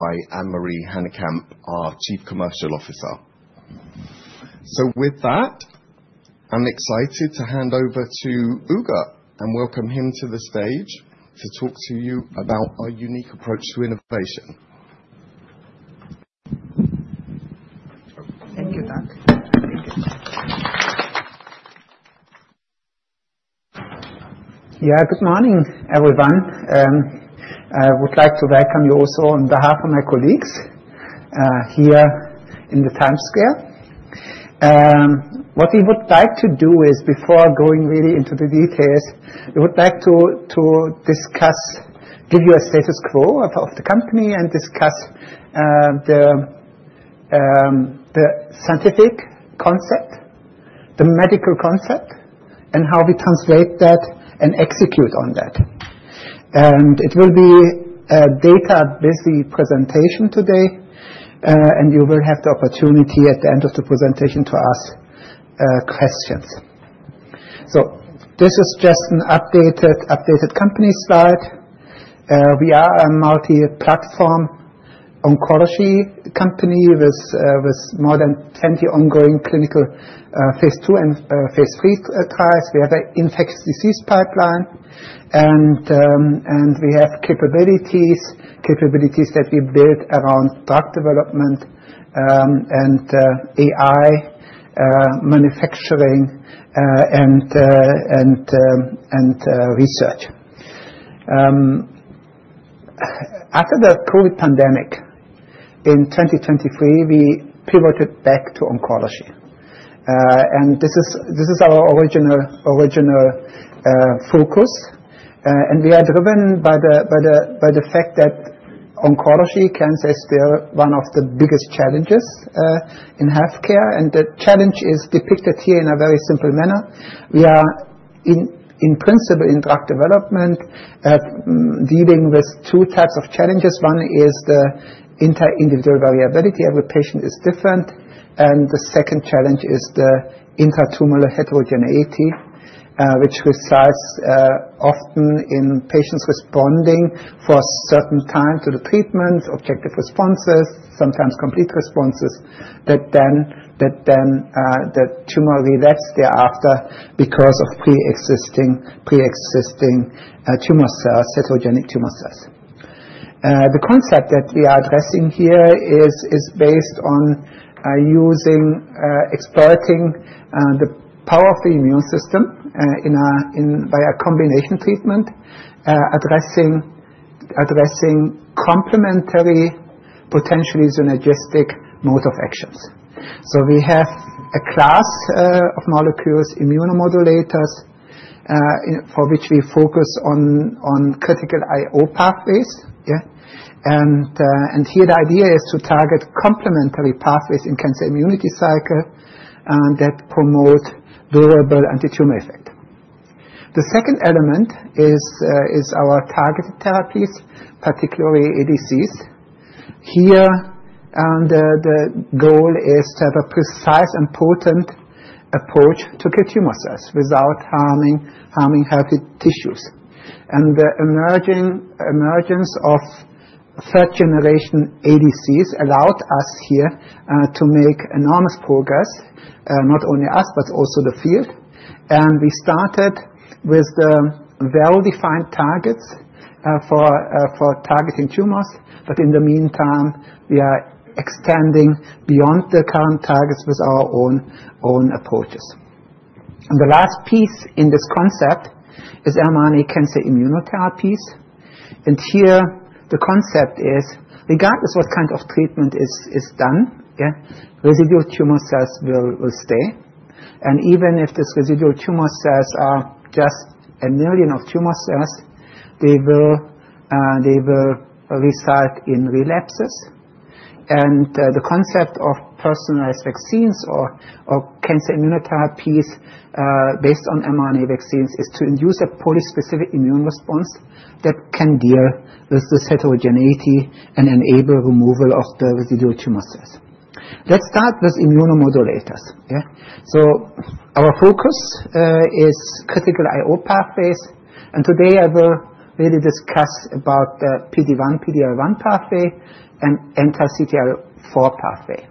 By Annemarie Hanekamp, our Chief Commercial Officer, so with that, I'm excited to hand over to Ugur and welcome him to the stage to talk to you about our unique approach to innovation. Thank you, Doug. Thank you. Yeah, good morning, everyone. I would like to welcome you also on behalf of my colleagues here in the Times Square. What we would like to do is, before going really into the details, we would like to discuss, give you a status quo of the company, and discuss the scientific concept, the medical concept, and how we translate that and execute on that, and it will be a data-based presentation today, and you will have the opportunity at the end of the presentation to ask questions, so this is just an updated company slide. We are a multi-platform oncology company with more than 20 ongoing clinical phase II and phase III trials. We have an infectious disease pipeline, and we have capabilities that we build around drug development and AI manufacturing and research. After the COVID pandemic in 2023, we pivoted back to oncology. This is our original focus. We are driven by the fact that oncology can still be one of the biggest challenges in healthcare. The challenge is depicted here in a very simple manner. We are, in principle, in drug development, dealing with two types of challenges. One is the inter-individual variability. Every patient is different. The second challenge is the intratumoral heterogeneity, which resides often in patients responding for a certain time to the treatment, objective responses, sometimes complete responses, that then the tumor relapse thereafter because of pre-existing tumor cells, heterogeneous tumor cells. The concept that we are addressing here is based on using, exploiting the power of the immune system via combination treatment, addressing complementary, potentially synergistic modes of action. We have a class of molecules, immunomodulators, for which we focus on critical IO pathways. Here, the idea is to target complementary pathways in cancer immunity cycle that promote durable anti-tumor effect. The second element is our targeted therapies, particularly ADCs. Here, the goal is to have a precise and potent approach to kill tumor cells without harming healthy tissues, and the emergence of third-generation ADCs allowed us here to make enormous progress, not only us, but also the field, and we started with well-defined targets for targeting tumors, but in the meantime, we are extending beyond the current targets with our own approaches, and the last piece in this concept is mRNA cancer immunotherapies, and here, the concept is, regardless of what kind of treatment is done, residual tumor cells will stay, and even if these residual tumor cells are just a million of tumor cells, they will result in relapses. The concept of personalized vaccines or cancer immunotherapies based on mRNA vaccines is to induce a polyspecific immune response that can deal with this heterogeneity and enable removal of the residual tumor cells. Let's start with immunomodulators. Our focus is critical IO pathways. Today, I will really discuss about the PD-1, PD-L1 pathway, and anti-CTLA-4 pathway.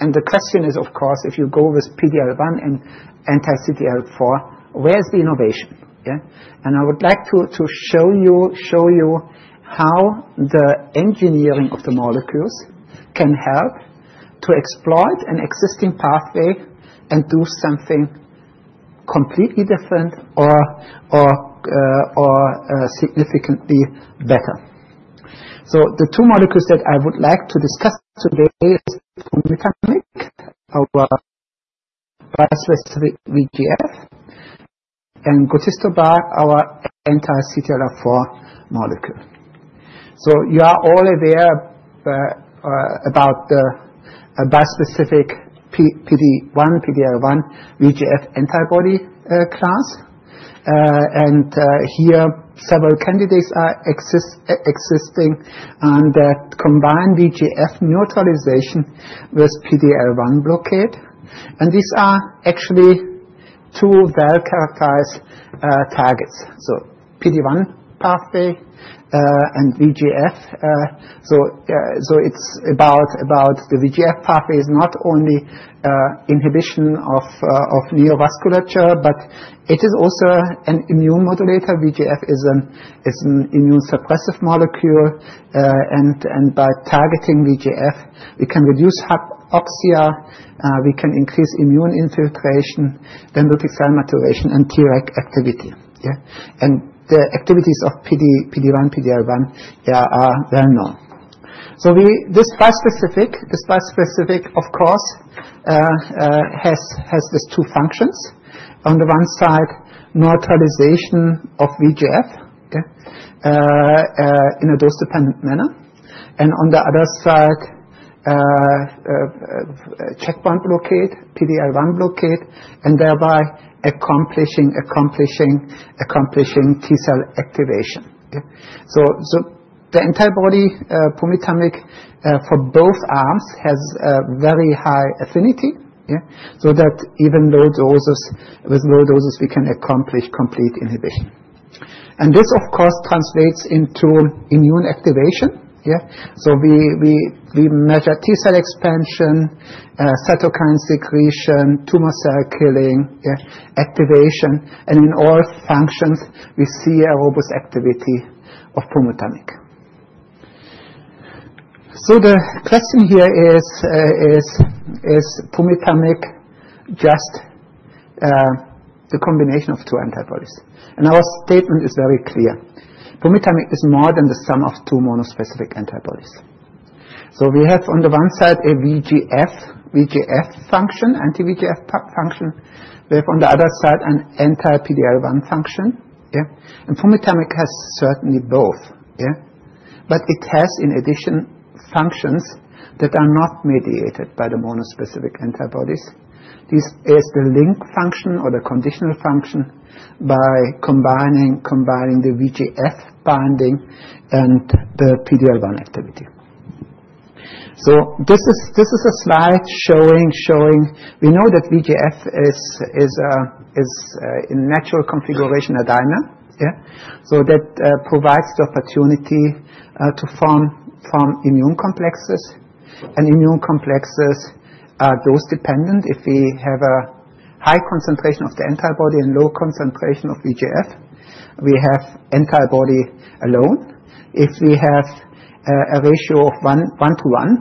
The question is, of course, if you go with PD-L1 and anti-CTLA-4, where's the innovation? I would like to show you how the engineering of the molecules can help to exploit an existing pathway and do something completely different or significantly better. The two molecules that I would like to discuss today are bispecific VEGF and gutistobart, our anti-CTLA-4 molecule. You are all aware about the bispecific PD-1, PD-L1 VEGF antibody class. Here, several candidates are existing that combine VEGF neutralization with PD-L1 blockade. These are actually two well-characterized targets. So PD-1 pathway and VEGF. So it's about the VEGF pathway is not only inhibition of neovasculature, but it is also an immune modulator. VEGF is an immune suppressive molecule. And by targeting VEGF, we can reduce hypoxia, we can increase immune infiltration, then leukocyte maturation, and Treg activity. And the activities of PD-1, PD-L1 are well known. So this bispecific, of course, has these two functions. On the one side, neutralization of VEGF in a dose-dependent manner. And on the other side, checkpoint blockade, PD-L1 blockade, and thereby accomplishing T-cell activation. So the antibody BNT327 for both arms has very high affinity so that even with low doses, we can accomplish complete inhibition. And this, of course, translates into immune activation. So we measure T-cell expansion, cytokine secretion, tumor cell killing, activation. In all functions, we see a robust activity of pumitamig. The question here is, is pumitamig just the combination of two antibodies? Our statement is very clear. Pumitamig is more than the sum of two monospecific antibodies. We have, on the one side, a VEGF function, anti-VEGF function. We have, on the other side, an anti-PD-L1 function. Pumitamig has certainly both. It has, in addition, functions that are not mediated by the monospecific antibodies. This is the link function or the conditional function by combining the VEGF binding and the PD-L1 activity. This is a slide showing we know that VEGF is, in natural configuration, a dimer. That provides the opportunity to form immune complexes. Immune complexes are dose-dependent. If we have a high concentration of the antibody and low concentration of VEGF, we have antibody alone. If we have a ratio of one to one,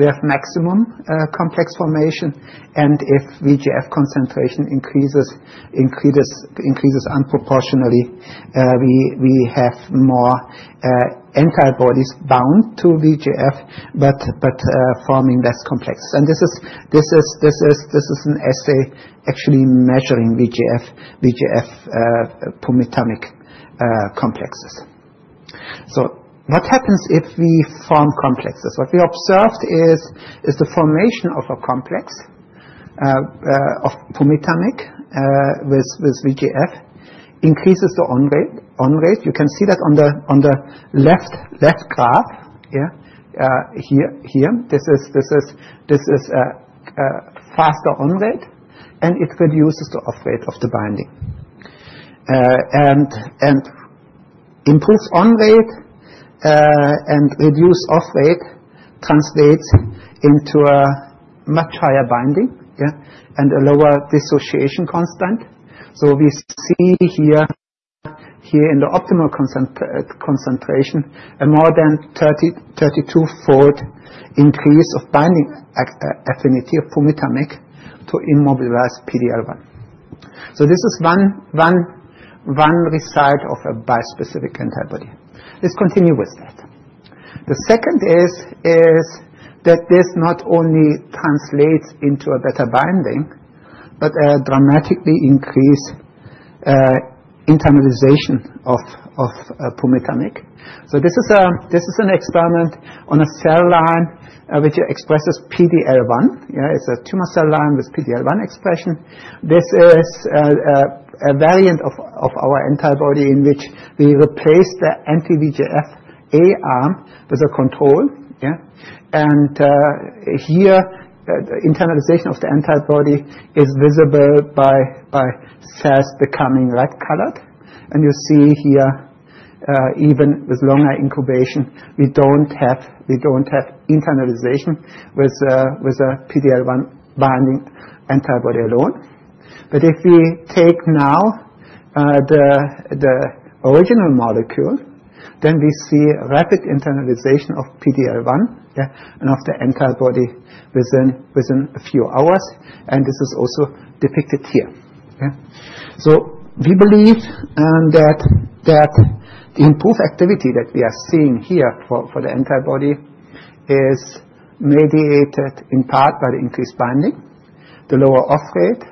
we have maximum complex formation. And if VEGF concentration increases disproportionately, we have more antibodies bound to VEGF, but forming less complexes. And this is an assay actually measuring VEGF pumitamig complexes. So what happens if we form complexes? What we observed is the formation of a complex of pumitamig with VEGF increases the on rate. You can see that on the left graph here. This is a faster on rate. And it reduces the off rate of the binding. And improved on rate and reduced off rate translates into a much higher binding and a lower dissociation constant. So we see here in the optimal concentration, a more than 32-fold increase of binding affinity of pumitamig to immobilized PD-L1. So this is one side of a bispecific antibody. Let's continue with that. The second is that this not only translates into a better binding, but a dramatically increased internalization of pumitamig. So this is an experiment on a cell line which expresses PD-L1. It's a tumor cell line with PD-L1 expression. This is a variant of our antibody in which we replace the anti-VEGF-A arm with a control. And here, the internalization of the antibody is visible by cells becoming red-colored. And you see here, even with longer incubation, we don't have internalization with a PD-L1 binding antibody alone. But if we take now the original molecule, then we see rapid internalization of PD-L1 and of the antibody within a few hours. And this is also depicted here. So we believe that the improved activity that we are seeing here for the antibody is mediated in part by the increased binding, the lower off rate,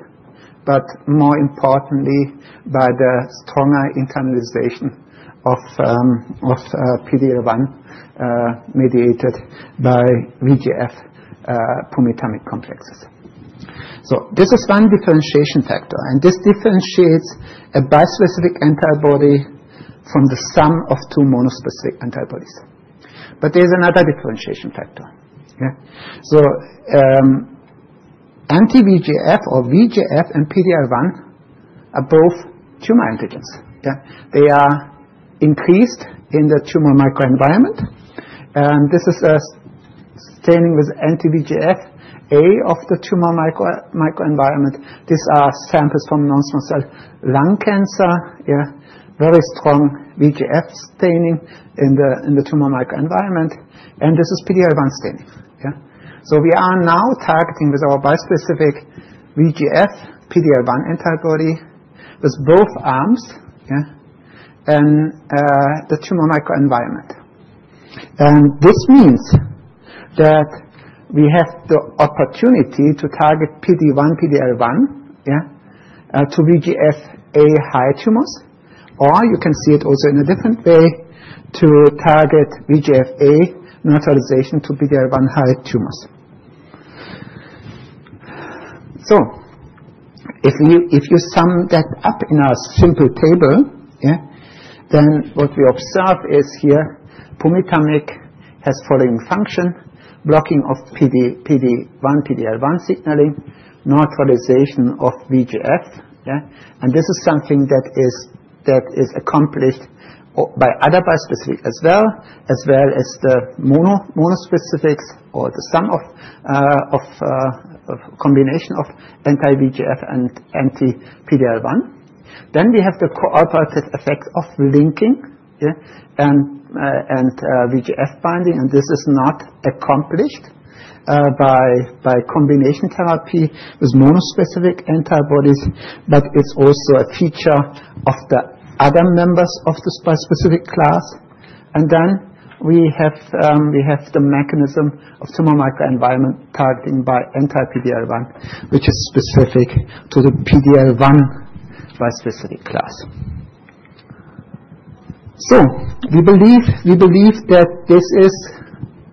but more importantly, by the stronger internalization of PD-L1 mediated by VEGF PD-L1 complexes. So this is one differentiation factor. And this differentiates a bispecific antibody from the sum of two monospecific antibodies. But there's another differentiation factor. So anti-VEGF or VEGF and PD-L1 are both tumor antigens. They are increased in the tumor microenvironment. And this is a staining with anti-VEGFA of the tumor microenvironment. These are samples from non-small cell lung cancer, very strong VEGF staining in the tumor microenvironment. And this is PD-L1 staining. So we are now targeting with our bispecific VEGF PD-L1 antibody with both arms in the tumor microenvironment. And this means that we have the opportunity to target PD-1, PD-L1 to VEGFA high tumors. Or, you can see it also in a different way to target VEGF-A neutralization to PD-L1 high tumors. So, if you sum that up in a simple table, then what we observe is here, pumitamig has following function: blocking of PD-1, PD-L1 signaling, neutralization of VEGF. And this is something that is accomplished by other bispecifics as well, as well as the monospecifics or the sum of combination of anti-VEGF and anti-PD-L1. Then we have the cooperative effect of linking and VEGF binding. And this is not accomplished by combination therapy with monospecific antibodies, but it is also a feature of the other members of this bispecific class. And then we have the mechanism of tumor microenvironment targeting by anti-PD-L1, which is specific to the PD-L1 bispecific class. So we believe that this is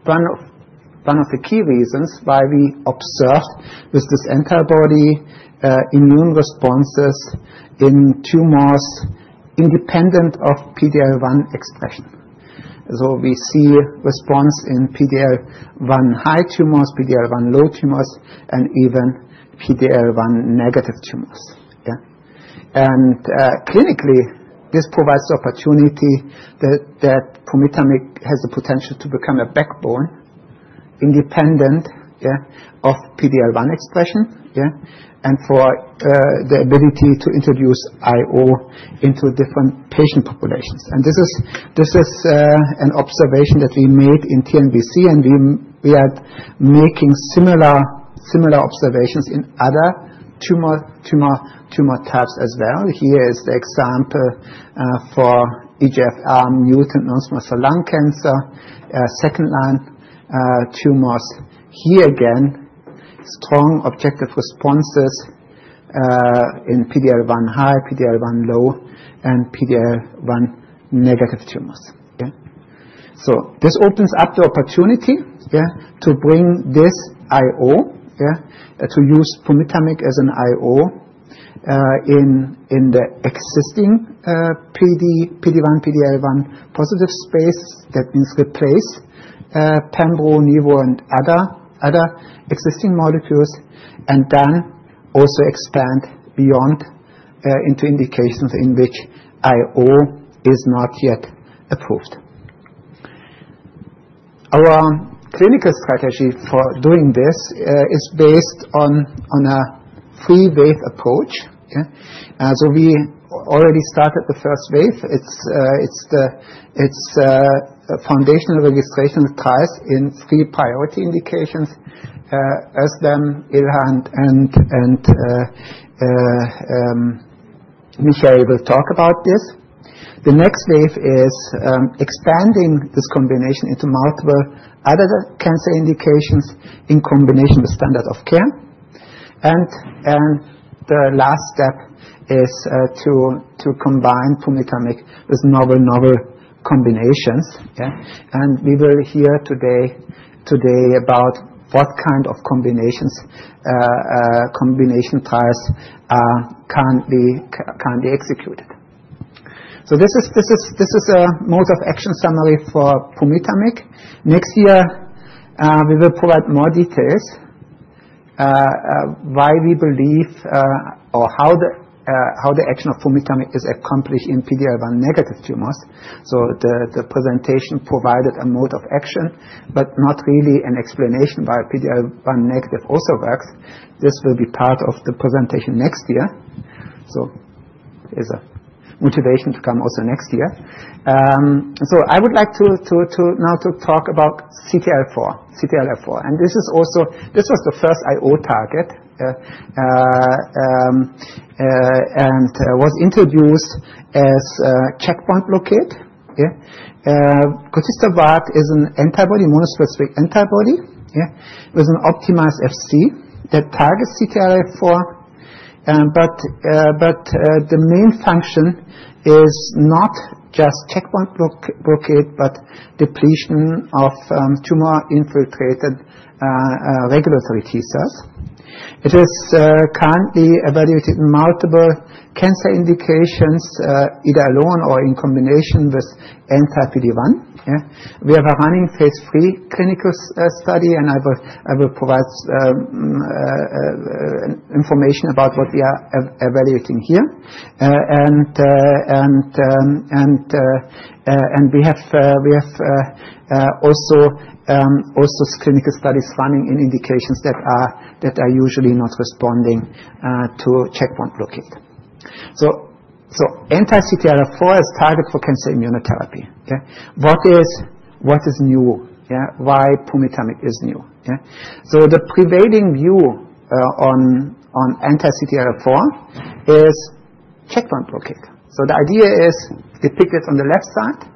one of the key reasons why we observed with this antibody immune responses in tumors independent of PD-L1 expression. So we see response in PD-L1 high tumors, PD-L1 low tumors, and even PD-L1 negative tumors. And clinically, this provides the opportunity that BNT327 has the potential to become a backbone independent of PD-L1 expression and for the ability to introduce IO into different patient populations. And this is an observation that we made in TNBC. And we are making similar observations in other tumor types as well. Here is the example for EGFR mutant non-small cell lung cancer, second line tumors. Here again, strong objective responses in PD-L1 high, PD-L1 low, and PD-L1 negative tumors. So this opens up the opportunity to bring this IO, to use BNT327 as an IO in the existing PD-1, PD-L1 positive space. That means replace pembrolizumab and other existing molecules and then also expand beyond into indications in which IO is not yet approved. Our clinical strategy for doing this is based on a three wave approach, so we already started the first wave. It's the foundational registration trials in three priority indications. Özlem, Ilhan and Michael, we'll talk about this. The next wave is expanding this combination into multiple other cancer indications in combination with standard of care, and the last step is to combine Pumitamig with novel combinations and we will hear today about what kind of combination trials can be executed, so this is a mode of action summary for Pumitamig. Next year, we will provide more details why we believe or how the action of Pumitamig is accomplished in PD-L1 negative tumors. The presentation provided a mode of action, but not really an explanation why PD-L1 negative also works. This will be part of the presentation next year. So there's a motivation to come also next year. I would like to now talk about CTLA-4. And this was the first IO target and was introduced as checkpoint blockade. Cotista Varg is an antibody monospecific antibody with an optimized Fc that targets CTLA-4. But the main function is not just checkpoint blockade, but depletion of tumor infiltrated regulatory T-cells. It is currently evaluated in multiple cancer indications, either alone or in combination with anti-PD-1. We have a running phase III clinical study. And I will provide information about what we are evaluating here. And we have also clinical studies running in indications that are usually not responding to checkpoint blockade. So anti-CTLA-4 is target for cancer immunotherapy. What is new? Why our mimetic is new? So the prevailing view on anti-CTLA-4 is checkpoint blockade. So the idea is depicted on the left side.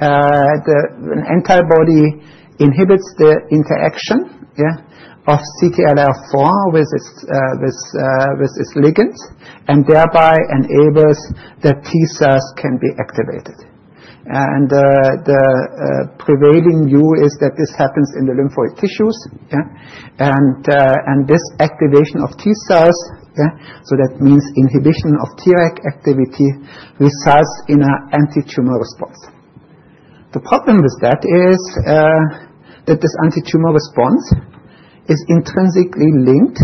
An antibody inhibits the interaction of CTLA-4 with its ligand and thereby enables that T-cells can be activated. And the prevailing view is that this happens in the lymphoid tissues. And this activation of T-cells, so that means inhibition of Treg activity, results in an anti-tumor response. The problem with that is that this anti-tumor response is intrinsically linked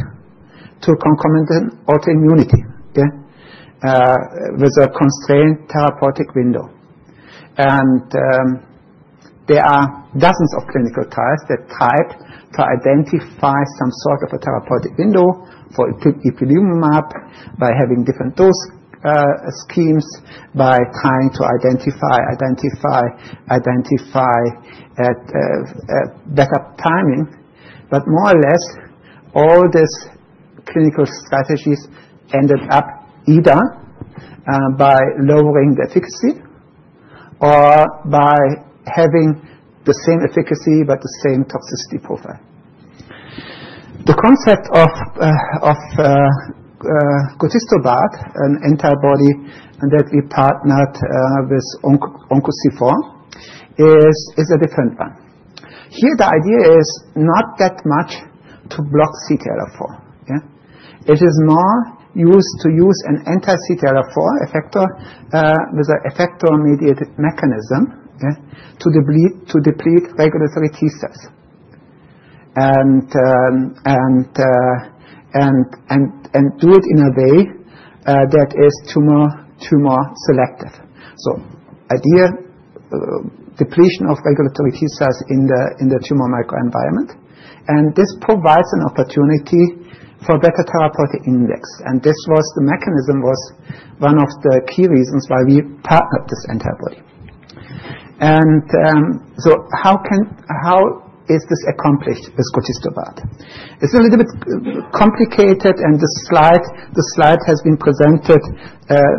to concomitant autoimmunity with a constrained therapeutic window. And there are dozens of clinical trials that tried to identify some sort of a therapeutic window for ipilimumab by having different dose schemes, by trying to identify better timing. But more or less, all these clinical strategies ended up either by lowering the efficacy or by having the same efficacy but the same toxicity profile. The concept of gotistobart, an antibody that we partnered with OncoC4, is a different one. Here, the idea is not that much to block CTLA-4. It is more used to use an anti-CTLA-4 effector with an effector-mediated mechanism to deplete regulatory T-cells and do it in a way that is tumor selective, so idea, depletion of regulatory T-cells in the tumor microenvironment, and this provides an opportunity for better therapeutic index, and this mechanism was one of the key reasons why we partnered this antibody, and so how is this accomplished with gotistobart? It's a little bit complicated, and this slide has been presented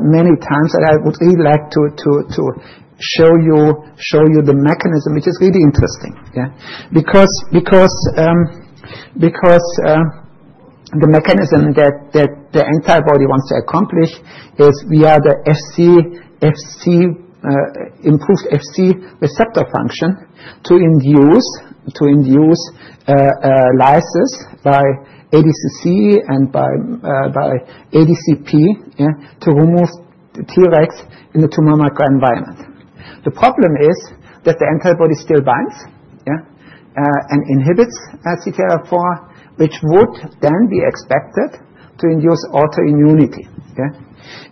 many times, and I would really like to show you the mechanism, which is really interesting. Because the mechanism that the antibody wants to accomplish is via the improved Fc receptor function to induce lysis by ADCC and by ADCP to remove Tregs in the tumor microenvironment. The problem is that the antibody still binds and inhibits CTLA-4, which would then be expected to induce autoimmunity.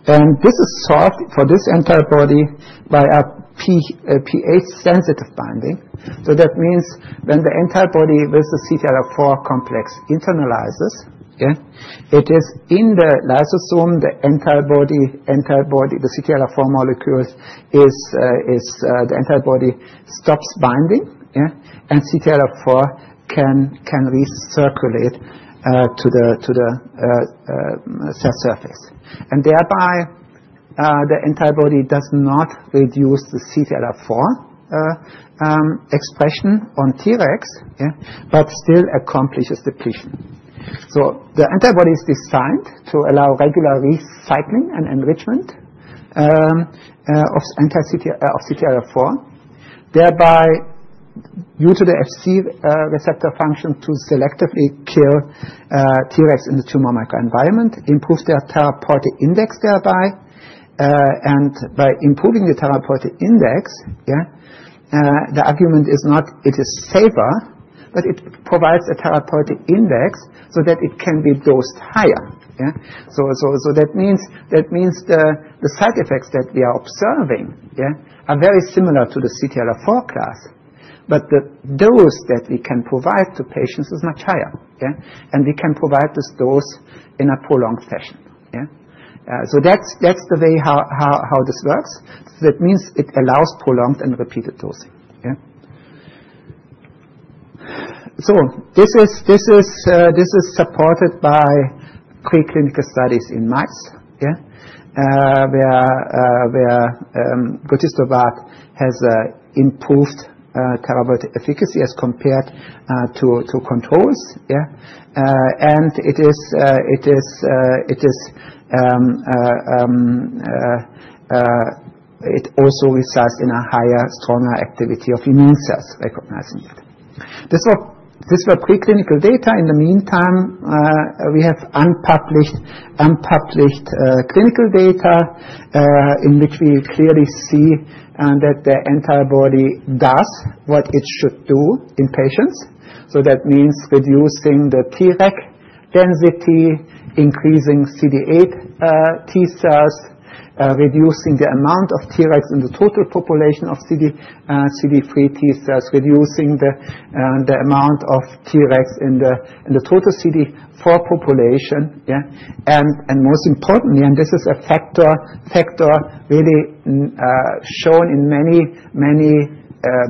And this is solved for this antibody by a pH-sensitive binding. So that means when the antibody with the CTLA-4 complex internalizes, it is in the lysosome, the antibody, the CTLA-4 molecule, the antibody stops binding. And CTLA-4 can recirculate to the cell surface. And thereby, the antibody does not reduce the CTLA-4 expression on Tregs, but still accomplishes depletion. So the antibody is designed to allow regular recycling and enrichment of CTLA-4, thereby due to the Fc receptor function to selectively kill Tregs in the tumor microenvironment, improve their therapeutic index thereby. By improving the therapeutic index, the argument is not that it is safer, but it provides a therapeutic index so that it can be dosed higher. So that means the side effects that we are observing are very similar to the CTLA-4 class. But the dose that we can provide to patients is much higher. And we can provide this dose in a prolonged fashion. So that's the way how this works. That means it allows prolonged and repeated dosing. So this is supported by preclinical studies in mice where Cotista Varg has improved therapeutic efficacy as compared to controls. And it also results in a higher, stronger activity of immune cells recognizing it. These were preclinical data. In the meantime, we have unpublished clinical data in which we clearly see that the antibody does what it should do in patients. So that means reducing the Treg density, increasing CD8 T-cells, reducing the amount of Tregs in the total population of CD3 T-cells, reducing the amount of Tregs in the total CD4 population. And most importantly, and this is a factor really shown in many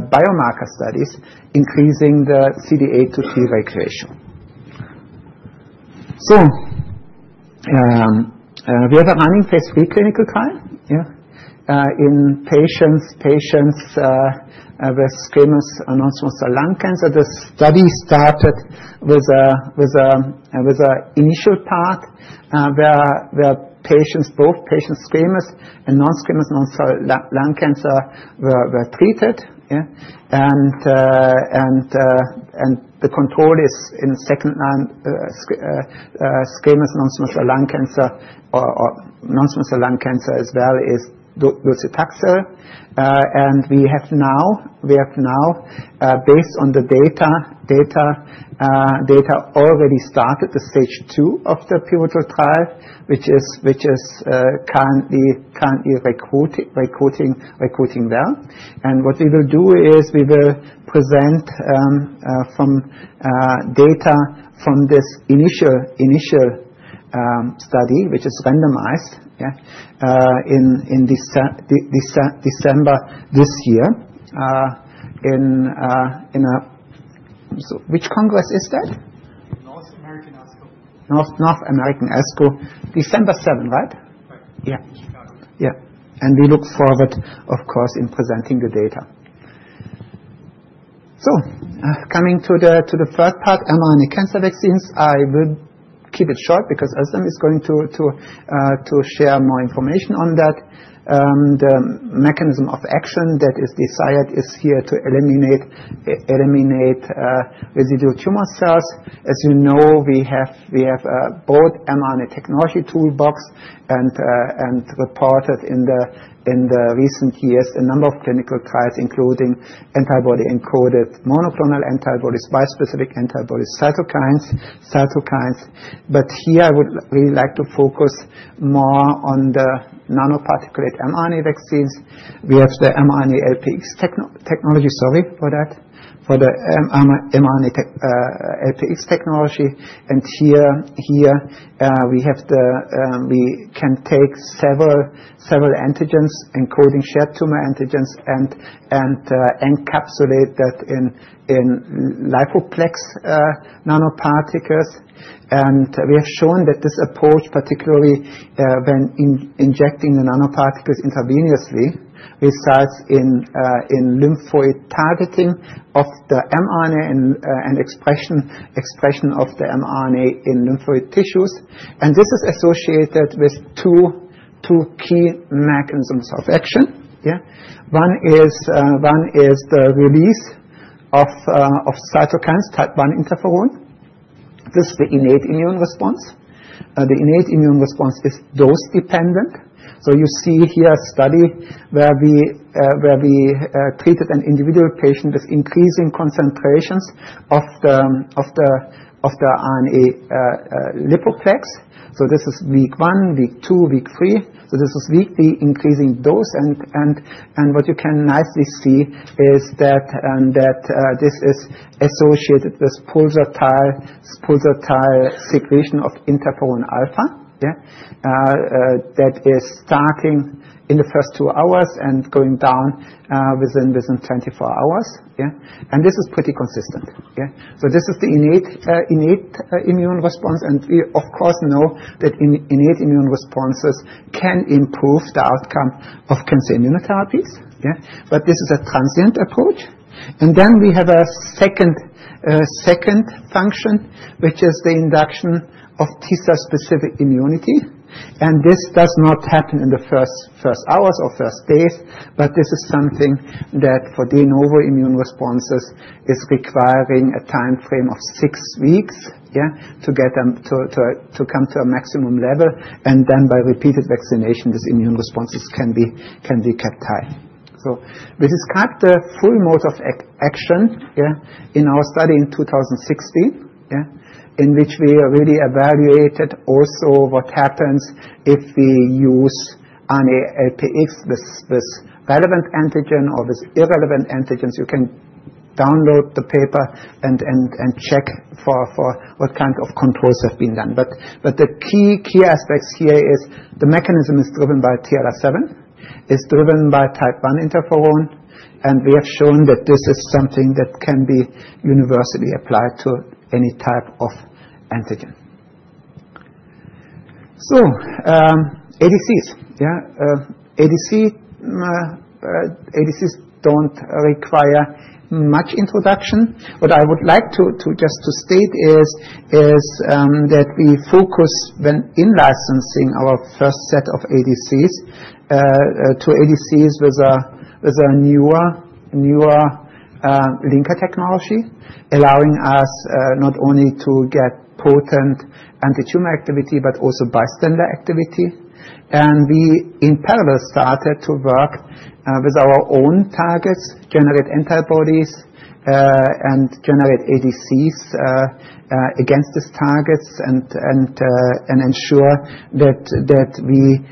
biomarker studies, increasing the CD8 to Treg ratio. So we have a running phase III clinical trial in patients with squamous and non-small cell lung cancer. The study started with an initial part where both patients, squamous and non-squamous non-small cell lung cancer, were treated. And the control is in second line squamous non-small cell lung cancer or non-small cell lung cancer as well is docetaxel. And we have now, based on the data, already started the stage 2 of the pivotal trial, which is currently recruiting well. What we will do is we will present from data from this initial study, which is randomized in December this year. In a which congress is that? North American ASCO. December 7, right? In Chicago. We look forward, of course, in presenting the data. Coming to the first part, mRNA cancer vaccines, I will keep it short because Özlem is going to share more information on that. The mechanism of action that is desired is here to eliminate residual tumor cells. As you know, we have both mRNA technology toolbox and reported in the recent years a number of clinical trials, including antibody-encoded monoclonal antibodies, bispecific antibodies, cytokines. But here, I would really like to focus more on the nanoparticulate mRNA vaccines. We have the mRNA LPX technology. Sorry for that. For the mRNA LPX technology. And here, we can take several antigens encoding shared tumor antigens and encapsulate that in lipoplex nanoparticles. And we have shown that this approach, particularly when injecting the nanoparticles intravenously, results in lymphoid targeting of the mRNA and expression of the mRNA in lymphoid tissues. And this is associated with two key mechanisms of action. One is the release of cytokines, type I interferon. This is the innate immune response. The innate immune response is dose-dependent. So you see here a study where we treated an individual patient with increasing concentrations of the RNA lipoplex. So this is week one, week two, week three. So this is weekly increasing dose. And what you can nicely see is that this is associated with pulsatile secretion of interferon alpha that is starting in the first two hours and going down within 24 hours. And this is pretty consistent. So this is the innate immune response. And we, of course, know that innate immune responses can improve the outcome of cancer immunotherapies. But this is a transient approach. And then we have a second function, which is the induction of T-cell-specific immunity. And this does not happen in the first hours or first days. But this is something that, for de novo immune responses, is requiring a time frame of six weeks to come to a maximum level. And then, by repeated vaccination, these immune responses can be kept high. So we described the full mode of action in our study in 2016, in which we really evaluated also what happens if we use RNA LPX with relevant antigen or with irrelevant antigens. You can download the paper and check for what kind of controls have been done. The key aspects here is the mechanism is driven by TLR7, is driven by type I interferon. We have shown that this is something that can be universally applied to any type of antigen. ADCs. ADCs don't require much introduction. What I would like just to state is that we focus in licensing our first set of ADCs to ADCs with a newer linker technology, allowing us not only to get potent anti-tumor activity but also bystander activity. We, in parallel, started to work with our own targets, generate antibodies, and generate ADCs against these targets and ensure that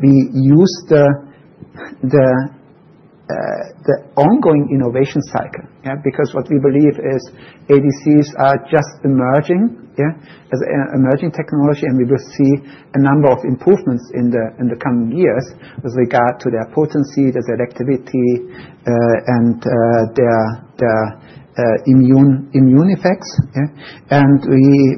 we use the ongoing innovation cycle. Because what we believe is ADCs are just emerging technology. We will see a number of improvements in the coming years with regard to their potency, their selectivity, and their immune effects. And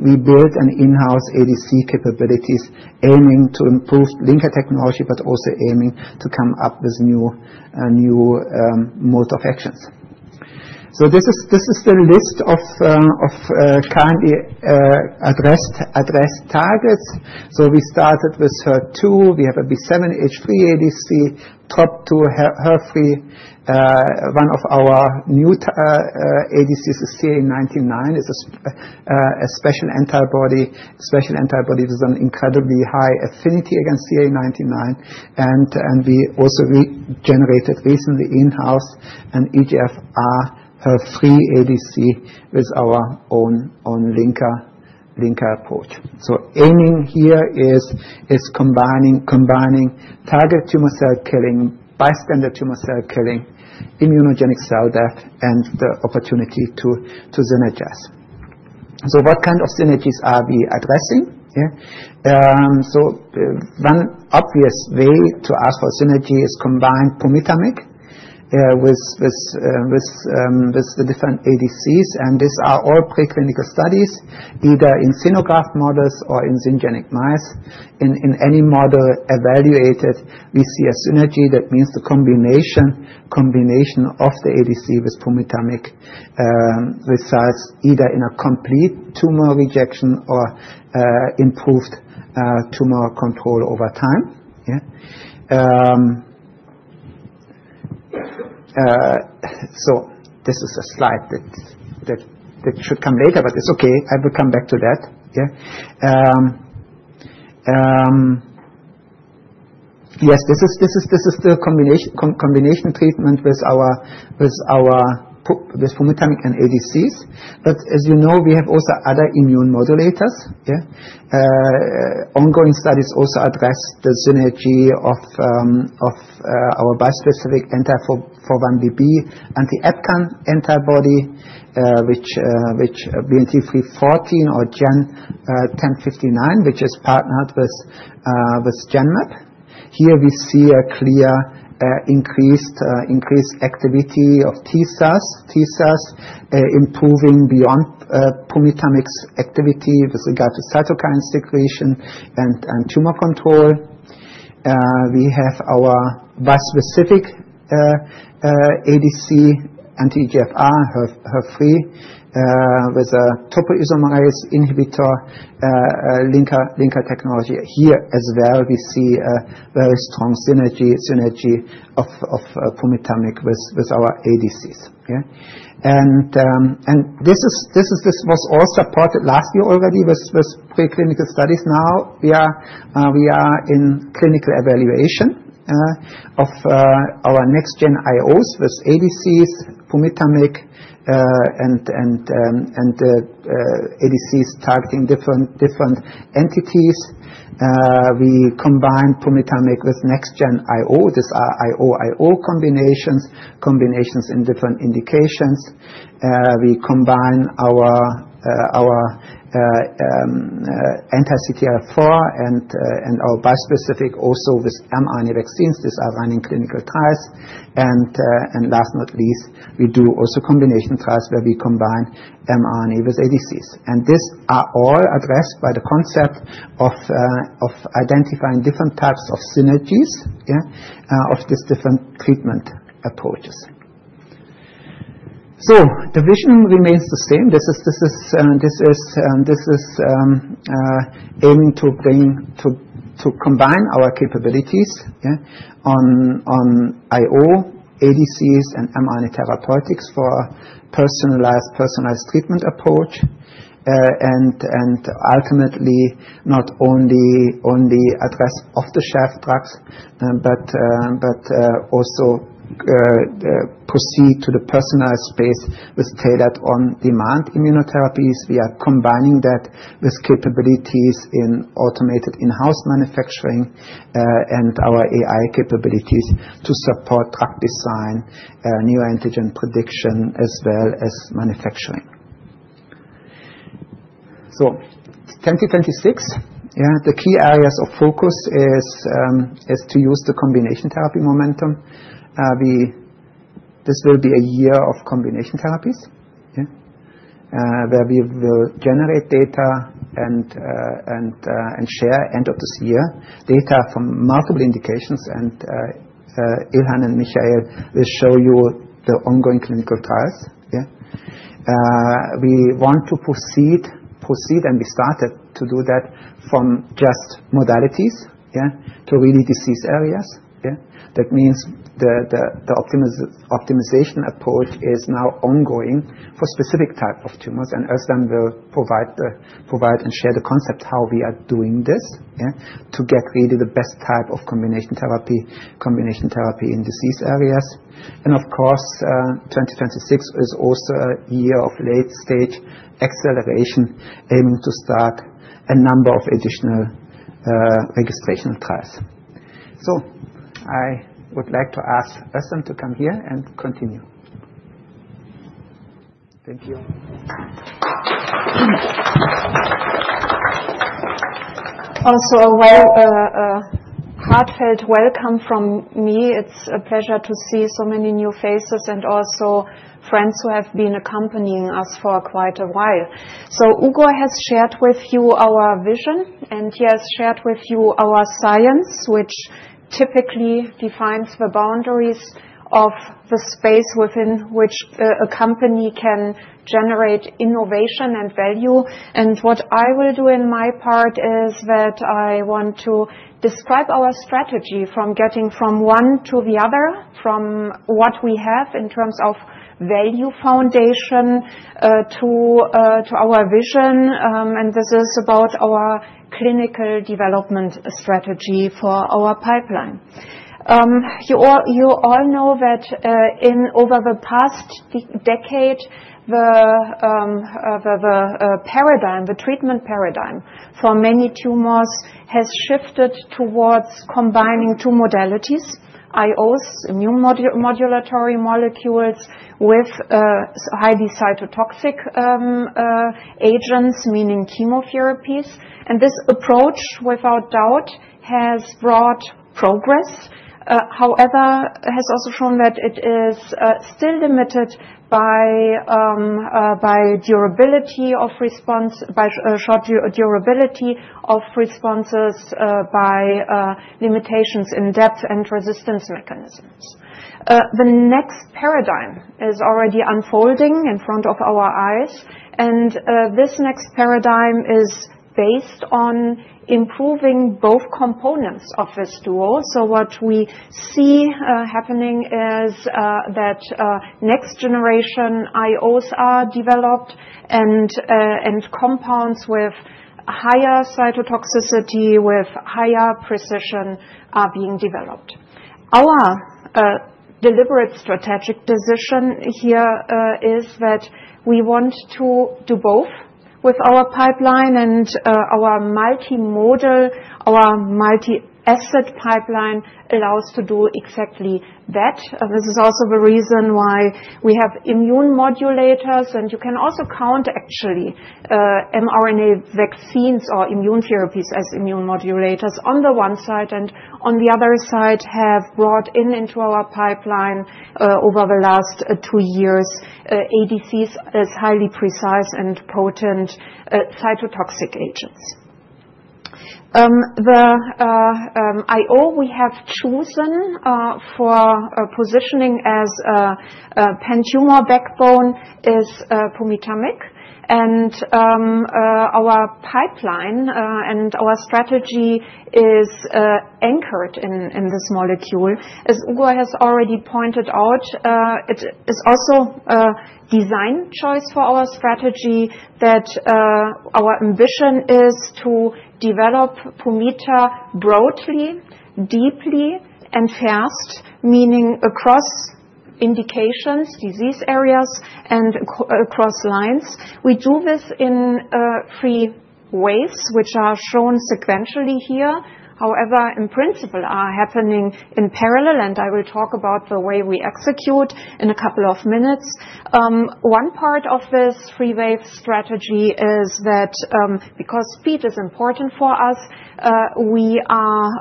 we built an in-house ADC capabilities aiming to improve linker technology but also aiming to come up with new modes of actions. So this is the list of currently addressed targets. So we started with HER2. We have a B7-H3 ADC, TROP2, HER3. One of our new ADCs is CA19-9. It's a special antibody with an incredibly high affinity against CA19-9. And we also generated recently in-house an EGFR HER3 ADC with our own linker approach. So aiming here is combining target tumor cell killing, bystander tumor cell killing, immunogenic cell death, and the opportunity to synergize. So what kind of synergies are we addressing? So one obvious way to ask for synergy is combined pumitamig with the different ADCs. And these are all preclinical studies, either in xenograft models or in syngeneic mice. In any model evaluated, we see a synergy. That means the combination of the ADC with pumitamig results either in a complete tumor rejection or improved tumor control over time. So this is a slide that should come later. But it's okay. I will come back to that. Yes. This is the combination treatment with pumitamig and ADCs. But as you know, we have also other immune modulators. Ongoing studies also address the synergy of our bispecific anti-4-1BB anti-EpCAM antibody, which BNT314 or GEN1059, which is partnered with Genmab. Here, we see a clear increased activity of T-cells, improving beyond pumitamig's activity with regard to cytokine secretion and tumor control. We have our bispecific ADC anti-EGFR HER3 with a topoisomerase inhibitor linker technology. Here, as well, we see a very strong synergy of pumitamig with our ADCs. And this was all supported last year already with preclinical studies. Now, we are in clinical evaluation of our next-gen IOs with ADCs, pumitamig, and ADCs targeting different entities. We combine pumitamig with next-gen IO. These are IO-IO combinations, combinations in different indications. We combine our anti-CTLA-4 and our bispecific also with mRNA vaccines. These are running clinical trials. And last but not least, we do also combination trials where we combine mRNA with ADCs. And these are all addressed by the concept of identifying different types of synergies of these different treatment approaches. So the vision remains the same. This is aiming to combine our capabilities on IO, ADCs, and mRNA therapeutics for a personalized treatment approach. And ultimately, not only address off-the-shelf drugs but also proceed to the personalized space with tailored on-demand immunotherapies. We are combining that with capabilities in automated in-house manufacturing and our AI capabilities to support drug design, new antigen prediction, as well as manufacturing. So 2026, the key areas of focus is to use the combination therapy momentum. This will be a year of combination therapies where we will generate data and share, end of this year, data from multiple indications. And Ilhan and Michael will show you the ongoing clinical trials. We want to proceed, and we started to do that from just modalities to really disease areas. That means the optimization approach is now ongoing for specific types of tumors. And Özlem will provide and share the concept how we are doing this to get really the best type of combination therapy in disease areas. And of course, 2026 is also a year of late-stage acceleration, aiming to start a number of additional registration trials. So I would like to ask Özlem to come here and continue. Thank you. Also, a heartfelt welcome from me. It's a pleasure to see so many new faces and also friends who have been accompanying us for quite a while. Ugur has shared with you our vision. He has shared with you our science, which typically defines the boundaries of the space within which a company can generate innovation and value. What I will do in my part is that I want to describe our strategy from getting from one to the other, from what we have in terms of value foundation to our vision. This is about our clinical development strategy for our pipeline. You all know that over the past decade, the treatment paradigm for many tumors has shifted towards combining two modalities, IOs, immune modulatory molecules, with highly cytotoxic agents, meaning chemotherapies. This approach, without doubt, has brought progress. However, it has also shown that it is still limited by short durability of responses by limitations in depth and resistance mechanisms. The next paradigm is already unfolding in front of our eyes, and this next paradigm is based on improving both components of this duo, so what we see happening is that next-generation IOs are developed, and compounds with higher cytotoxicity, with higher precision, are being developed. Our deliberate strategic decision here is that we want to do both with our pipeline, and our multi-modal, our multi-asset pipeline allows us to do exactly that. This is also the reason why we have immune modulators, and you can also count, actually, mRNA vaccines or immune therapies as immune modulators on the one side and, on the other side, have brought into our pipeline over the last two years ADCs as highly precise and potent cytotoxic agents. The IO we have chosen for positioning as a pan-tumor backbone is pumitamig. And our pipeline and our strategy is anchored in this molecule. As Ugur has already pointed out, it is also a design choice for our strategy that our ambition is to develop pumita broadly, deeply, and fast, meaning across indications, disease areas, and across lines. We do this in three ways, which are shown sequentially here. However, in principle, they are happening in parallel. And I will talk about the way we execute in a couple of minutes. One part of this three-wave strategy is that, because speed is important for us, we are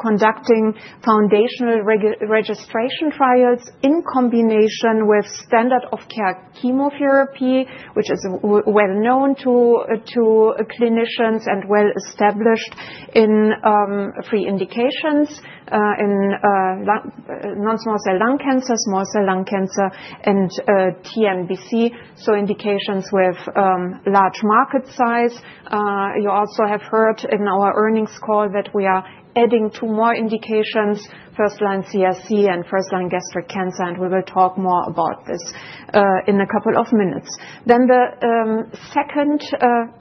conducting foundational registration trials in combination with standard of care chemotherapy, which is well known to clinicians and well established in three indications: in non-small cell lung cancer, small cell lung cancer, and TNBC. So indications with large market size. You also have heard in our earnings call that we are adding two more indications, first-line CRC and first-line gastric cancer. And we will talk more about this in a couple of minutes. Then the second,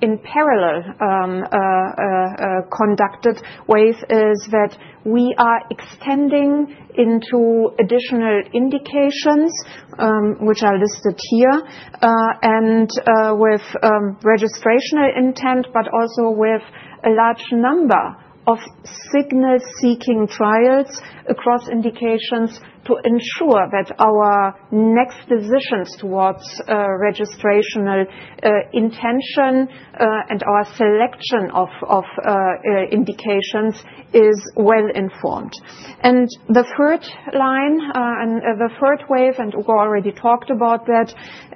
in parallel, conducted wave is that we are extending into additional indications, which are listed here, and with registrational intent, but also with a large number of signal-seeking trials across indications to ensure that our next decisions towards registrational intention and our selection of indications is well informed. And the third line and the third wave, and Ugur already talked about that,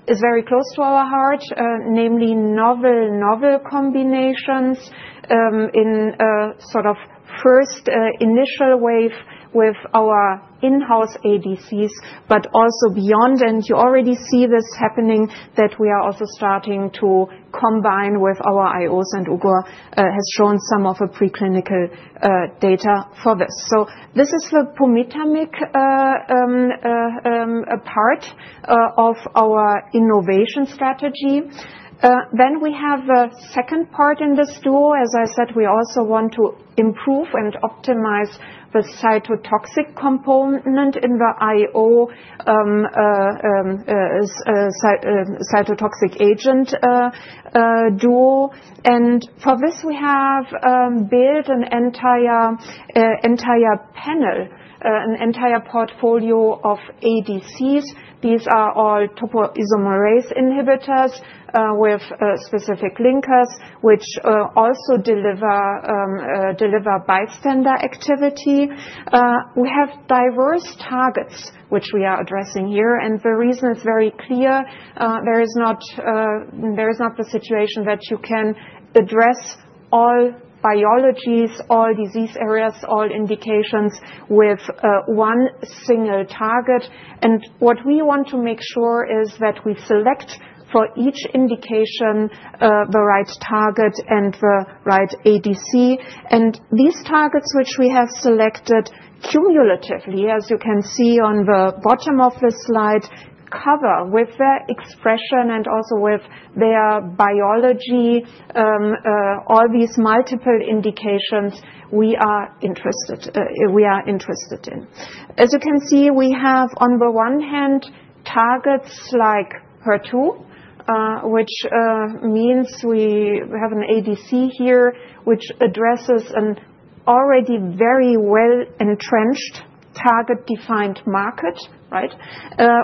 is very close to our heart, namely novel combinations in sort of first initial wave with our in-house ADCs, but also beyond. And you already see this happening, that we are also starting to combine with our IOs. And Ugur has shown some of the preclinical data for this. This is the immunotherapeutic part of our innovation strategy. Then we have a second part in this duo. As I said, we also want to improve and optimize the cytotoxic component in the IO cytotoxic agent duo. And for this, we have built an entire panel, an entire portfolio of ADCs. These are all topoisomerase inhibitors with specific linkers, which also deliver bystander activity. We have diverse targets, which we are addressing here. And the reason is very clear. There is not the situation that you can address all biologies, all disease areas, all indications with one single target. And what we want to make sure is that we select for each indication the right target and the right ADC. And these targets, which we have selected cumulatively, as you can see on the bottom of this slide, cover with their expression and also with their biology, all these multiple indications we are interested in. As you can see, we have, on the one hand, targets like HER2, which means we have an ADC here, which addresses an already very well-entrenched target-defined market.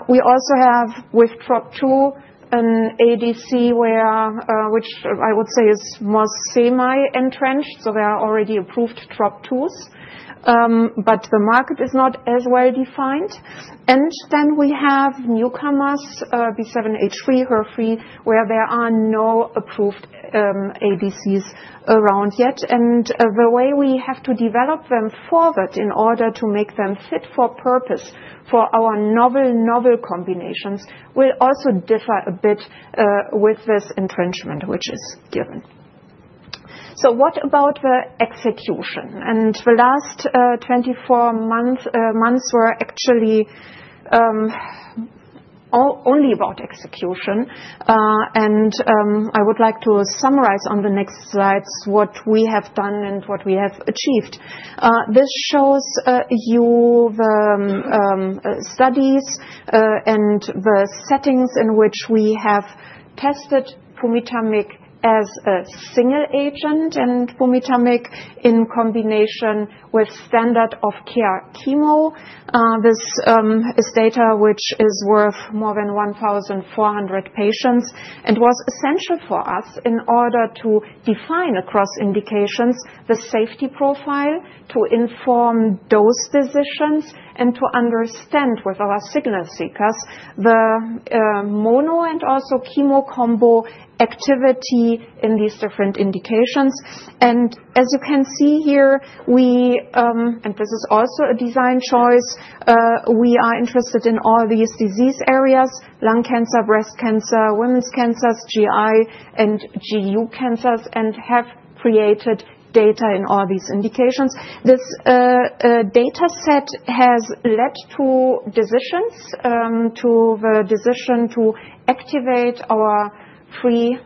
We also have, with TROP2, an ADC which I would say is more semi-entrenched. So there are already approved TROP2s. But the market is not as well-defined. And then we have newcomers, B7-H3, HER3, where there are no approved ADCs around yet. And the way we have to develop them forward in order to make them fit for purpose for our novel combinations will also differ a bit with this entrenchment, which is given. So what about the execution? The last 24 months were actually only about execution. I would like to summarize on the next slides what we have done and what we have achieved. This shows you the studies and the settings in which we have tested pumitamig as a single agent and pumitamig in combination with standard of care chemo. This is data which is worth more than 1,400 patients and was essential for us in order to define across indications the safety profile, to inform those decisions, and to understand with our signal seekers the mono and also chemo combo activity in these different indications. As you can see here, and this is also a design choice, we are interested in all these disease areas: lung cancer, breast cancer, women's cancers, GI, and GU cancers, and have created data in all these indications. This data set has led to decisions to activate our three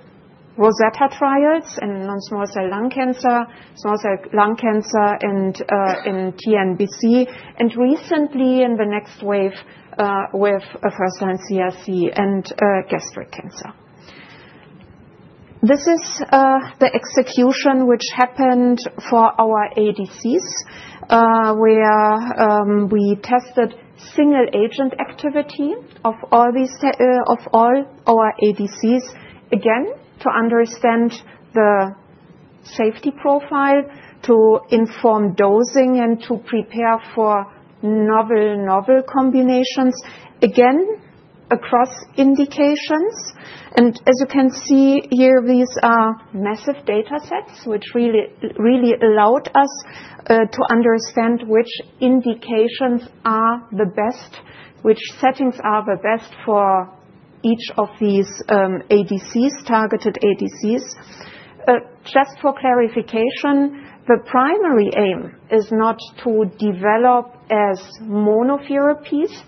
Rosetta trials in non-small cell lung cancer, small cell lung cancer, and in TNBC, and recently in the next wave with first-line CRC and gastric cancer. This is the execution which happened for our ADCs, where we tested single-agent activity of all our ADCs again to understand the safety profile, to inform dosing, and to prepare for novel combinations again across indications. And as you can see here, these are massive data sets, which really allowed us to understand which indications are the best, which settings are the best for each of these targeted ADCs. Just for clarification, the primary aim is not to develop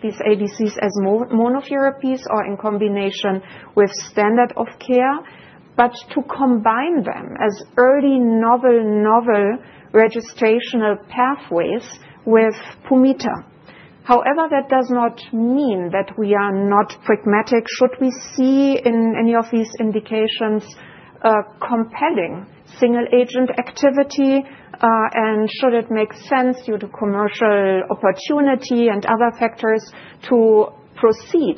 these ADCs as monotherapies or in combination with standard of care, but to combine them as early novel registrational pathways with pumita. However, that does not mean that we are not pragmatic. Should we see in any of these indications compelling single-agent activity? And should it make sense due to commercial opportunity and other factors to proceed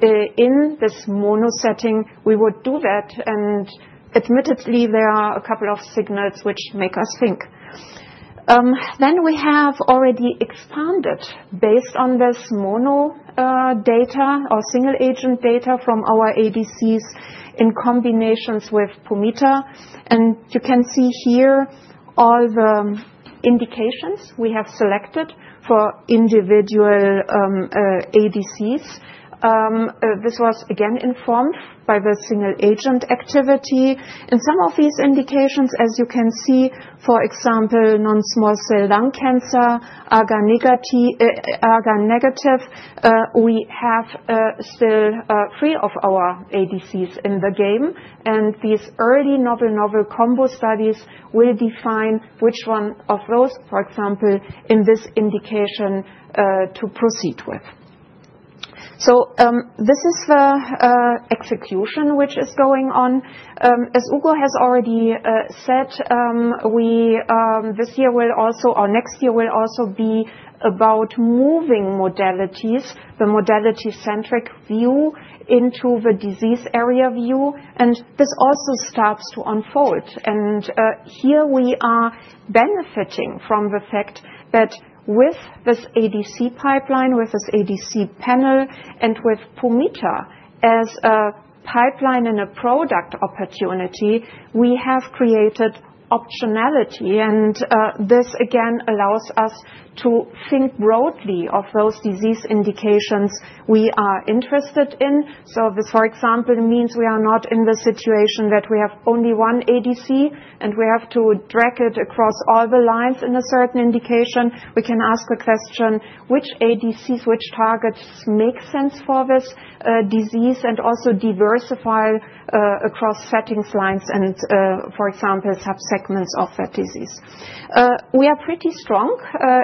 in this mono setting? We would do that. And admittedly, there are a couple of signals which make us think. Then we have already expanded based on this mono data or single-agent data from our ADCs in combinations with pumita. And you can see here all the indications we have selected for individual ADCs. This was, again, informed by the single-agent activity. In some of these indications, as you can see, for example, non-small cell lung cancer, EGFR-negative, we have still three of our ADCs in the game. And these early novel combo studies will define which one of those, for example, in this indication, to proceed with. So this is the execution which is going on. As Ugur has already said, this year will also or next year will also be about moving modalities, the modality-centric view into the disease area view, and this also starts to unfold, and here we are benefiting from the fact that with this ADC pipeline, with this ADC panel, and with pumita as a pipeline and a product opportunity, we have created optionality, and this, again, allows us to think broadly of those disease indications we are interested in, so this, for example, means we are not in the situation that we have only one ADC, and we have to drag it across all the lines in a certain indication. We can ask a question: which ADCs, which targets make sense for this disease, and also diversify across settings, lines, and, for example, subsegments of that disease. We are pretty strong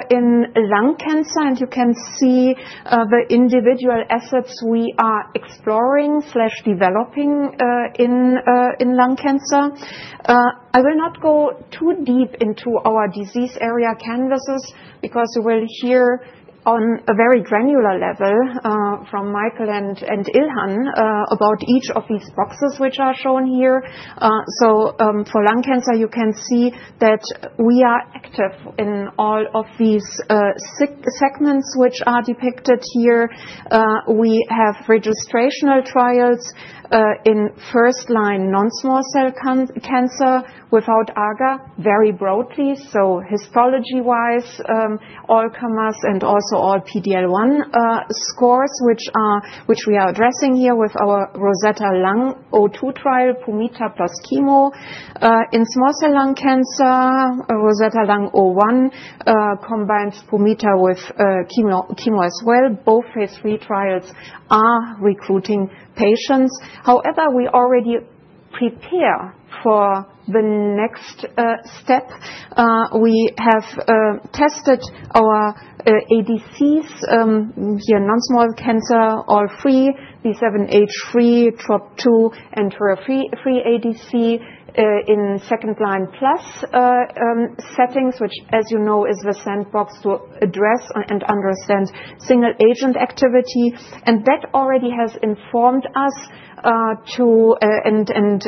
in lung cancer. You can see the individual assets we are exploring or developing in lung cancer. I will not go too deep into our disease area canvases because you will hear on a very granular level from Michael and Ilhan about each of these boxes which are shown here. For lung cancer, you can see that we are active in all of these segments which are depicted here. We have registrational trials in first-line non-small cell cancer without EGFR very broadly. Histology-wise, all comers and also all PD-L1 scores, which we are addressing here with our Rosetta Lung 02 trial, pumita plus chemo. In small cell lung cancer, Rosetta Lung 01 combined pumita with chemo as well. Both phase III trials are recruiting patients. However, we already prepare for the next step. We have tested our ADCs here: non-small cell cancer, all three, B7-H3, TROP2, and HER3-free ADC in second-line plus settings, which, as you know, is the sandbox to address and understand single-agent activity, and that already has informed us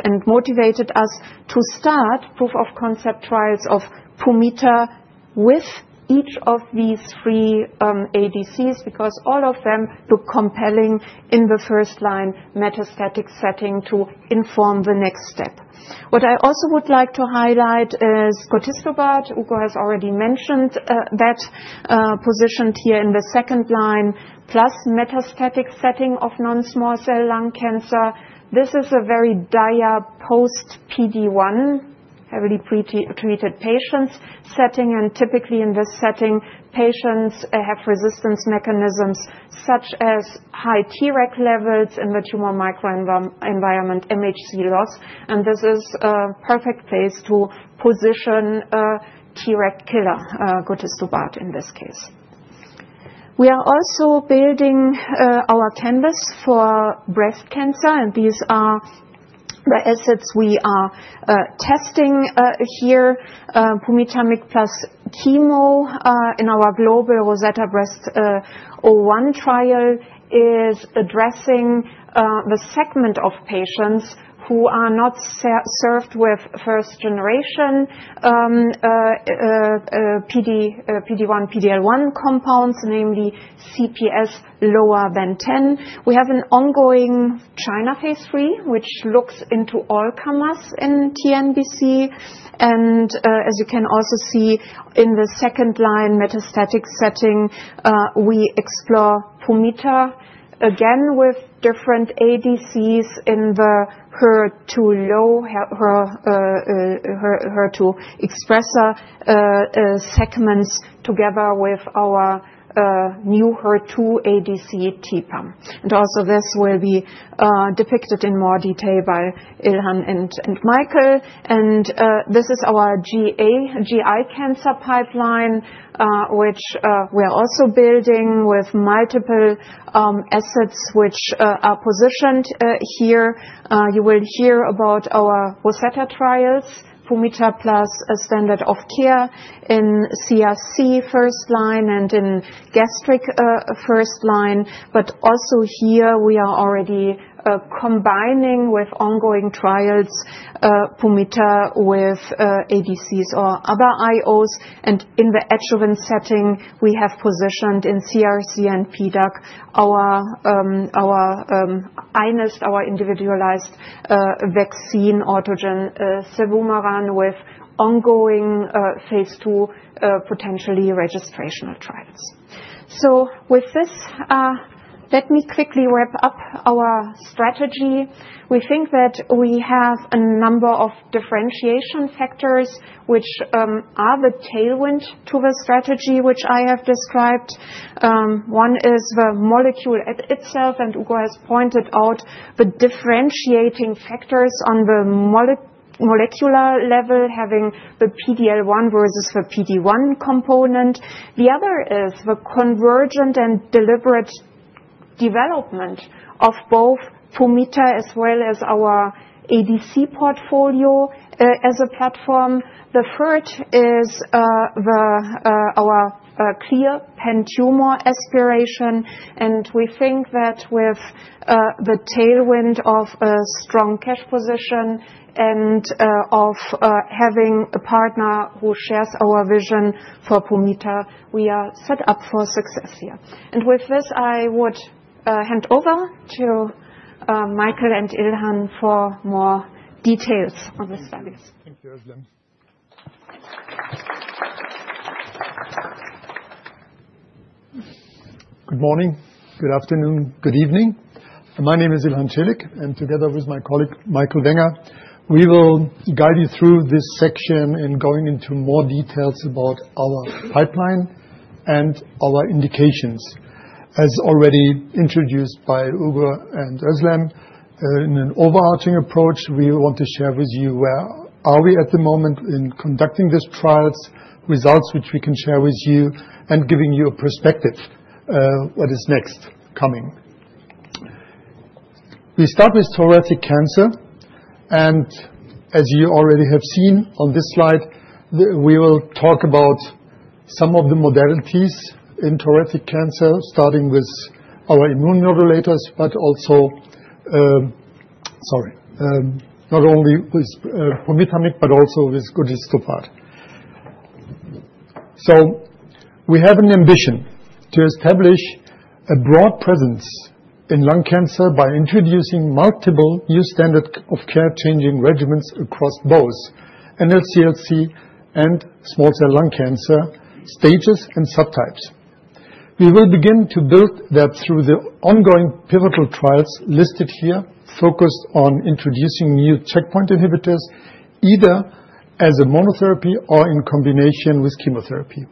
and motivated us to start proof-of-concept trials of pumita with each of these three ADCs because all of them look compelling in the first-line metastatic setting to inform the next step. What I also would like to highlight is gotistobart. Ugur has already mentioned that positioned here in the second line, plus metastatic setting of non-small cell lung cancer. This is a very dire post-PD-1, heavily pretreated patient setting, and typically in this setting, patients have resistance mechanisms such as high Treg levels in the tumor microenvironment, MHC loss, and this is a perfect place to position Treg killer, gotistobart, in this case. We are also building our canvas for breast cancer. These are the assets we are testing here. Pumita plus chemo in our global Rosetta Breast 01 trial is addressing the segment of patients who are not served with first-generation PD-1, PD-L1 compounds, namely CPS lower than 10. We have an ongoing China phase III, which looks into all-comers in TNBC. As you can also see in the second-line metastatic setting, we explore pumita again with different ADCs in the HER2-low, HER2-expressor segments together with our new HER2 ADC TPAM. This will also be depicted in more detail by Ilhan and Michael. This is our GI cancer pipeline, which we are also building with multiple assets which are positioned here. You will hear about our Rosetta trials, pumita plus standard of care in CRC first-line and in gastric first-line. But also here, we are already combining with ongoing trials, BNT327 with ADCs or other IOs. And in the adjuvant setting, we have positioned in CRC and NSCLC our individualized vaccine, autogene cevumeran, with ongoing phase II potentially registrational trials. So with this, let me quickly wrap up our strategy. We think that we have a number of differentiation factors which are the tailwind to the strategy which I have described. One is the molecule itself. And Ugur has pointed out the differentiating factors on the molecular level, having the PD-L1 versus the PD-1 component. The other is the convergent and deliberate development of both BNT327 as well as our ADC portfolio as a platform. The third is our clear pan-tumor aspiration. We think that with the tailwind of a strong cash position and of having a partner who shares our vision for pumita, we are set up for success here. With this, I would hand over to Michael and Ilhan for more details on the studies. Thank you, Özlem. Good morning. Good afternoon. Good evening. My name is Ilhan Çelik. Together with my colleague Michael Wenger, we will guide you through this section in going into more details about our pipeline and our indications. As already introduced by Ugur and Özlem, in an overarching approach, we want to share with you where are we at the moment in conducting these trials, results which we can share with you, and giving you a perspective on what is next coming. We start with thoracic cancer. And as you already have seen on this slide, we will talk about some of the modalities in thoracic cancer, starting with our immune modulators, but also not only with Pumitamig, but also with gotistobart. So we have an ambition to establish a broad presence in lung cancer by introducing multiple new standard of care changing regimens across both NSCLC and small cell lung cancer stages and subtypes. We will begin to build that through the ongoing pivotal trials listed here, focused on introducing new checkpoint inhibitors either as a monotherapy or in combination with chemotherapy.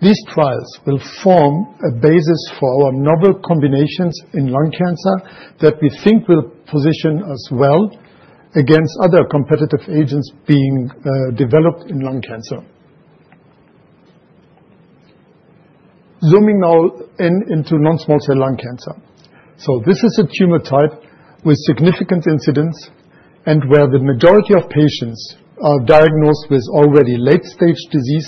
These trials will form a basis for our novel combinations in lung cancer that we think will position us well against other competitive agents being developed in lung cancer. Zooming now into non-small cell lung cancer. This is a tumor type with significant incidence and where the majority of patients are diagnosed with already late-stage disease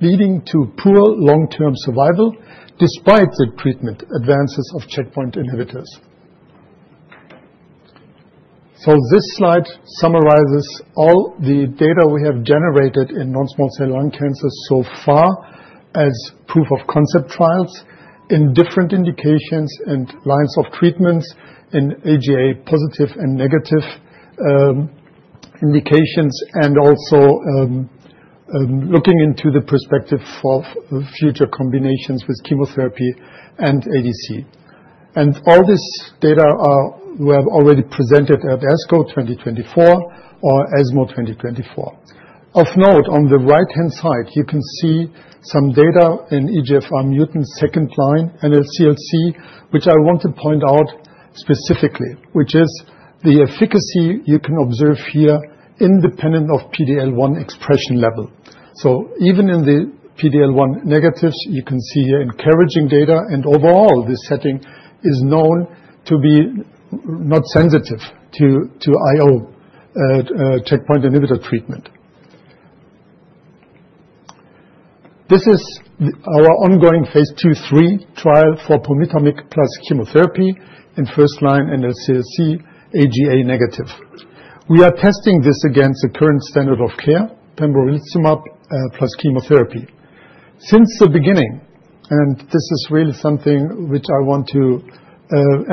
leading to poor long-term survival despite the treatment advances of checkpoint inhibitors. This slide summarizes all the data we have generated in non-small cell lung cancer so far as proof-of-concept trials in different indications and lines of treatments in EGFR positive and negative indications, and also looking into the perspective for future combinations with chemotherapy and ADC. All this data we have already presented at ASCO 2024 or ESMO 2024. Of note, on the right-hand side, you can see some data in EGFR mutant second line NSCLC, which I want to point out specifically, which is the efficacy you can observe here independent of PD-L1 expression level. Even in the PD-L1 negatives, you can see here encouraging data. And overall, this setting is known to be not sensitive to IO checkpoint inhibitor treatment. This is our ongoing phase II/III trial for BNT327 plus chemotherapy in first-line NSCLC EGFR-negative. We are testing this against the current standard of care, pembrolizumab plus chemotherapy. Since the beginning, and this is really something which I want to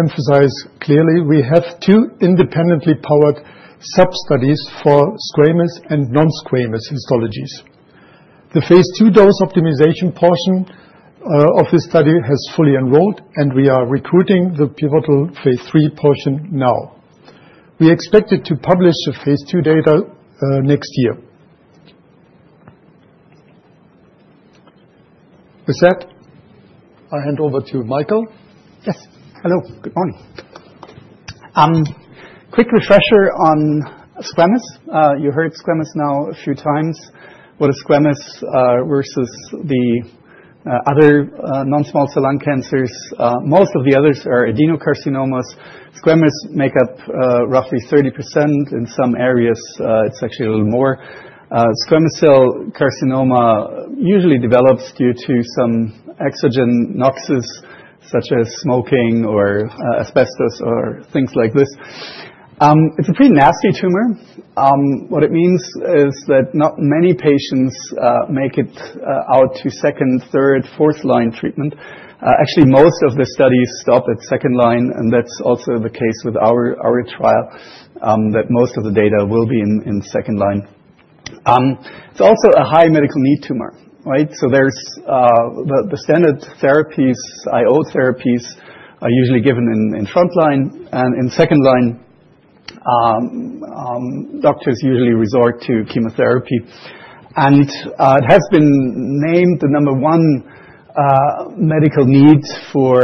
emphasize clearly, we have two independently powered sub-studies for squamous and non-squamous histologies. The phase II dose optimization portion of this study has fully enrolled, and we are recruiting the pivotal phase III portion now. We expect it to publish the phase II data next year. With that, I hand over to Michael. Yes. Hello. Good morning. Quick refresher on squamous. You heard squamous now a few times. What is squamous versus the other non-small cell lung cancers? Most of the others are adenocarcinomas. Squamous make up roughly 30%. In some areas, it's actually a little more. Squamous cell carcinoma usually develops due to some exogenous noxes, such as smoking or asbestos or things like this. It's a pretty nasty tumor. What it means is that not many patients make it out to second, third, fourth line treatment. Actually, most of the studies stop at second line, and that's also the case with our trial, that most of the data will be in second line. It's also a high medical need tumor, right, so the standard therapies, IO therapies, are usually given in front line, and in second line, doctors usually resort to chemotherapy, and it has been named the number one medical need for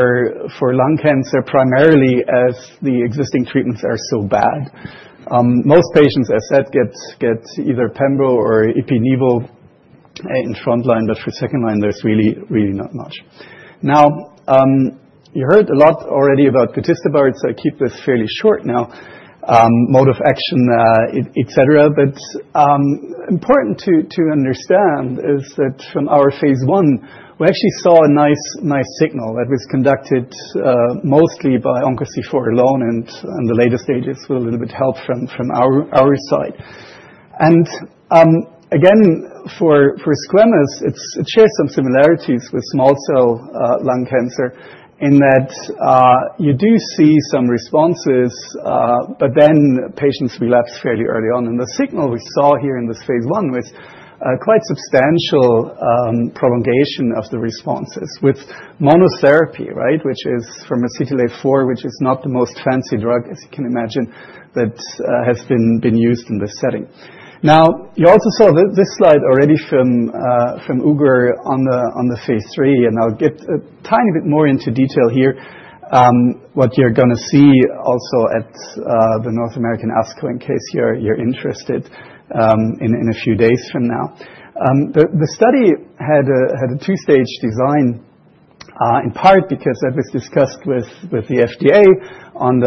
lung cancer, primarily as the existing treatments are so bad. Most patients, as I said, get either pembro or nivo in front line, but for second line, there's really, really not much. Now, you heard a lot already about gotesidasi b, so I keep this fairly short now, mode of action, etc. But important to understand is that from our phase I, we actually saw a nice signal that was conducted mostly by OncoC4 alone and the later stages with a little bit of help from our side, and again, for squamous, it shares some similarities with small cell lung cancer in that you do see some responses, but then patients relapse fairly early on, and the signal we saw here in this phase I was quite substantial prolongation of the responses with monotherapy, right, which is paclitaxel, which is not the most fancy drug, as you can imagine, that has been used in this setting. Now, you also saw this slide already from Ugur on the phase III. And I'll get a tiny bit more into detail here, what you're going to see also at the North American ASCO in case you're interested in a few days from now. The study had a two-stage design, in part because that was discussed with the FDA on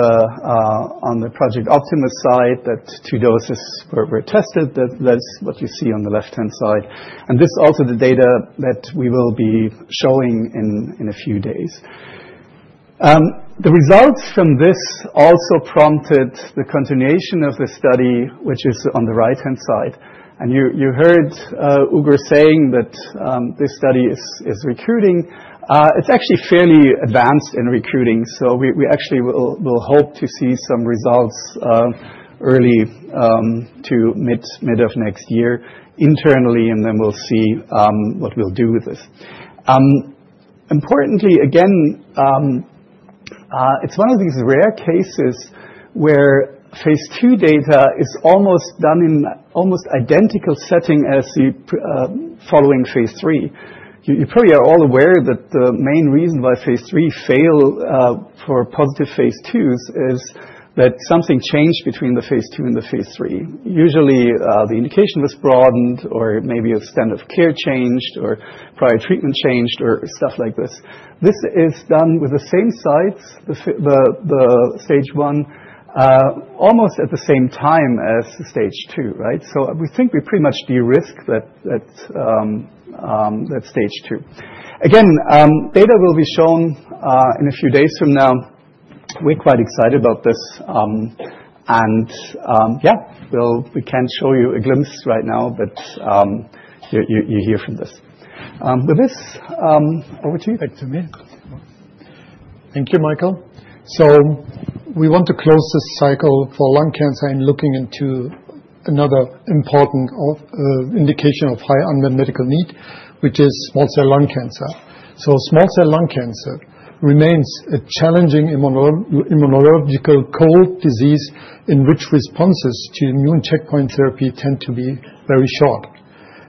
the Project Optimus side that two doses were tested. That's what you see on the left-hand side. And this is also the data that we will be showing in a few days. The results from this also prompted the continuation of the study, which is on the right-hand side. And you heard Ugur saying that this study is recruiting. It's actually fairly advanced in recruiting. So we actually will hope to see some results early to mid of next year internally. And then we'll see what we'll do with this. Importantly, again, it's one of these rare cases where phase II data is almost done in an almost identical setting as the following phase III. You probably are all aware that the main reason why phase III failed for positive phase II's is that something changed between the phase II and the phase III. Usually, the indication was broadened or maybe a standard of care changed or prior treatment changed or stuff like this. This is done with the same sites, the stage one, almost at the same time as stage two, right? So we think we pretty much de-risk that stage two. Again, data will be shown in a few days from now. We're quite excited about this, and yeah, we can't show you a glimpse right now, but you hear from this. With this, over to you. Back to me. Thank you, Michael. We want to close this cycle for lung cancer and looking into another important indication of high unmet medical need, which is small cell lung cancer. Small cell lung cancer remains a challenging immunological cold disease in which responses to immune checkpoint therapy tend to be very short.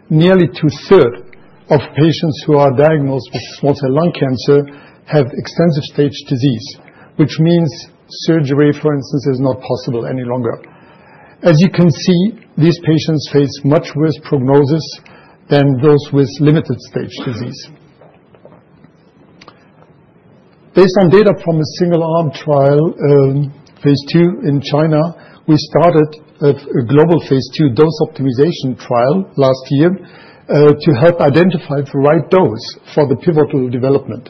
Nearly two-thirds of patients who are diagnosed with small cell lung cancer have extensive stage disease, which means surgery, for instance, is not possible any longer. As you can see, these patients face much worse prognosis than those with limited stage disease. Based on data from a single arm trial, phase II in China, we started a global phase II dose optimization trial last year to help identify the right dose for the pivotal development.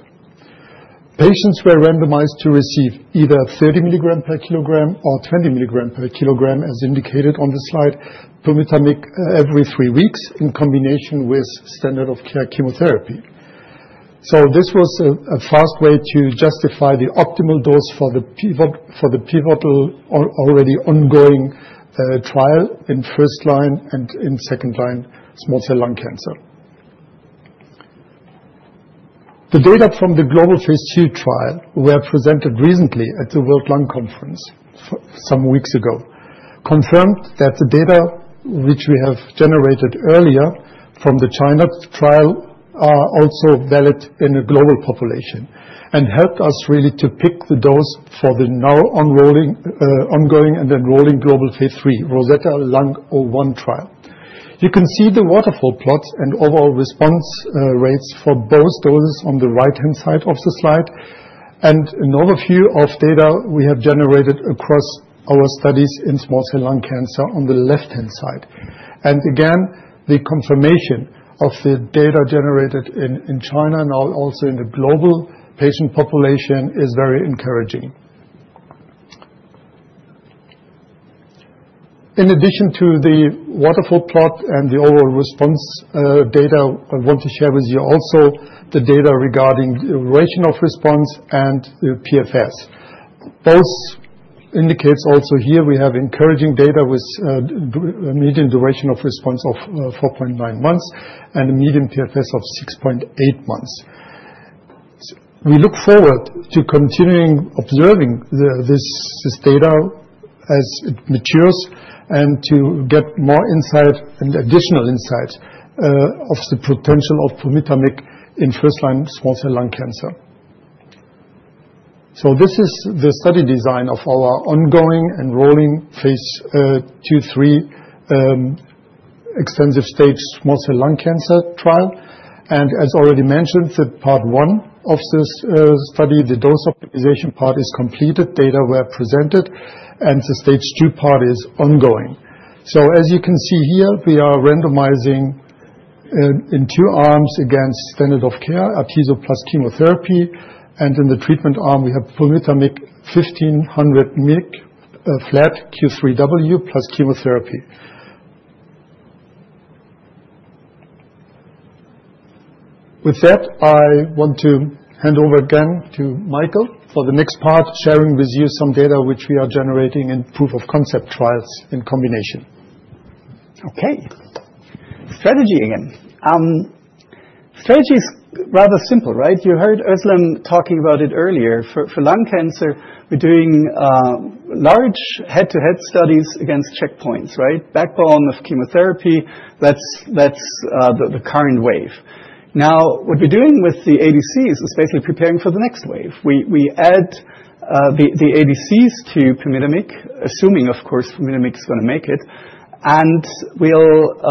Patients were randomized to receive either 30 milligrams per kilogram or 20 milligrams per kilogram, as indicated on the slide, pumitamig every three weeks in combination with standard of care chemotherapy, so this was a fast way to justify the optimal dose for the pivotal already ongoing trial in first line and in second line small cell lung cancer. The data from the global phase II trial were presented recently at the World Conference on Lung Cancer some weeks ago, confirmed that the data which we have generated earlier from the China trial are also valid in a global population and helped us really to pick the dose for the now ongoing and enrolling global phase III, Rosetta Lung 01 trial. You can see the waterfall plots and overall response rates for both doses on the right-hand side of the slide. And an overview of data we have generated across our studies in small cell lung cancer on the left-hand side. And again, the confirmation of the data generated in China and also in the global patient population is very encouraging. In addition to the waterfall plot and the overall response data, I want to share with you also the data regarding duration of response and the PFS. Both indicates also here we have encouraging data with a median duration of response of 4.9 months and a median PFS of 6.8 months. We look forward to continuing observing this data as it matures and to get more insight and additional insight of the potential of pumitamig in first line small cell lung cancer. So this is the study design of our ongoing enrolling phase II three extensive stage small cell lung cancer trial. As already mentioned, the part one of this study, the dose optimization part is completed, data were presented, and the stage two part is ongoing. So as you can see here, we are randomizing in two arms against standard of care, Atezo plus chemotherapy. And in the treatment arm, we have pumitamig 1500 mg flat Q3W plus chemotherapy. With that, I want to hand over again to Michael for the next part, sharing with you some data which we are generating in proof of concept trials in combination. Okay. Strategy again. Strategy is rather simple, right? You heard Özlem talking about it earlier. For lung cancer, we're doing large head-to-head studies against checkpoints, right? Backbone of chemotherapy, that's the current wave. Now, what we're doing with the ADCs is basically preparing for the next wave. We add the ADCs to pomalidomide, assuming, of course, pomalidomide is going to make it. And we'll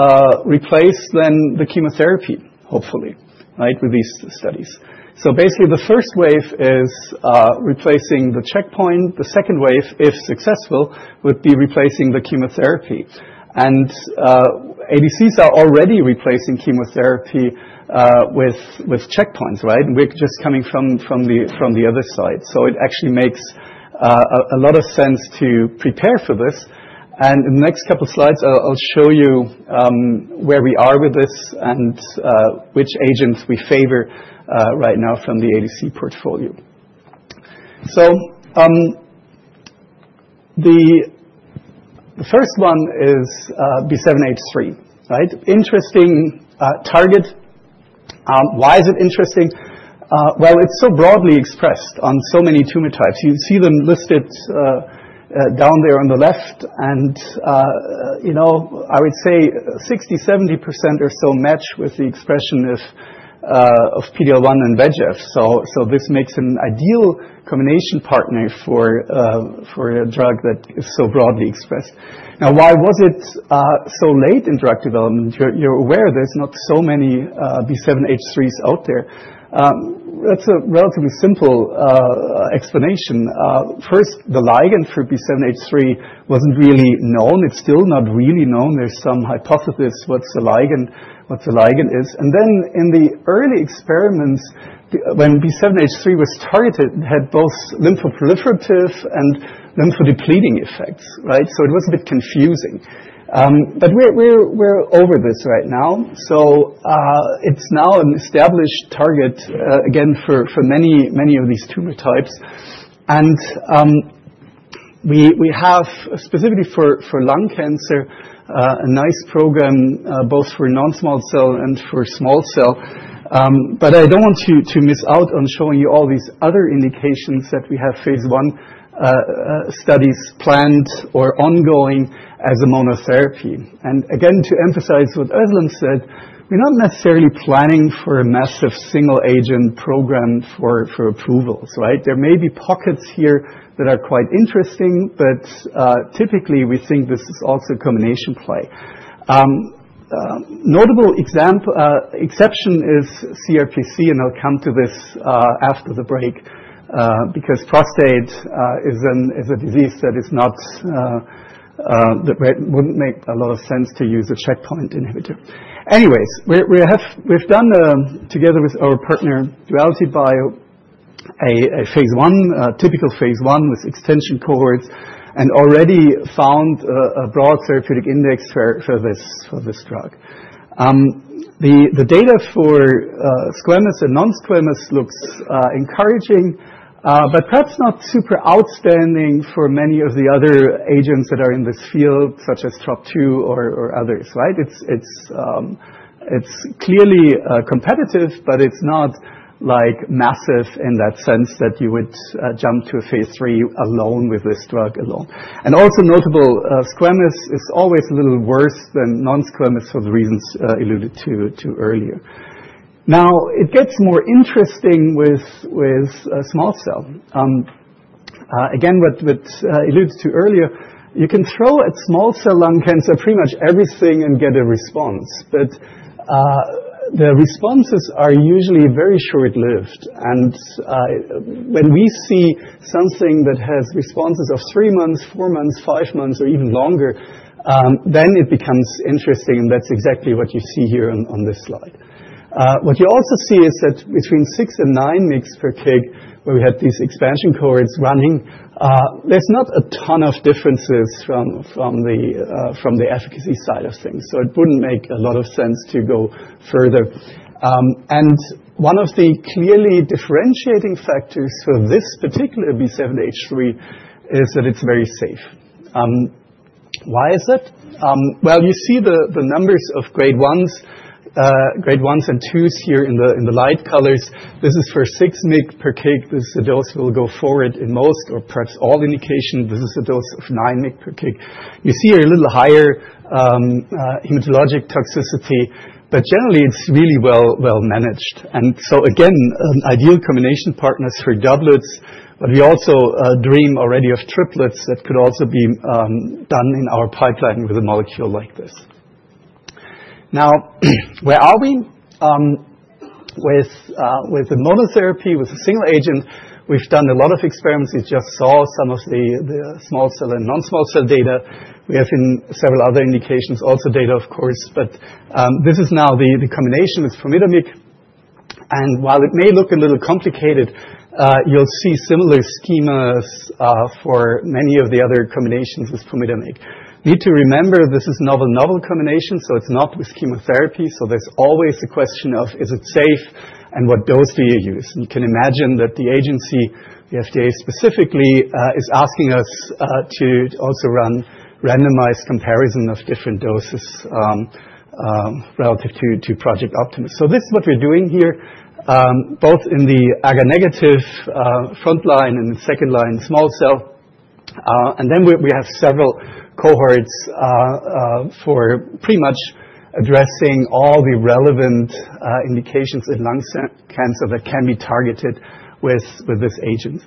replace then the chemotherapy, hopefully, right, with these studies. So basically, the first wave is replacing the checkpoint. The second wave, if successful, would be replacing the chemotherapy. And ADCs are already replacing chemotherapy with checkpoints, right? And we're just coming from the other side. So it actually makes a lot of sense to prepare for this. And in the next couple of slides, I'll show you where we are with this and which agents we favor right now from the ADC portfolio. So the first one is B7-H3, right? Interesting target. Why is it interesting? Well, it's so broadly expressed on so many tumor types. You see them listed down there on the left. And I would say 60%-70% or so match with the expression of PD-L1 and VEGF. So this makes an ideal combination partner for a drug that is so broadly expressed. Now, why was it so late in drug development? You're aware there's not so many B7-H3s out there. That's a relatively simple explanation. First, the ligand for B7-H3 wasn't really known. It's still not really known. There's some hypothesis what the ligand is. And then in the early experiments, when B7-H3 was targeted, it had both lymphoproliferative and lymphodepleting effects, right? So it was a bit confusing. But we're over this right now. So it's now an established target again for many of these tumor types. And we have, specifically for lung cancer, a nice program both for non-small cell and for small cell. But I don't want to miss out on showing you all these other indications that we have phase I studies planned or ongoing as a monotherapy. And again, to emphasize what Özlem said, we're not necessarily planning for a massive single agent program for approvals, right? There may be pockets here that are quite interesting, but typically, we think this is also a combination play. Notable exception is CRPC, and I'll come to this after the break because prostate is a disease that wouldn't make a lot of sense to use a checkpoint inhibitor. Anyways, we've done together with our partner, Duality Bio, a typical phase I with extension cohorts and already found a broad therapeutic index for this drug. The data for squamous and non-squamous looks encouraging, but perhaps not super outstanding for many of the other agents that are in this field, such as TROP2 or others, right? It's clearly competitive, but it's not massive in that sense that you would jump to a phase III alone with this drug alone. And also, notably, squamous is always a little worse than non-squamous for the reasons alluded to earlier. Now, it gets more interesting with small cell. Again, what I alluded to earlier, you can throw at small cell lung cancer pretty much everything and get a response. But the responses are usually very short-lived. And when we see something that has responses of three months, four months, five months, or even longer, then it becomes interesting. And that's exactly what you see here on this slide. What you also see is that between six and nine mg per kg, where we had these expansion cohorts running, there's not a ton of differences from the efficacy side of things. So it wouldn't make a lot of sense to go further. And one of the clearly differentiating factors for this particular B7-H3 is that it's very safe. Why is that? You see the numbers of grade ones and twos here in the light colors. This is for six mcg per kg. This is a dose we'll go forward in most or perhaps all indications. This is a dose of nine mcg per kg. You see a little higher hematologic toxicity. But generally, it's really well managed. So again, ideal combination partners for doublets. We also dream already of triplets that could also be done in our pipeline with a molecule like this. Now, where are we? With the monotherapy, with a single agent, we've done a lot of experiments. You just saw some of the small cell and non-small cell data. We have in several other indications, also data, of course. This is now the combination with pomalidomide. While it may look a little complicated, you'll see similar schemas for many of the other combinations with pumitamig. Need to remember, this is a novel combination. So it's not with chemotherapy. So there's always the question of, is it safe? And what dose do you use? And you can imagine that the agency, the FDA specifically, is asking us to also run randomized comparison of different doses relative to Project Optimus. So this is what we're doing here, both in the EGFR-negative front-line and the second-line small cell. Then we have several cohorts for pretty much addressing all the relevant indications in lung cancer that can be targeted with this agent.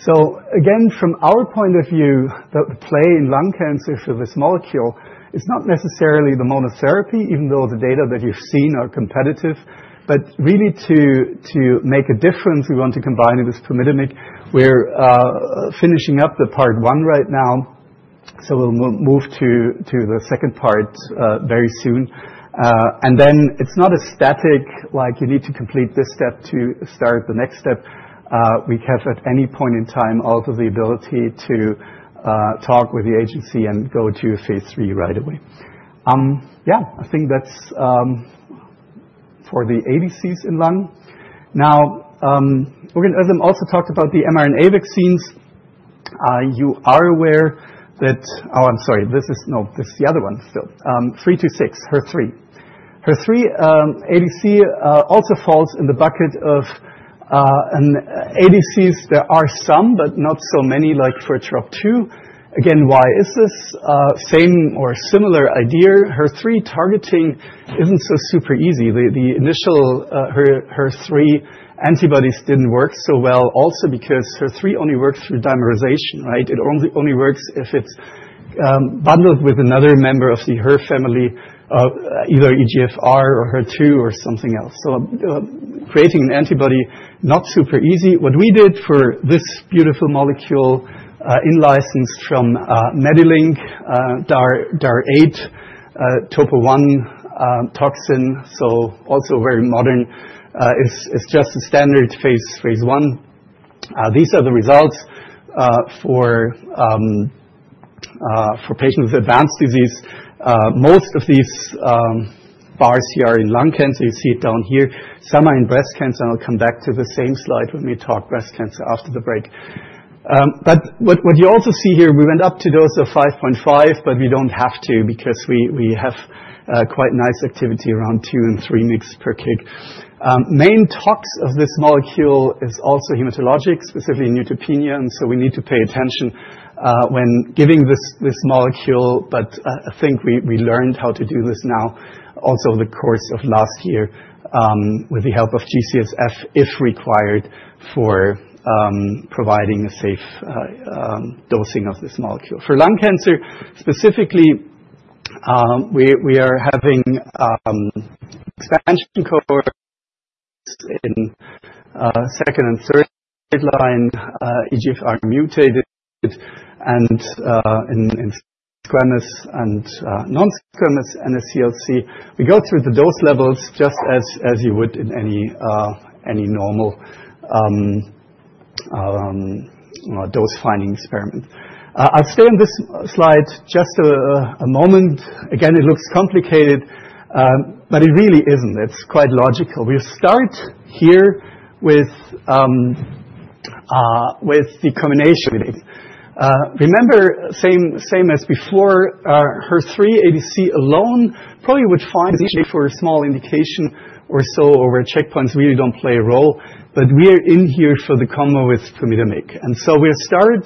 So again, from our point of view, the play in lung cancer for this molecule is not necessarily the monotherapy, even though the data that you've seen are competitive. But really, to make a difference, we want to combine it with pumitamig. We're finishing up the part one right now. So we'll move to the second part very soon. And then it's not static like you need to complete this step to start the next step. We have at any point in time also the ability to talk with the agency and go to phase III right away. Yeah, I think that's for the ADCs in lung. Now, Özlem also talked about the mRNA vaccines. You are aware that. Oh, I'm sorry. This is no, this is the other one still. 326, HER3. HER3 ADC also falls in the bucket of ADCs. There are some, but not so many like for TROP2. Again, why is this? Same or similar idea. HER3 targeting isn't so super easy. The initial HER3 antibodies didn't work so well also because HER3 only works through dimerization, right? It only works if it's bundled with another member of the HER family, either EGFR or HER2 or something else. So creating an antibody, not super easy. What we did for this beautiful molecule in license from MediLink, DAR8, topo one toxin, so also very modern, is just a standard phase I. These are the results for patients with advanced disease. Most of these bars here are in lung cancer. You see it down here. Some are in breast cancer, and I'll come back to the same slide when we talk breast cancer after the break, but what you also see here, we went up to dose of 5.5, but we don't have to because we have quite nice activity around two and three mg per kg. Main tox of this molecule is also hematologic, specifically neutropenia, and so we need to pay attention when giving this molecule. But I think we learned how to do this now, also the course of last year with the help of G-CSF, if required, for providing a safe dosing of this molecule. For lung cancer, specifically, we are having expansion cohorts in second- and third-line EGFR-mutated and in squamous and non-squamous NSCLC. We go through the dose levels just as you would in any normal dose-finding experiment. I'll stay on this slide just a moment. Again, it looks complicated, but it really isn't. It's quite logical. We start here with the combination. Remember, same as before, HER3 ADC alone probably would be fine for a small indication or so, or where checkpoints really don't play a role, but we're in here for the combo with pembrolizumab. And so we'll start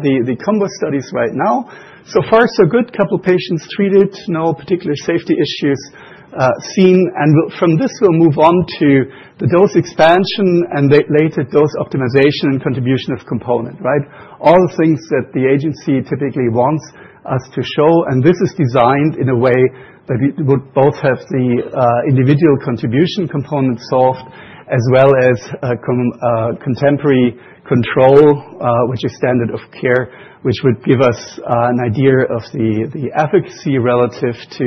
the combo studies right now. So far, so good. Couple of patients treated. No particular safety issues seen. And from this, we'll move on to the dose expansion and later dose optimization and contribution of component, right? All the things that the agency typically wants us to show. And this is designed in a way that we would both have the individual contribution component solved as well as contemporaneous control, which is standard of care, which would give us an idea of the efficacy relative to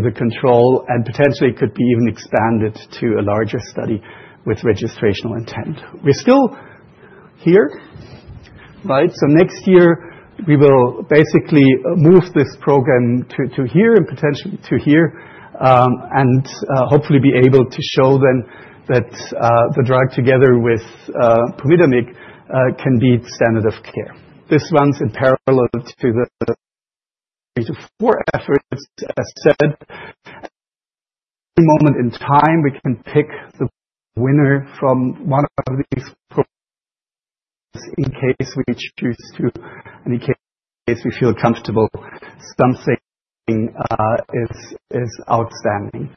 the control and potentially could be even expanded to a larger study with registrational intent. We're still here, right? So next year, we will basically move this program to here and potentially to here and hopefully be able to show then that the drug together with pomalidomide can be standard of care. This runs in parallel to the three to four efforts, as said. At any moment in time, we can pick the winner from one of these programs in case we choose to, in case we feel comfortable something is outstanding.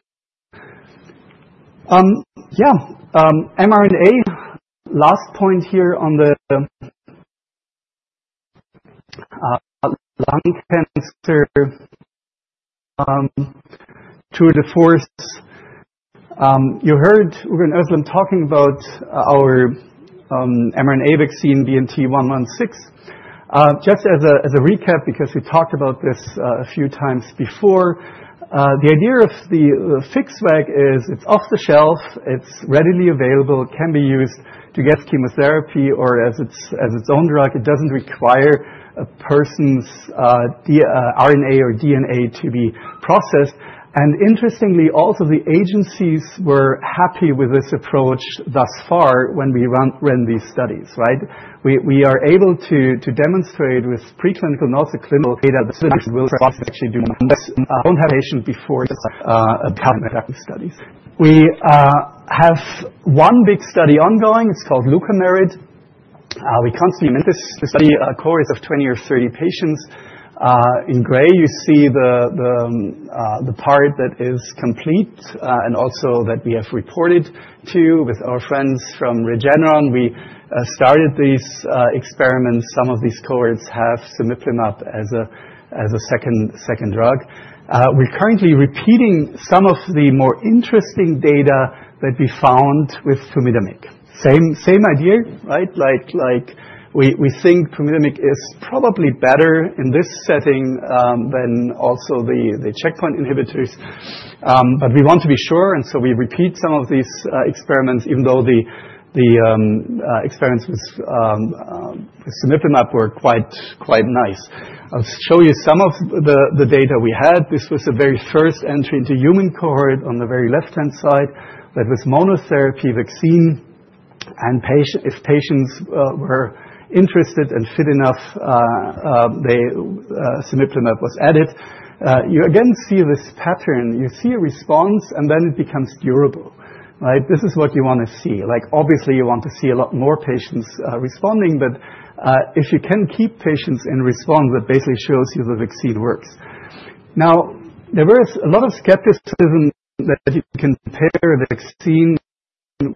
Yeah, mRNA, last point here on the lung cancer tour de force. You heard Özlem talking about our mRNA vaccine BNT116. Just as a recap, because we talked about this a few times before, the idea of the fixed vax is it's off the shelf. It's readily available, can be used to get chemotherapy or as its own drug. It doesn't require a person's RNA or DNA to be processed, and interestingly, also the agencies were happy with this approach thus far when we run these studies, right? We are able to demonstrate with preclinical, not the clinical data. The study will actually do months. I don't have a patient before a study. We have one big study ongoing. It's called LuCa-MERIT. We constantly make this study cohorts of 20 or 30 patients. In gray, you see the part that is complete and also that we have reported to with our friends from Regeneron. We started these experiments. Some of these cohorts have sugemalimab as a second drug. We're currently repeating some of the more interesting data that we found with pomalidomide. Same idea, right? We think pomalidomide is probably better in this setting than also the checkpoint inhibitors. But we want to be sure, and so we repeat some of these experiments, even though the experiments with sugemalimab were quite nice. I'll show you some of the data we had. This was a very first entry into human cohort on the very left-hand side that was monotherapy vaccine. And if patients were interested and fit enough, the sugemalimab was added. You again see this pattern. You see a response, and then it becomes durable, right? This is what you want to see. Obviously, you want to see a lot more patients responding. But if you can keep patients in response, that basically shows you the vaccine works. Now, there was a lot of skepticism that you can pair the vaccine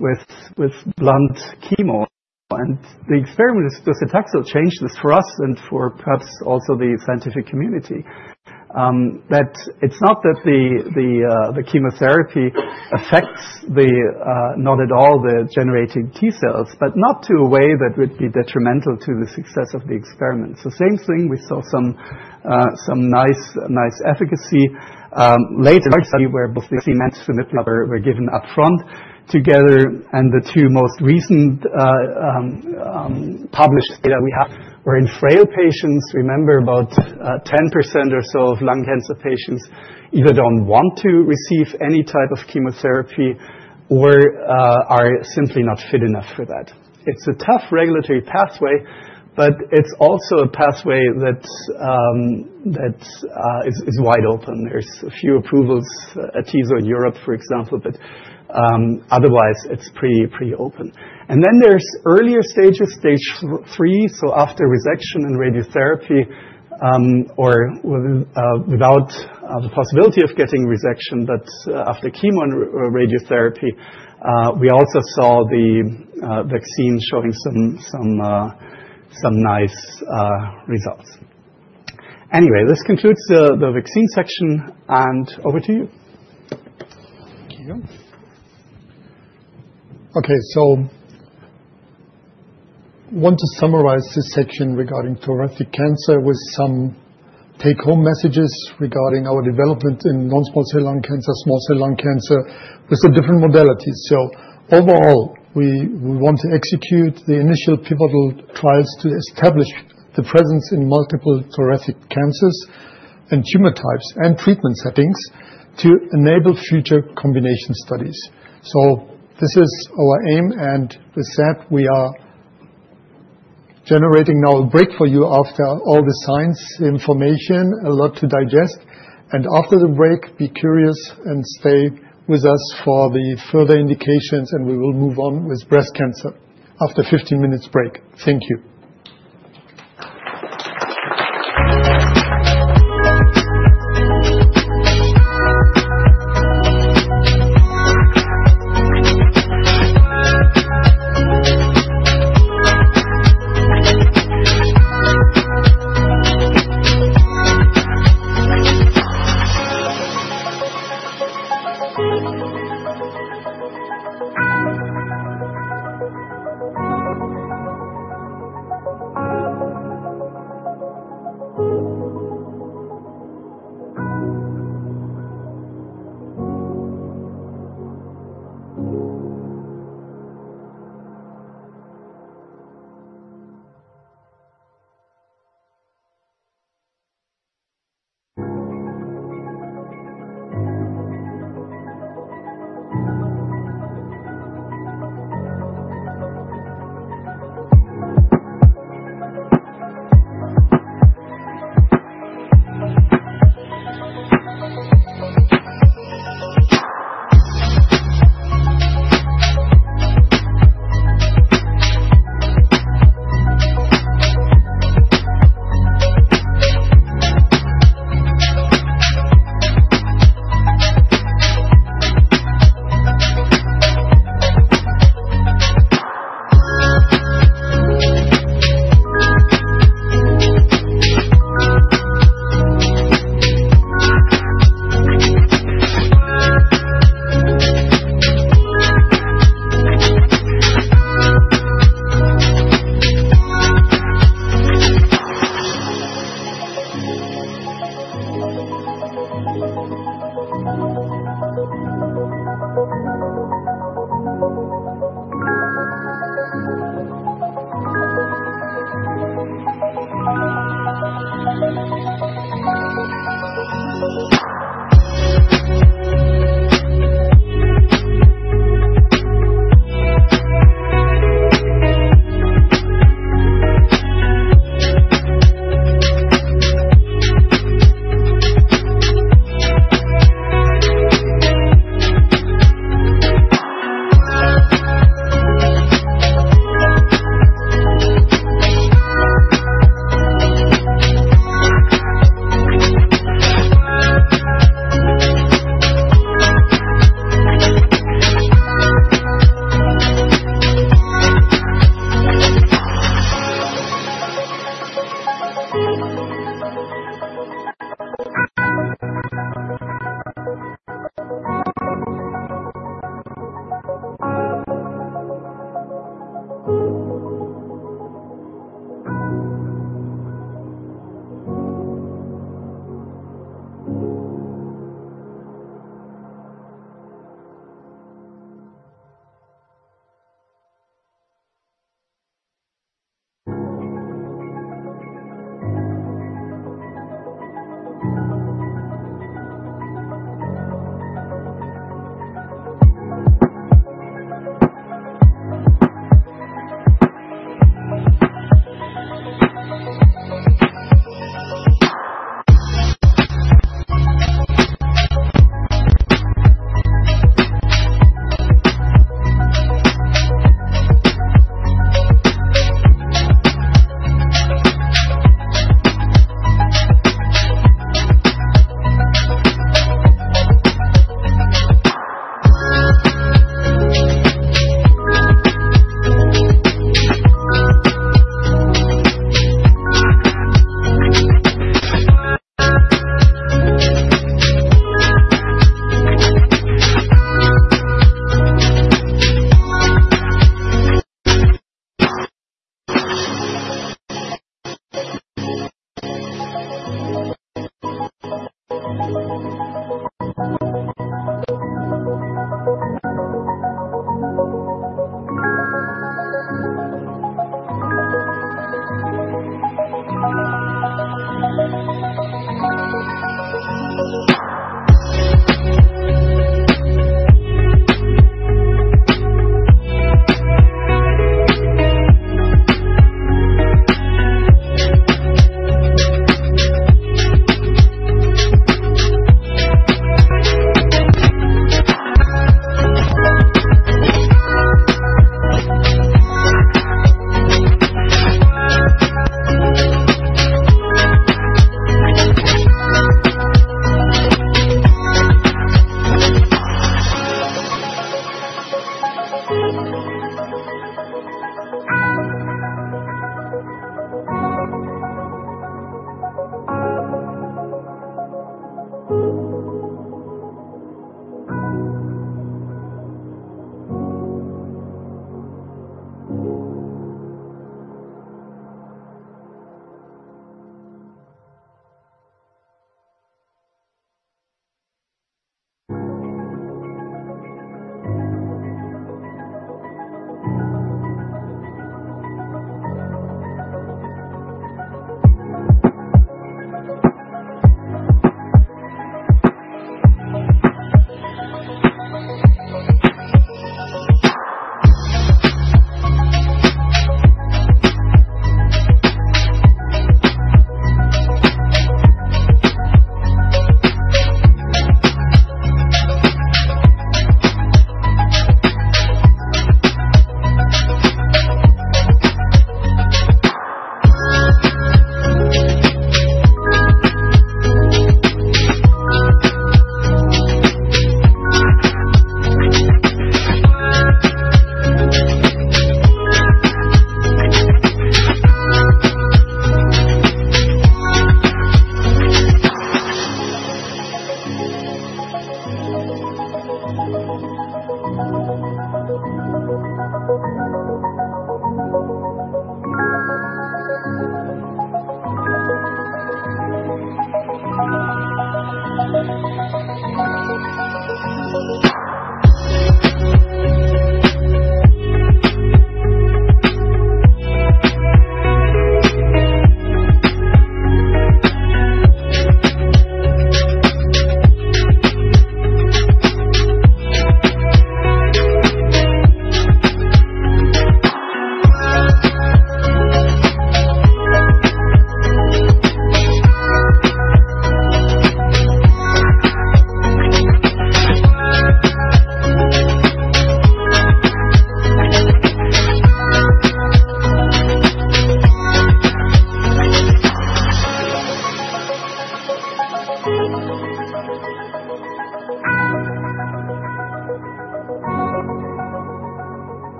with blunt chemo. And the experiment with docetaxel changed this for us and for perhaps also the scientific community. But it's not that the chemotherapy affects not at all the generating T-cells, but not to a way that would be detrimental to the success of the experiment. So same thing. We saw some nice efficacy. Later study where both the vaccine and sugemalimab were given upfront together. The two most recent published data we have were in frail patients. Remember, about 10% or so of lung cancer patients either don't want to receive any type of chemotherapy or are simply not fit enough for that. It's a tough regulatory pathway, but it's also a pathway that is wide open. There's a few approvals at ESMO in Europe, for example. But otherwise, it's pretty open. Then there's earlier stages, stage three. After resection and radiotherapy or without the possibility of getting resection, but after chemo and radiotherapy, we also saw the vaccine showing some nice results. Anyway, this concludes the vaccine section. Over to you. Thank you. Okay, I want to summarize this section regarding thoracic cancer with some take-home messages regarding our development in non-small cell lung cancer, small cell lung cancer with the different modalities. Overall, we want to execute the initial pivotal trials to establish the presence in multiple thoracic cancers and tumor types and treatment settings to enable future combination studies. So this is our aim. And with that, we are generating now a break for you after all the science information, a lot to digest. And after the break, be curious and stay with us for the further indications. And we will move on with breast cancer after a 15-minute break. Thank you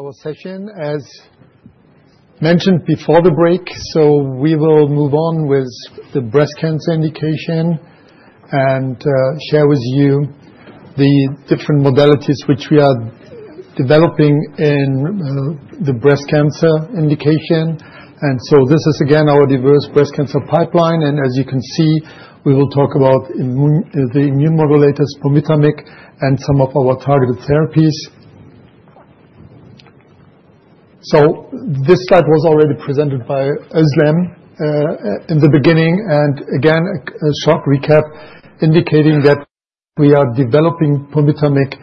to our session. As mentioned before the break, we will move on with the breast cancer indication and share with you the different modalities which we are developing in the breast cancer indication. And so this is, again, our diverse breast cancer pipeline. And as you can see, we will talk about the immune modulator, pumitamig, and some of our targeted therapies. So this slide was already presented by Özlem in the beginning. And again, a short recap indicating that we are developing pumitamig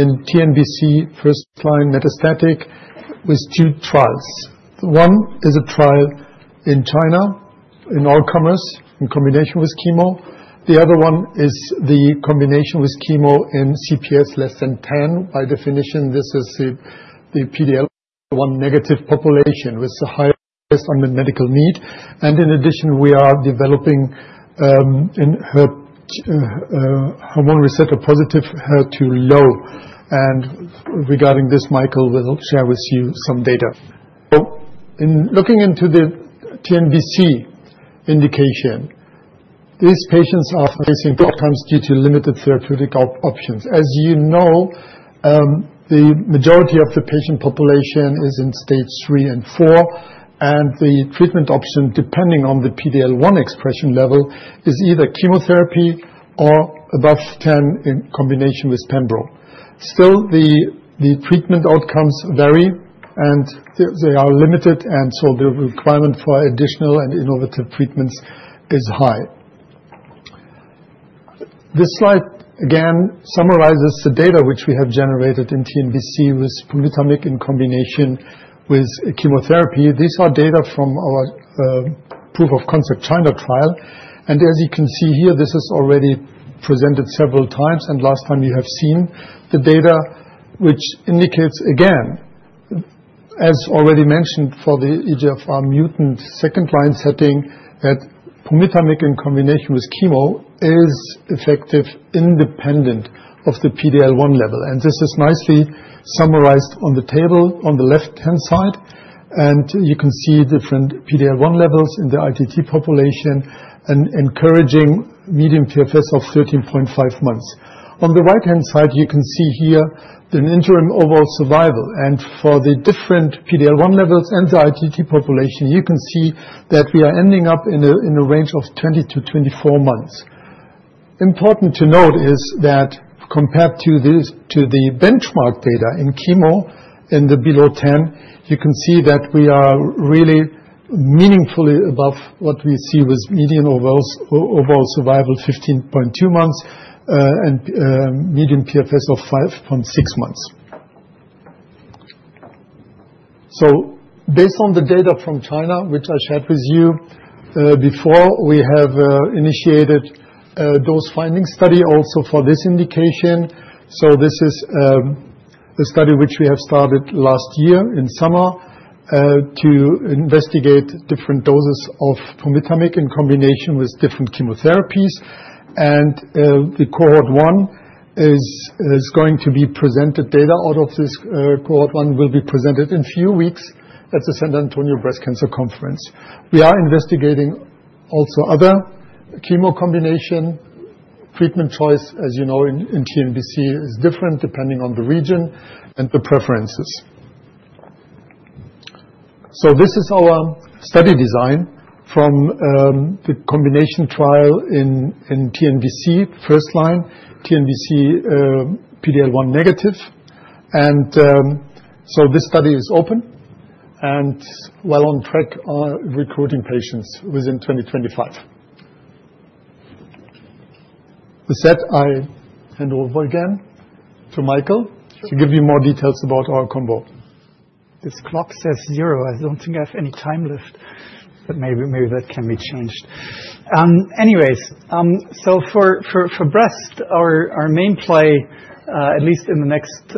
in TNBC first-line metastatic with two trials. One is a trial in China in all comers in combination with chemo. The other one is the combination with chemo in CPS less than 10. By definition, this is the PD-L1 negative population with the highest unmet medical need. And in addition, we are developing hormone receptor positive HER2-low. And regarding this, Michael will share with you some data. So in looking into the TNBC indication, these patients are facing problems due to limited therapeutic options. As you know, the majority of the patient population is in stage three and four. And the treatment option, depending on the PD-L1 expression level, is either chemotherapy or above 10 in combination with pembrol. Still, the treatment outcomes vary, and they are limited. And so the requirement for additional and innovative treatments is high. This slide, again, summarizes the data which we have generated in TNBC with pumitamig in combination with chemotherapy. These are data from our proof of concept China trial. And as you can see here, this is already presented several times. And last time, you have seen the data, which indicates, again, as already mentioned for the EGFR mutant second-line setting, that pumitamig in combination with chemo is effective independent of the PD-L1 level. And this is nicely summarized on the table on the left-hand side. And you can see different PD-L1 levels in the ITT population and encouraging median PFS of 13.5 months. On the right-hand side, you can see here the interim overall survival. And for the different PD-L1 levels and the ITT population, you can see that we are ending up in a range of 20-24 months. Important to note is that compared to the benchmark data in chemo in the below 10, you can see that we are really meaningfully above what we see with median overall survival, 15.2 months, and median PFS of 5.6 months. So based on the data from China, which I shared with you before, we have initiated a dose-finding study also for this indication. So this is a study which we have started last year in summer to investigate different doses of pumitamig in combination with different chemotherapies. And the cohort one is going to be presented. Data out of this cohort one will be presented in a few weeks at the San Antonio Breast Cancer Conference. We are investigating also other chemo combination treatment choices. As you know, in TNBC, it is different depending on the region and the preferences. So this is our study design from the combination trial in TNBC first-line, TNBC PD-L1 negative. And so this study is open and well on track recruiting patients within 2025. With that, I hand over again to Michael to give you more details about our combo. This clock says zero. I don't think I have any time left. But maybe that can be changed. Anyways, so for breast, our main play, at least in the next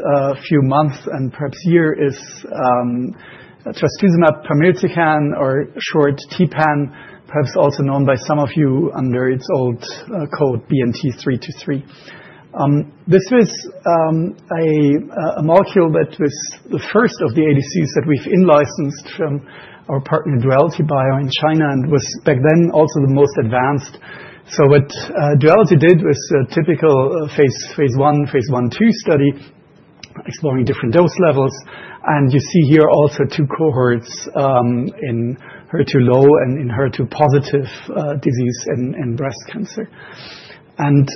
few months and perhaps year, is trastuzumab deruxtecan or short TPAM, perhaps also known by some of you under its old code, BNT323. This was a molecule that was the first of the ADCs that we've in-licensed from our partner, Duality Bio, in China and was back then also the most advanced, so what Duality did was a typical phase I, phase I two study exploring different dose levels, and you see here also two cohorts in HER2-low and in HER2 positive disease in breast cancer, and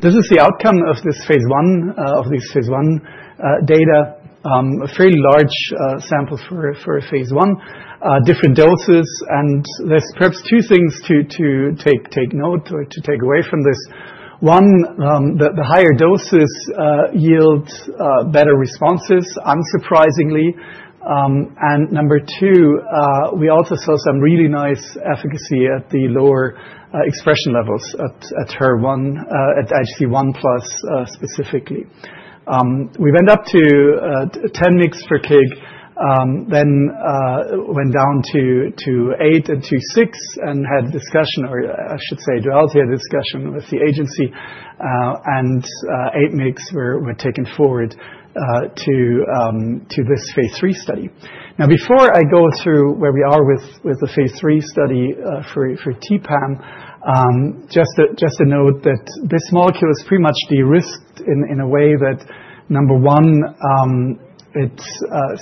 this is the outcome of this phase I of these phase I data, a fairly large sample for phase I, different doses. And there's perhaps two things to take note or to take away from this. One, the higher doses yield better responses, unsurprisingly. And number two, we also saw some really nice efficacy at the lower expression levels at HER2, at IHC1+ specifically. We went up to 10 mix per keg, then went down to eight and to six, and had a discussion, or I should say, Duality had a discussion with the agency. And eight mix were taken forward to this phase III study. Now, before I go through where we are with the phase III study for TPAM, just to note that this molecule is pretty much de-risked in a way that, number one,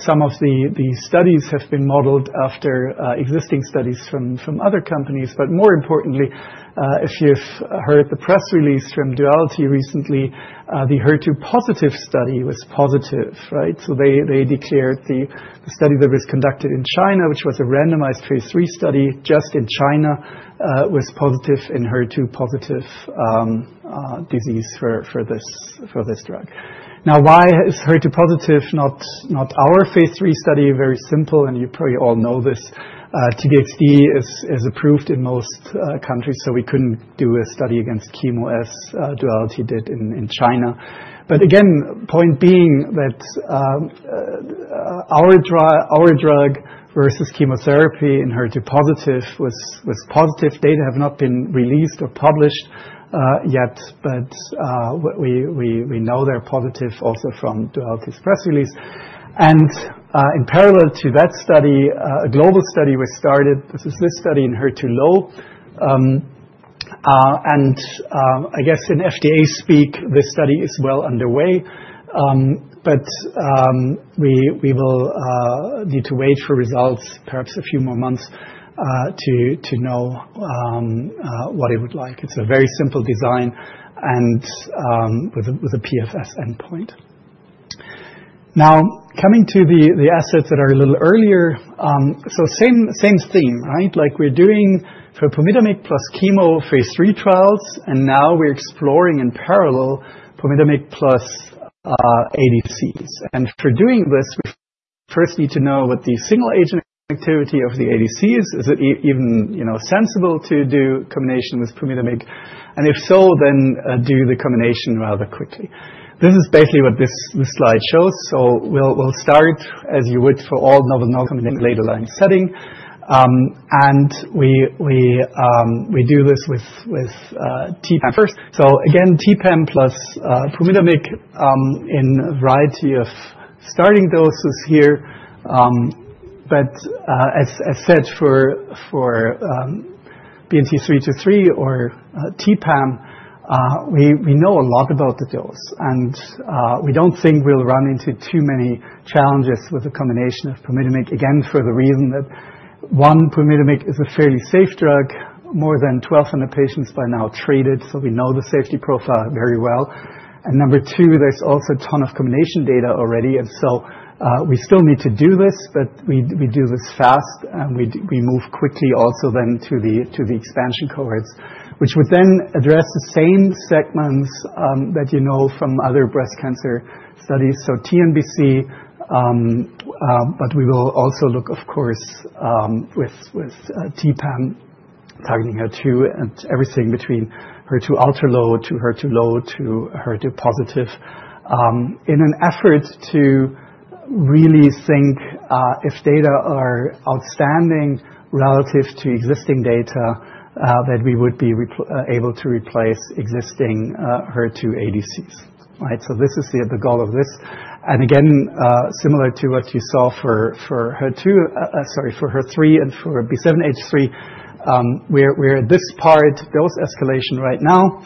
some of the studies have been modeled after existing studies from other companies. But more importantly, if you've heard the press release from Duality recently, the HER2 positive study was positive, right? So they declared the study that was conducted in China, which was a randomized phase III study just in China, was positive in HER2 positive disease for this drug. Now, why is HER2 positive not our phase III study? Very simple. You probably all know this. T-DXd is approved in most countries. We couldn't do a study against chemo as Daiichi did in China. Again, point being that our drug versus chemotherapy in HER2 positive was positive. Data have not been released or published yet. We know they're positive also from Daiichi's press release. In parallel to that study, a global study was started. This is this study in HER2-low. I guess in FDA speak, this study is well underway. We will need to wait for results, perhaps a few more months, to know what it would like. It's a very simple design and with a PFS endpoint. Now, coming to the assets that are a little earlier. Same theme, right? Like we're doing for pumitamig plus chemo phase III trials. Now we're exploring in parallel pumitamig plus ADCs. And for doing this, we first need to know what the single-agent activity of the ADC is. Is it even sensible to do combination with pumitamig? And if so, then do the combination rather quickly. This is basically what this slide shows. So we'll start, as you would for all novel combination later line setting. And we do this with TPAM first. So again, TPAM plus pumitamig in a variety of starting doses here. But as said, for BNT323 or TPAM, we know a lot about the dose. And we don't think we'll run into too many challenges with the combination of pumitamig, again, for the reason that, one, pumitamig is a fairly safe drug, more than 1,200 patients by now treated. So we know the safety profile very well. And number two, there's also a ton of combination data already. And so we still need to do this. But we do this fast. And we move quickly also then to the expansion cohorts, which would then address the same segments that you know from other breast cancer studies. So TNBC, but we will also look, of course, with TPAM targeting HER2 and everything between HER2 ultra low to HER2-low to HER2 positive in an effort to really think if data are outstanding relative to existing data, that we would be able to replace existing HER2 ADCs, right? So this is the goal of this. And again, similar to what you saw for HER2, sorry, for HER3 and for B7-H3, we're at this part, dose escalation right now.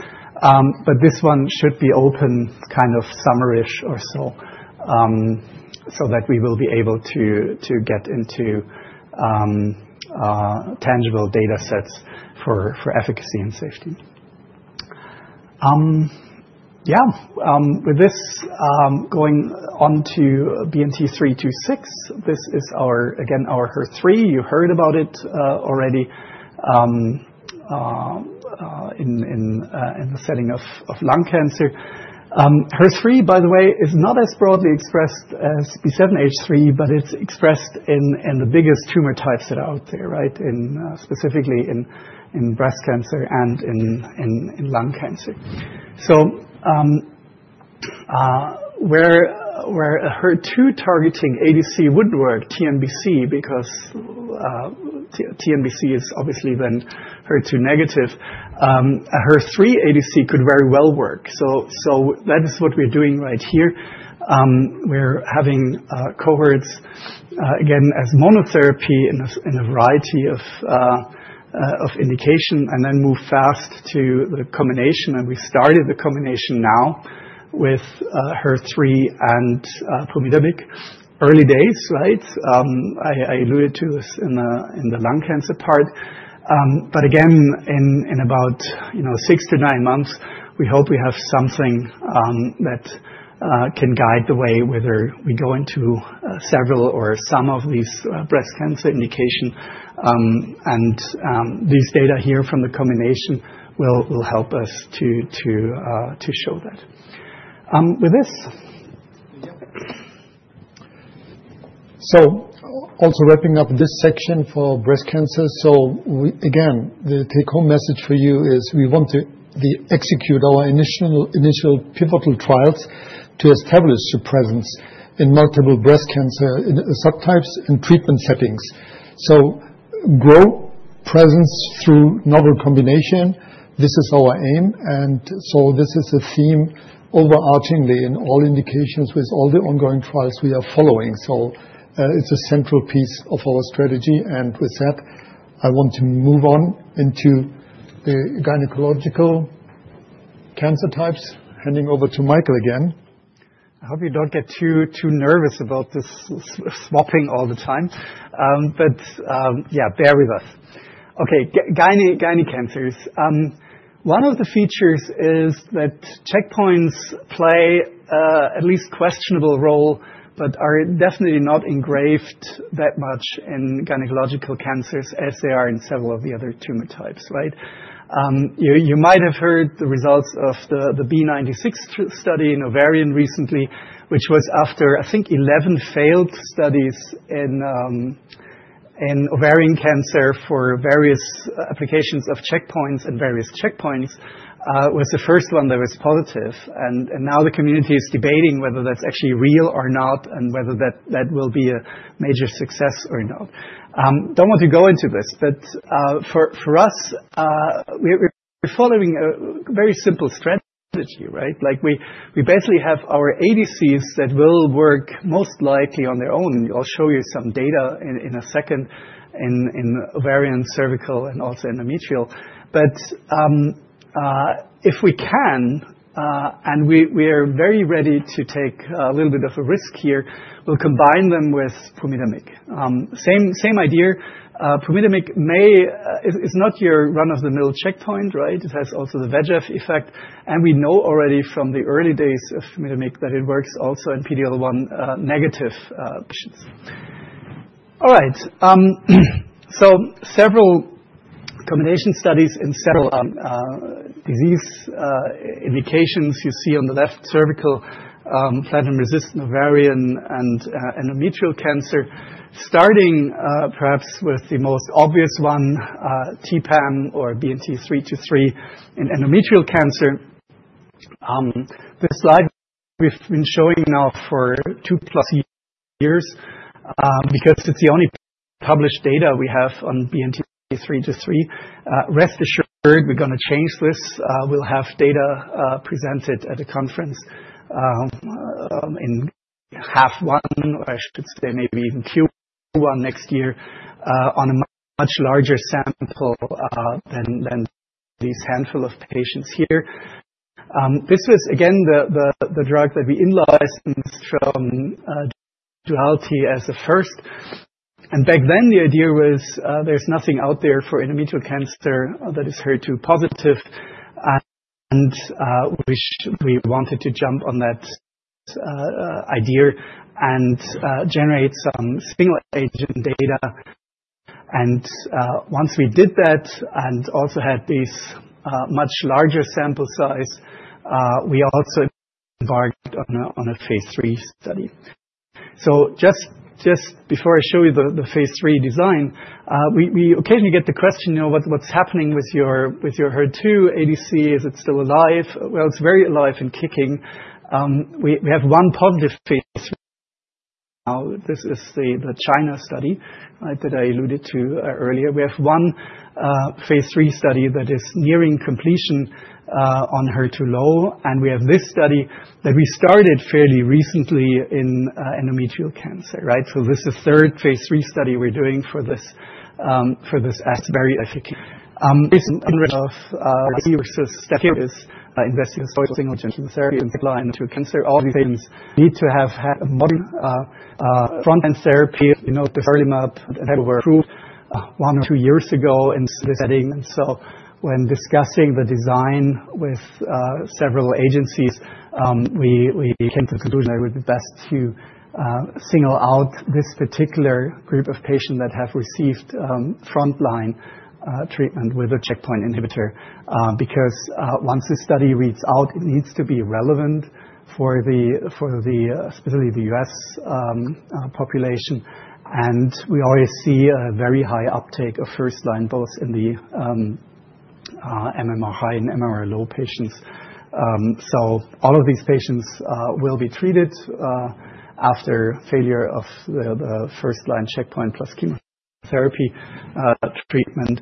But this one should be open kind of summerish or so that we will be able to get into tangible data sets for efficacy and safety. Yeah. With this going on to BNT326, this is, again, our HER3. You heard about it already in the setting of lung cancer. HER3, by the way, is not as broadly expressed as B7-H3, but it's expressed in the biggest tumor types that are out there, right, specifically in breast cancer and in lung cancer, so where HER2 targeting ADC wouldn't work, TNBC, because TNBC is obviously then HER2 negative, HER3 ADC could very well work, so that is what we're doing right here. We're having cohorts, again, as monotherapy in a variety of indication and then move fast to the combination, and we started the combination now with HER3 and osimertinib. Early days, right? I alluded to this in the lung cancer part, but again, in about six to nine months, we hope we have something that can guide the way whether we go into several or some of these breast cancer indications. And these data here from the combination will help us to show that with this. So also wrapping up this section for breast cancer. So again, the take-home message for you is we want to execute our initial pivotal trials to establish our presence in multiple breast cancer subtypes and treatment settings. So grow presence through novel combination. This is our aim. And so this is a theme overarchingly in all indications with all the ongoing trials we are following. So it's a central piece of our strategy. And with that, I want to move on into the gynecological cancer types. Handing over to Michael again. I hope you don't get too nervous about this swapping all the time. But yeah, bear with us. Okay. Gyne cancers. One of the features is that checkpoints play at least questionable role, but are definitely not ingrained that much in gynecological cancers as they are in several of the other tumor types, right? You might have heard the results of the B96 study in ovarian recently, which was after, I think, 11 failed studies in ovarian cancer for various applications of checkpoints and various checkpoints was the first one that was positive, and now the community is debating whether that's actually real or not and whether that will be a major success or not. Don't want to go into this, but for us, we're following a very simple strategy, right? We basically have our ADCs that will work most likely on their own. I'll show you some data in a second in ovarian, cervical, and also endometrial. But if we can, and we are very ready to take a little bit of a risk here, we'll combine them with pumitamig. Same idea. Pumitamig is not your run-of-the-mill checkpoint, right? It has also the VEGF effect. And we know already from the early days of pumitamig that it works also in PD-L1 negative patients. All right. So several combination studies in several disease indications you see on the left, cervical, platinum-resistant ovarian, and endometrial cancer. Starting perhaps with the most obvious one, TPAM or BNT323 in endometrial cancer. This slide we've been showing now for two-plus years because it's the only published data we have on BNT323. Rest assured, we're going to change this. We'll have data presented at a conference in half one, or I should say maybe even Q1 next year on a much larger sample than these handful of patients here. This was, again, the drug that we in-licensed from Duality as a first. And back then, the idea was there's nothing out there for endometrial cancer that is HER2-positive. And we wanted to jump on that idea and generate some single-agent data. And once we did that and also had this much larger sample size, we also embarked on a phase III study. So just before I show you the phase III design, we occasionally get the question, "What's happening with your HER2 ADC? Is it still alive?" Well, it's very alive and kicking. We have one positive phase III. This is the China study that I alluded to earlier. We have one phase III study that is nearing completion on HER2-low. And we have this study that we started fairly recently in endometrial cancer, right? So this is the third phase III study we're doing for this very efficacious resensitization step. Here we are investing in single-agent chemotherapy and advanced endometrial cancer. All these patients need to have a modern frontline therapy. The early mAbs that were approved one or two years ago in this setting. And so when discussing the design with several agencies, we came to the conclusion that it would be best to single out this particular group of patients that have received frontline treatment with a checkpoint inhibitor. Because once this study reads out, it needs to be relevant for the, specifically the U.S. population. And we always see a very high uptake of first-line both in the MMR high and MMR low patients. So all of these patients will be treated after failure of the first-line checkpoint plus chemotherapy treatment.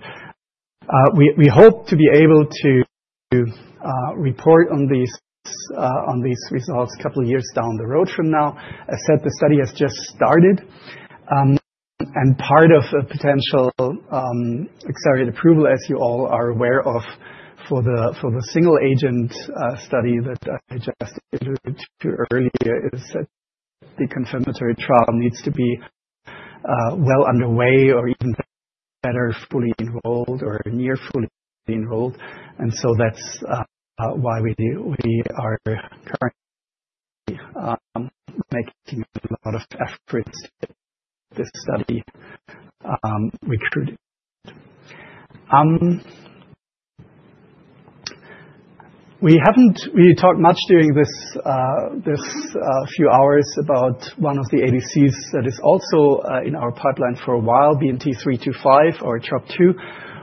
We hope to be able to report on these results a couple of years down the road from now. As said, the study has just started. And part of a potential accelerated approval, as you all are aware of, for the single-agent study that I just alluded to earlier, is that the confirmatory trial needs to be well underway or even better fully enrolled or near fully enrolled. And so that's why we are currently making a lot of efforts to get this study recruited. We talked much during this few hours about one of the ADCs that is also in our pipeline for a while, BNT325 or TROP2.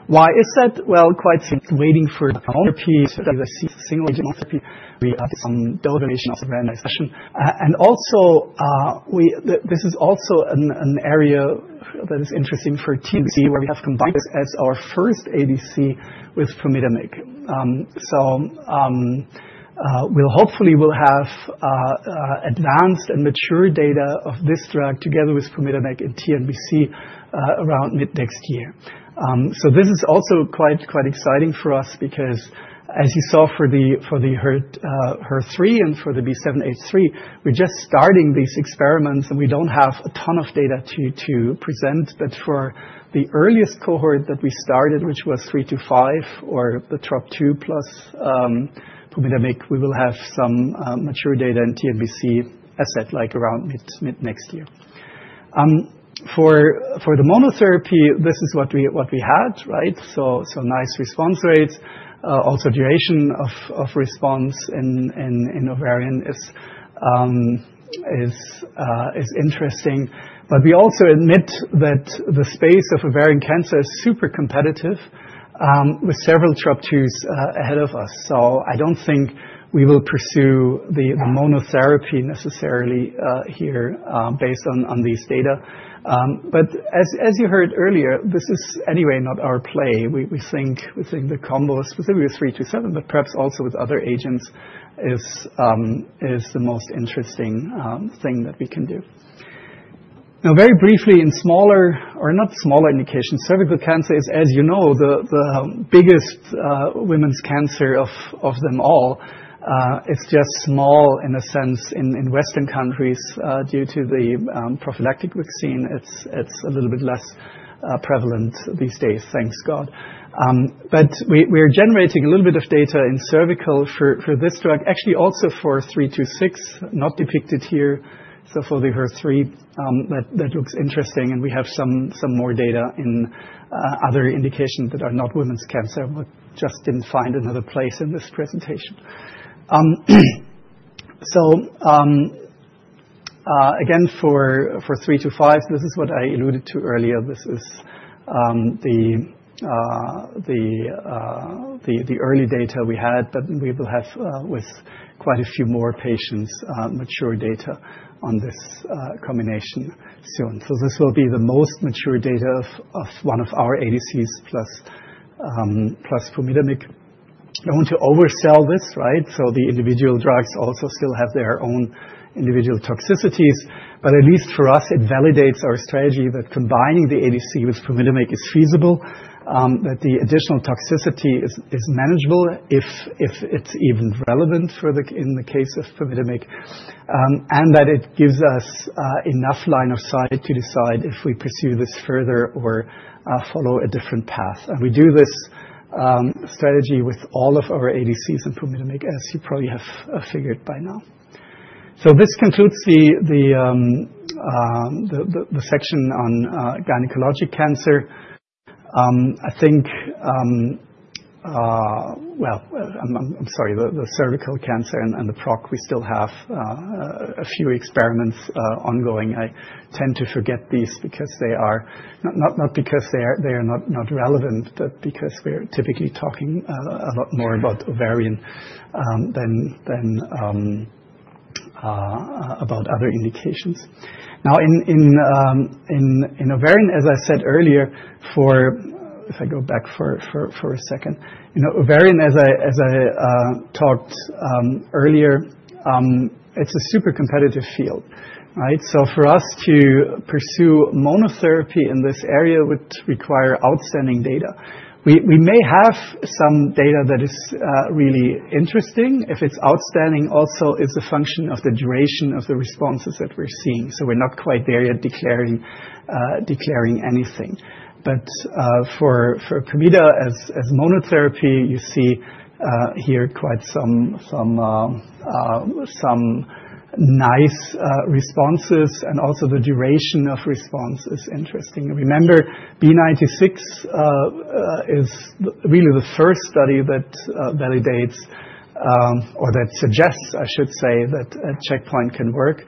Why is that? Well, quite simple. Waiting for therapy to be the single-agent therapy. We have some double-agent randomization. And also, this is also an area that is interesting for TNBC where we have combined this as our first ADC with sacituzumab. So hopefully, we'll have advanced and mature data of this drug together with sacituzumab and TNBC around mid next year. So this is also quite exciting for us because, as you saw for the HER3 and for the B7-H3, we're just starting these experiments. And we don't have a ton of data to present. But for the earliest cohort that we started, which was 325 or the TROP2 plus pumitamig. We will have some mature data in TNBC as said, like around mid next year. For the monotherapy, this is what we had, right? So nice response rates. Also, duration of response in ovarian is interesting. But we also admit that the space of ovarian cancer is super competitive with several TROP2s ahead of us. So I don't think we will pursue the monotherapy necessarily here based on these data. But as you heard earlier, this is anyway not our play. We think the combo specifically with 327, but perhaps also with other agents, is the most interesting thing that we can do. Now, very briefly, in smaller or not smaller indications, cervical cancer is, as you know, the biggest women's cancer of them all. It's just small in a sense in Western countries due to the prophylactic vaccine. It's a little bit less prevalent these days, thank God. But we're generating a little bit of data in cervical for this drug, actually also for 326, not depicted here. So for the HER3, that looks interesting. And we have some more data in other indications that are not women's cancer. We just didn't find another place in this presentation. So again, for 325, this is what I alluded to earlier. This is the early data we had, but we will have with quite a few more patients mature data on this combination soon. So this will be the most mature data of one of our ADCs plus pumitamig. Don't want to oversell this, right? So the individual drugs also still have their own individual toxicities. But at least for us, it validates our strategy that combining the ADC with pumitamig is feasible, that the additional toxicity is manageable if it's even relevant in the case of pumitamig, and that it gives us enough line of sight to decide if we pursue this further or follow a different path. And we do this strategy with all of our ADCs and pumitamig, as you probably have figured by now. So this concludes the section on gynecologic cancer. I think, well, I'm sorry, the cervical cancer and the PROC, we still have a few experiments ongoing. I tend to forget these because they are not relevant, but because we're typically talking a lot more about ovarian than about other indications. Now, in ovarian, as I said earlier, if I go back for a second, in ovarian, as I talked earlier, it's a super competitive field, right? So for us to pursue monotherapy in this area would require outstanding data. We may have some data that is really interesting. If it's outstanding, also it's a function of the duration of the responses that we're seeing. So we're not quite there yet declaring anything. But for pumitamig as monotherapy, you see here quite some nice responses. And also the duration of response is interesting. Remember, B96 is really the first study that validates or that suggests, I should say, that a checkpoint can work.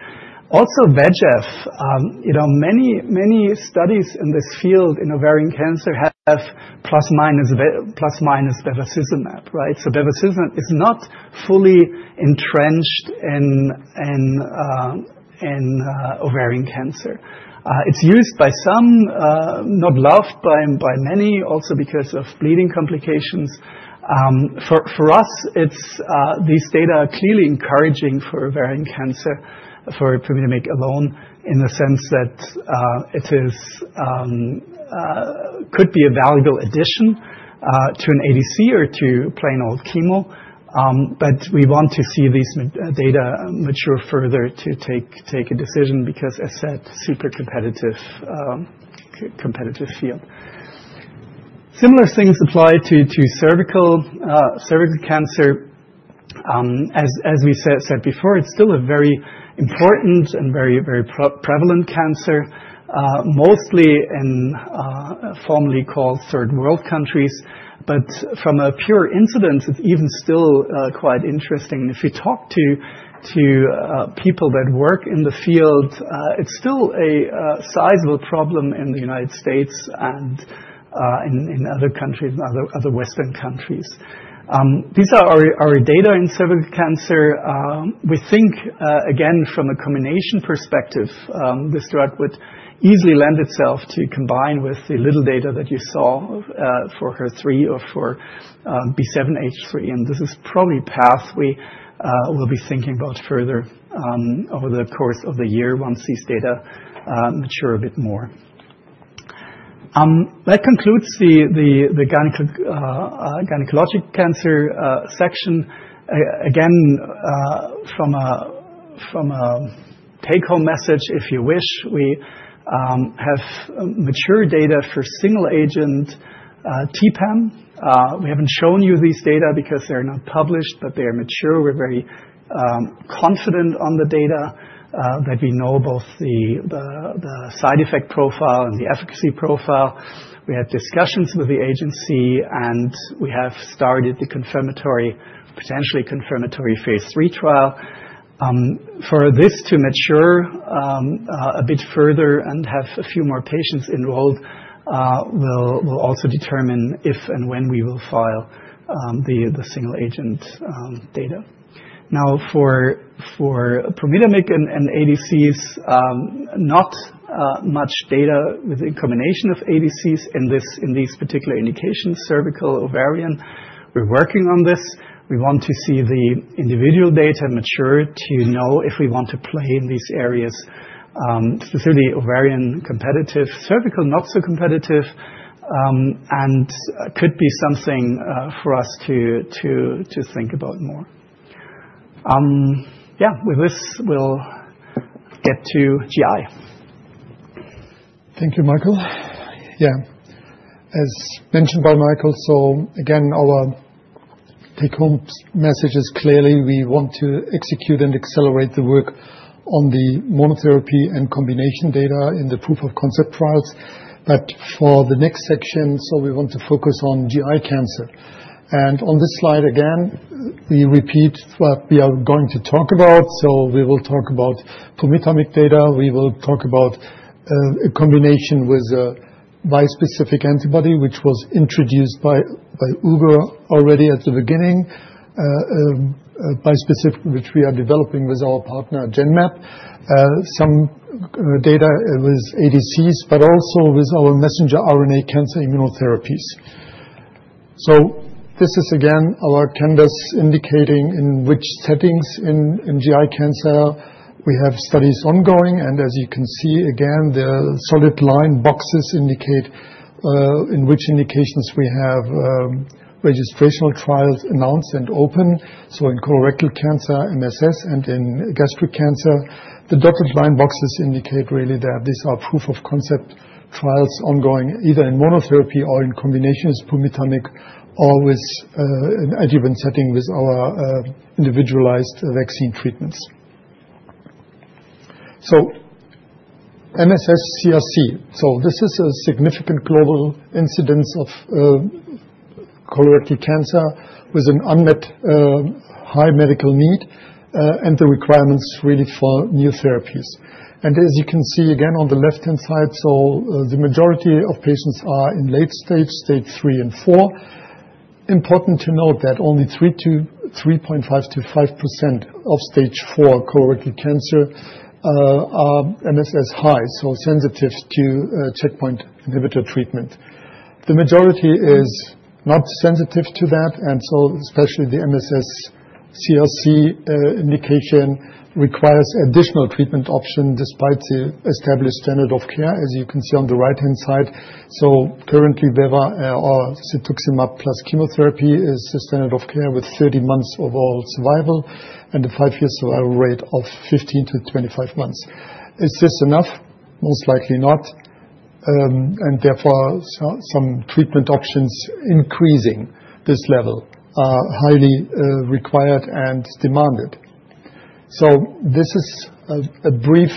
Also, VEGF, many studies in this field in ovarian cancer have plus minus bevacizumab, right? So bevacizumab is not fully entrenched in ovarian cancer. It's used by some, not loved by many, also because of bleeding complications. For us, these data are clearly encouraging for ovarian cancer, for pumitamig alone, in the sense that it could be a valuable addition to an ADC or to plain old chemo. But we want to see these data mature further to take a decision because, as said, super competitive field. Similar things apply to cervical cancer. As we said before, it's still a very important and very prevalent cancer, mostly in formerly called Third World countries. But from a pure incidence, it's even still quite interesting. If you talk to people that work in the field, it's still a sizable problem in the United States and in other countries, other Western countries. These are our data in cervical cancer. We think, again, from a combination perspective, this drug would easily lend itself to combine with the little data that you saw for HER3 or for B7-H3. This is probably a path we will be thinking about further over the course of the year once these data mature a bit more. That concludes the gynecologic cancer section. Again, from a take-home message, if you wish, we have mature data for single-agent TPAM. We haven't shown you these data because they're not published, but they are mature. We're very confident on the data that we know both the side effect profile and the efficacy profile. We had discussions with the agency, and we have started the potentially confirmatory phase III trial. For this to mature a bit further and have a few more patients enrolled, we'll also determine if and when we will file the single-agent data. Now, for sacituzumab and ADCs, not much data with the combination of ADCs in these particular indications, cervical, ovarian. We're working on this. We want to see the individual data mature to know if we want to play in these areas, specifically ovarian competitive, cervical not so competitive, and could be something for us to think about more. Yeah, with this, we'll get to GI. Thank you, Michael. Yeah, as mentioned by Michael, so again, our take-home message is clearly we want to execute and accelerate the work on the monotherapy and combination data in the proof of concept trials, but for the next section, so we want to focus on GI cancer, and on this slide, again, we repeat what we are going to talk about, so we will talk about pumitamig data. We will talk about a combination with a bispecific antibody, which was introduced by Ugur already at the beginning, bispecific, which we are developing with our partner Genmab, some data with ADCs, but also with our messenger RNA cancer immunotherapies, so this is, again, our canvas indicating in which settings in GI cancer we have studies ongoing, and as you can see, again, the solid line boxes indicate in which indications we have registrational trials announced and open. So in colorectal cancer, MSS, and in gastric cancer, the dotted line boxes indicate really that these are proof of concept trials ongoing either in monotherapy or in combination with pumitamig or with an adjuvant setting with our individualized vaccine treatments. So MSS CRC. So this is a significant global incidence of colorectal cancer with an unmet high medical need and the requirements really for new therapies. And as you can see, again, on the left-hand side, so the majority of patients are in late stage, stage three and four. Important to note that only 3.5%-5% of stage four colorectal cancer are MSS high, so sensitive to checkpoint inhibitor treatment. The majority is not sensitive to that. And so especially the MSS, CRC indication requires additional treatment option despite the established standard of care, as you can see on the right-hand side. Currently, Cetuximab plus chemotherapy is the standard of care with 30 months of overall survival and a five-year survival rate of 15%-25%. Is this enough? Most likely not. And therefore, some treatment options increasing this level are highly required and demanded. So this is a brief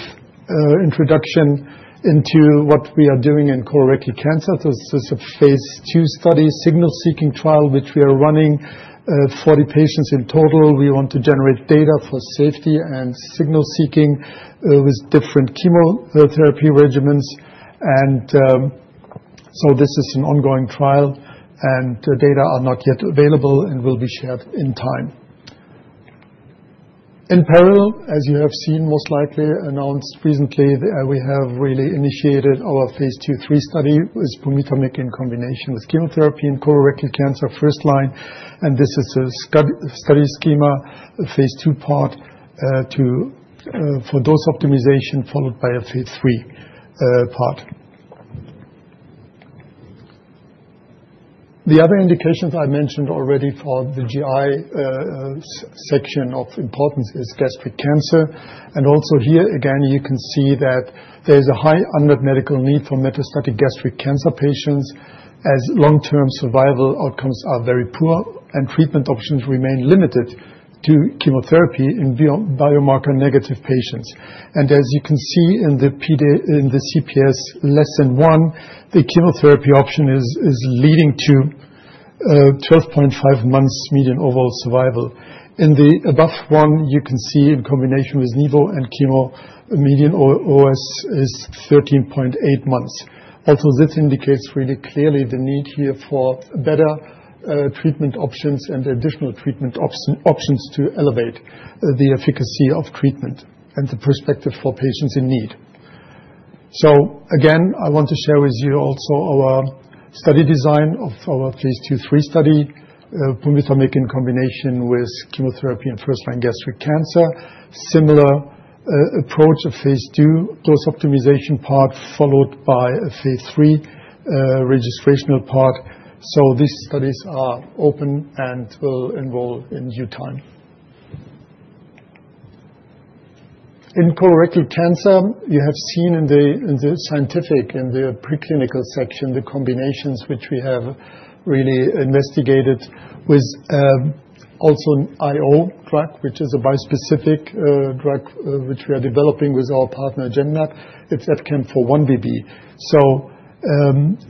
introduction into what we are doing in colorectal cancer. This is a phase II study, signal-seeking trial, which we are running 40 patients in total. We want to generate data for safety and signal-seeking with different chemotherapy regimens. And so this is an ongoing trial, and data are not yet available and will be shared in time. In parallel, as you have seen, most likely announced recently, we have really initiated our phase II/III study with pumitamig in combination with chemotherapy in colorectal cancer first-line. This is a study schema, phase II part for dose optimization followed by a phase III part. The other indications I mentioned already for the GI section of importance is gastric cancer. Also here, again, you can see that there is a high unmet medical need for metastatic gastric cancer patients as long-term survival outcomes are very poor and treatment options remain limited to chemotherapy in biomarker-negative patients. As you can see in the CPS less than one, the chemotherapy option is leading to 12.5 months median overall survival. In the above one, you can see in combination with nivo and chemo, median OS is 13.8 months. Also, this indicates really clearly the need here for better treatment options and additional treatment options to elevate the efficacy of treatment and the perspective for patients in need. Again, I want to share with you also our study design of our phase II/III study, pumitamig in combination with chemotherapy in first-line gastric cancer, similar approach of phase II dose optimization part followed by a phase III registrational part. These studies are open and will enroll in due time. In colorectal cancer, you have seen in the scientific, in the preclinical section, the combinations which we have really investigated with also an IO drug, which is a bispecific drug which we are developing with our partner Genmab. It's 4-1BB.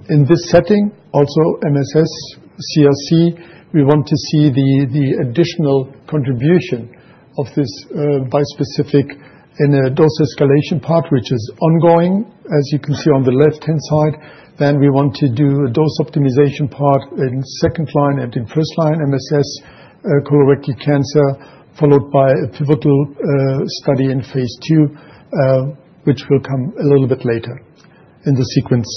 In this setting, also MSS, CRC, we want to see the additional contribution of this bispecific in a dose escalation part, which is ongoing, as you can see on the left-hand side. Then we want to do a dose optimization part in second line and in first line MSS, colorectal cancer, followed by a pivotal study in phase II, which will come a little bit later in the sequence.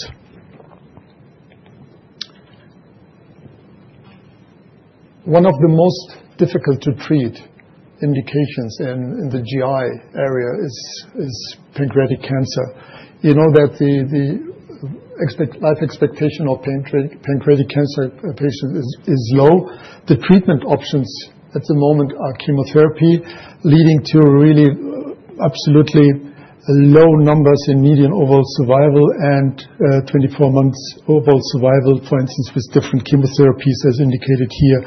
One of the most difficult to treat indications in the GI area is pancreatic cancer. You know that the life expectancy of pancreatic cancer patients is low. The treatment options at the moment are chemotherapy, leading to really absolutely low numbers in median overall survival and 24 months overall survival, for instance, with different chemotherapies as indicated here,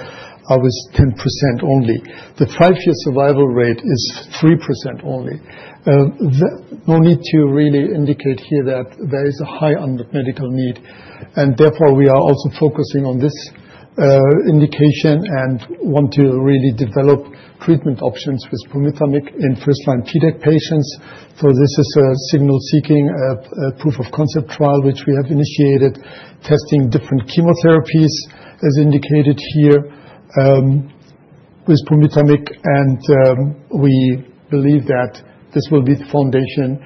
are with 10% only. The five-year survival rate is 3% only. No need to really indicate here that there is a high unmet medical need, and therefore, we are also focusing on this indication and want to really develop treatment options with pumitamig in first-line TDEC patients. So this is a signal-seeking proof of concept trial, which we have initiated, testing different chemotherapies as indicated here with sunitinib. And we believe that this will be the foundation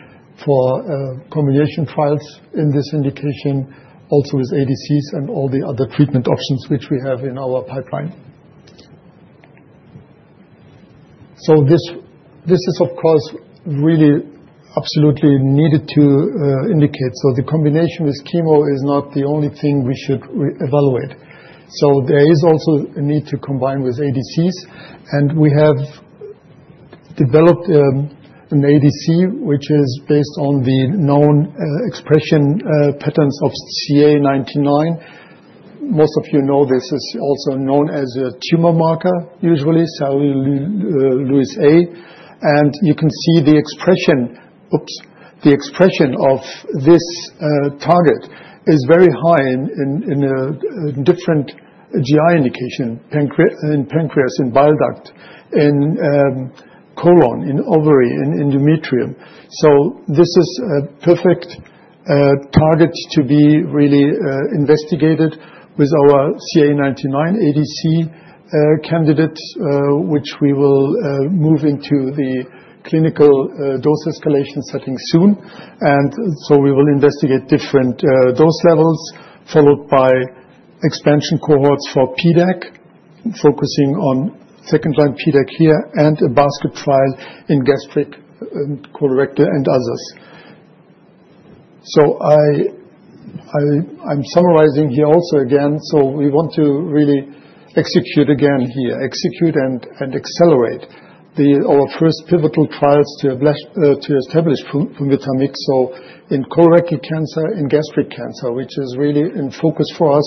for combination trials in this indication, also with ADCs and all the other treatment options which we have in our pipeline. So this is, of course, really absolutely needed to indicate. So the combination with chemo is not the only thing we should evaluate. So there is also a need to combine with ADCs. And we have developed an ADC, which is based on the known expression patterns of CA 19-9. Most of you know this is also known as a tumor marker, usually Sialyl Lewis A. And you can see the expression of this target is very high in different GI indications, in pancreas, in bile duct, in colon, in ovary, in endometrium. This is a perfect target to be really investigated with our CA19-9 ADC candidate, which we will move into the clinical dose escalation setting soon. We will investigate different dose levels followed by expansion cohorts for PDEC, focusing on second-line PDEC here and a basket trial in gastric, colorectal, and others. I'm summarizing here also again. We want to really execute again here, execute and accelerate our first pivotal trials to establish pumitamig, so in colorectal cancer, in gastric cancer, which is really in focus for us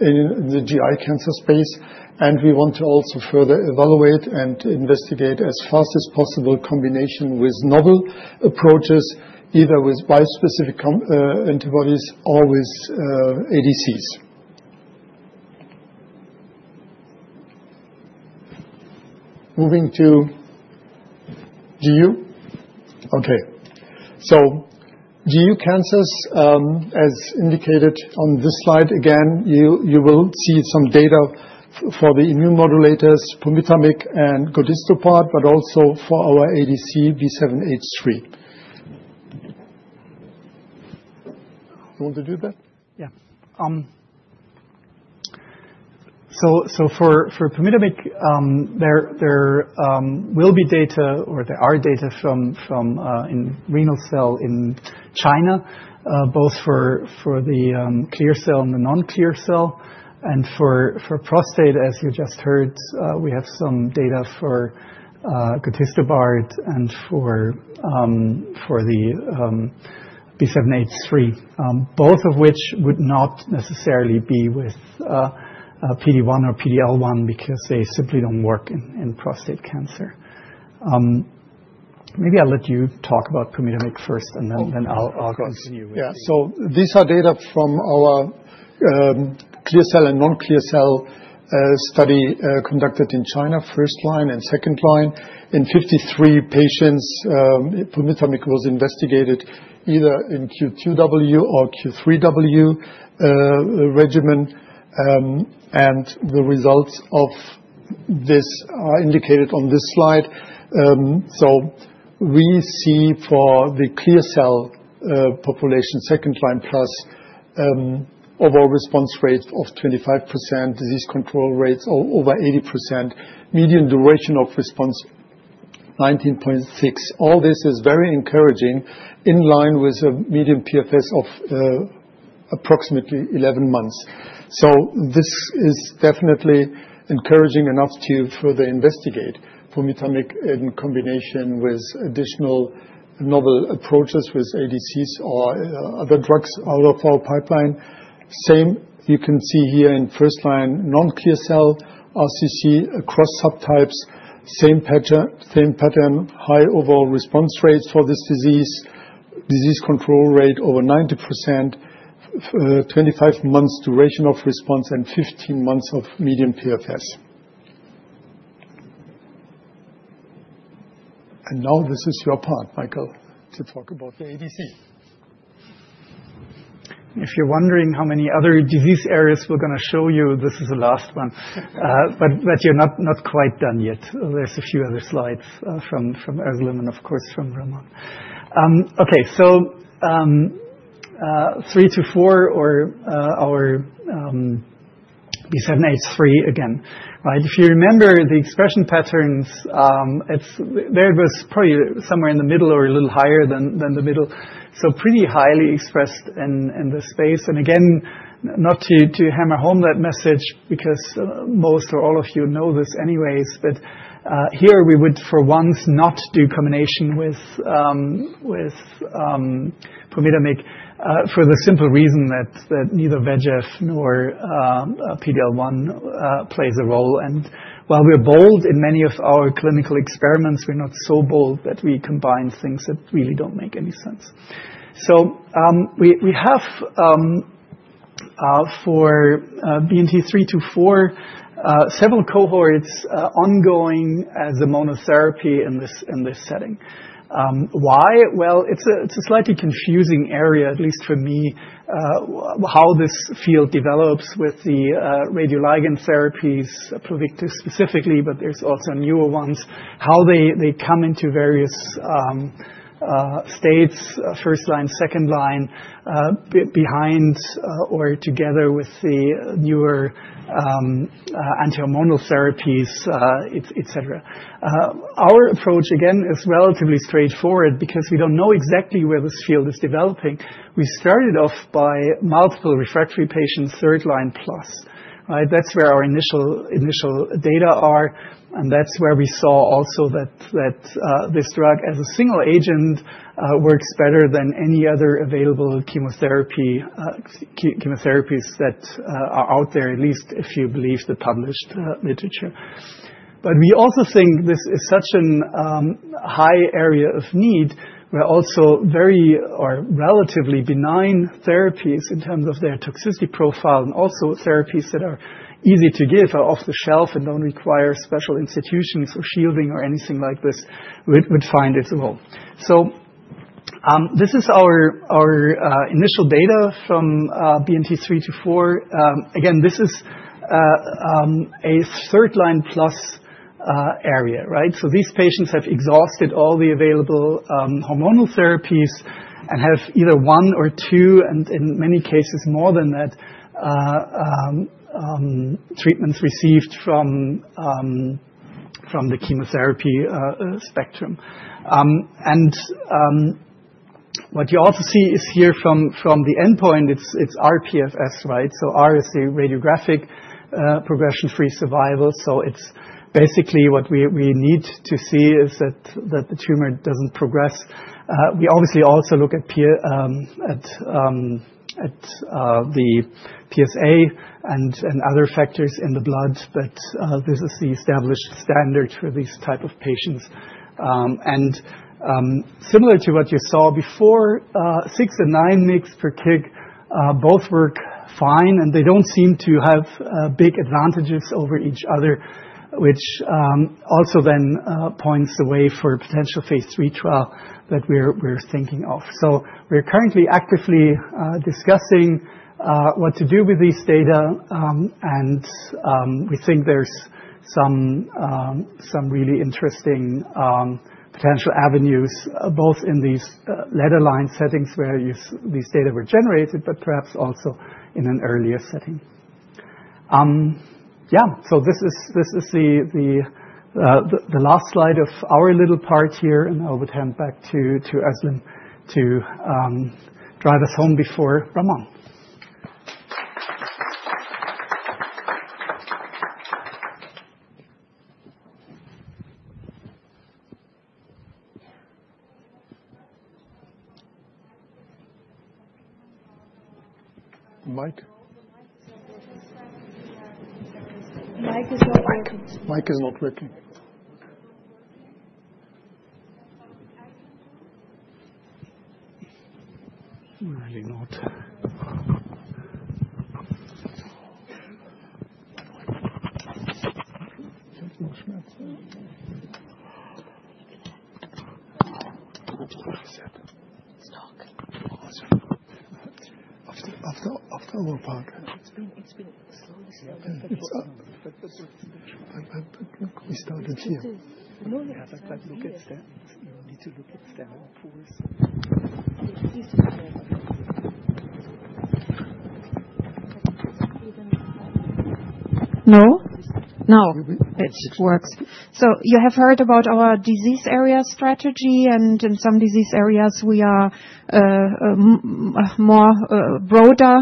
in the GI cancer space. We want to also further evaluate and investigate as fast as possible combination with novel approaches, either with bispecific antibodies or with ADCs. Moving to GU. Okay. GU cancers, as indicated on this slide, again, you will see some data for the immune modulators, sunitinib and cabozantinib, but also for our ADC B7-H3. Do you want to do that? Yeah. So for sunitinib, there will be data or there are data from renal cell in China, both for the clear cell and the non-clear cell. And for prostate, as you just heard, we have some data for cabozantinib and for the B7-H3, both of which would not necessarily be with PD-1 or PD-L1 because they simply don't work in prostate cancer. Maybe I'll let you talk about sunitinib first, and then I'll continue. Yeah. So these are data from our clear cell and non-clear cell study conducted in China, first line and second line. In 53 patients, sunitinib was investigated either in Q2W or Q3W regimen. And the results of this are indicated on this slide. So we see for the clear cell population, second line plus, overall response rate of 25%, disease control rates over 80%, median duration of response 19.6. All this is very encouraging in line with a median PFS of approximately 11 months. So this is definitely encouraging enough to further investigate sunitinib in combination with additional novel approaches with ADCs or other drugs out of our pipeline. Same, you can see here in first line, non-clear cell, RCC, across subtypes, same pattern, high overall response rates for this disease, disease control rate over 90%, 25 months duration of response, and 15 months of median PFS. Now this is your part, Michael, to talk about the ADC. If you're wondering how many other disease areas we're going to show you, this is the last one. But you're not quite done yet. There's a few other slides from Özlem and, of course, from Ramón. Okay. So three to four or our B7-H3 again, right? If you remember the expression patterns, there was probably somewhere in the middle or a little higher than the middle. So pretty highly expressed in this space. And again, not to hammer home that message because most or all of you know this anyways, but here we would for once not do combination with sunitinib for the simple reason that neither VEGF nor PD-L1 plays a role. And while we're bold in many of our clinical experiments, we're not so bold that we combine things that really don't make any sense. So we have for BNT three to four several cohorts ongoing as a monotherapy in this setting. Why? Well, it's a slightly confusing area, at least for me, how this field develops with the radioligand therapies, Pluvicto specifically, but there's also newer ones, how they come into various states, first line, second line, behind or together with the newer anti-hormonal therapies, etc. Our approach, again, is relatively straightforward because we don't know exactly where this field is developing. We started off by multiple refractory patients, third line plus, right? That's where our initial data are. And that's where we saw also that this drug as a single agent works better than any other available chemotherapy therapies that are out there, at least if you believe the published literature. But we also think this is such a high area of need where also very or relatively benign therapies in terms of their toxicity profile and also therapies that are easy to give are off the shelf and don't require special institutions or shielding or anything like this would find its role. So this is our initial data from BNT324. Again, this is a third-line plus area, right? So these patients have exhausted all the available hormonal therapies and have either one or two, and in many cases, more than that, treatments received from the chemotherapy spectrum. And what you also see is here from the endpoint, it's rPFS, right? So r is the radiographic progression-free survival. So it's basically what we need to see is that the tumor doesn't progress. We obviously also look at the PSA and other factors in the blood, but this is the established standard for these types of patients. And similar to what you saw before, six and nine mg per kg, both work fine, and they don't seem to have big advantages over each other, which also then paves the way for a potential phase III trial that we're thinking of. So we're currently actively discussing what to do with these data, and we think there's some really interesting potential avenues both in these later line settings where these data were generated, but perhaps also in an earlier setting. Yeah. So this is the last slide of our little part here, and I would hand back to Özlem to drive us home before Ramón. The mic is not working. No? Now it works. So you have heard about our disease area strategy, and in some disease areas, we are more broader,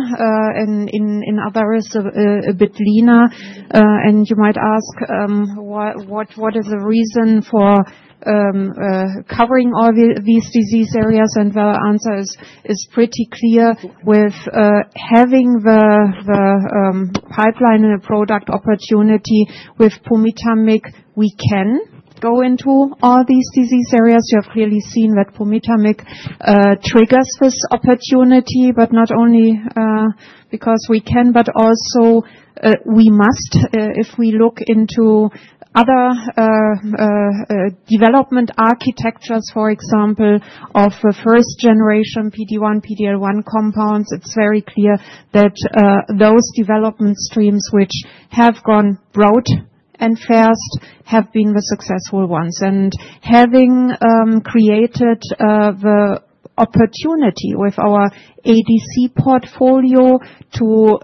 in others, a bit leaner. And you might ask, what is the reason for covering all these disease areas? And the answer is pretty clear. With having the pipeline and the product opportunity with pumitamig, we can go into all these disease areas. You have clearly seen that pumitamig triggers this opportunity, but not only because we can, but also we must. If we look into other development architectures, for example, of first-generation PD-1, PD-L1 compounds, it's very clear that those development streams which have gone broad and fast have been the successful ones. And having created the opportunity with our ADC portfolio to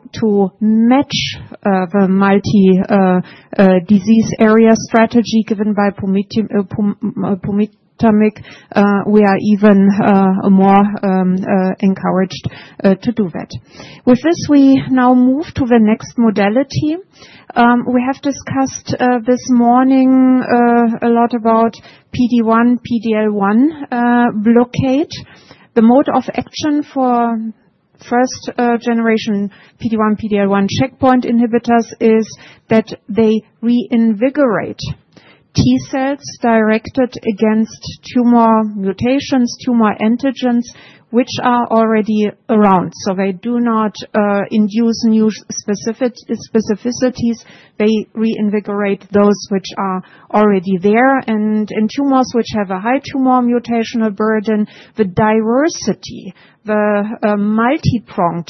match the multi-disease area strategy given by pumitamig, we are even more encouraged to do that. With this, we now move to the next modality. We have discussed this morning a lot about PD-1, PD-L1 blockade. The mode of action for first-generation PD-1, PD-L1 checkpoint inhibitors is that they reinvigorate T-cells directed against tumor mutations, tumor antigens, which are already around. So they do not induce new specificities. They reinvigorate those which are already there. And in tumors which have a high tumor mutational burden, the diversity, the multi-pronged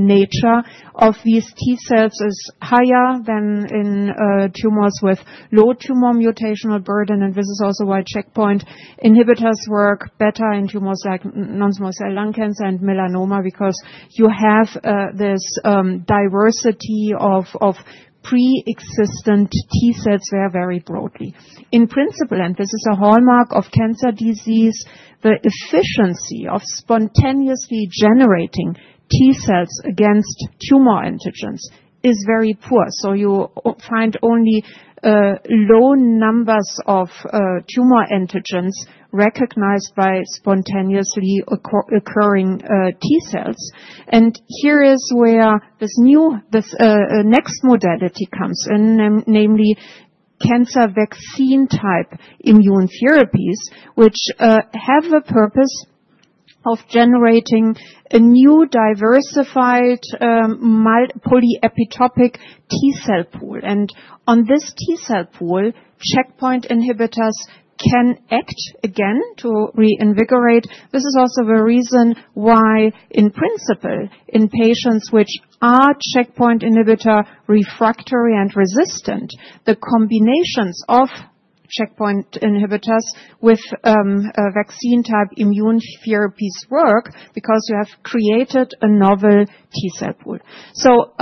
nature of these T-cells is higher than in tumors with low tumor mutational burden. And this is also why checkpoint inhibitors work better in tumors like non-small cell lung cancer and melanoma because you have this diversity of pre-existent T-cells there very broadly. In principle, and this is a hallmark of cancer disease, the efficiency of spontaneously generating T-cells against tumor antigens is very poor. So you find only low numbers of tumor antigens recognized by spontaneously occurring T-cells. And here is where this new next modality comes in, namely cancer vaccine-type immune therapies, which have a purpose of generating a new diversified polyepitopic T-cell pool. And on this T-cell pool, checkpoint inhibitors can act again to reinvigorate. This is also the reason why, in principle, in patients which are checkpoint inhibitor refractory and resistant, the combinations of checkpoint inhibitors with vaccine-type immune therapies work because you have created a novel T-cell pool. So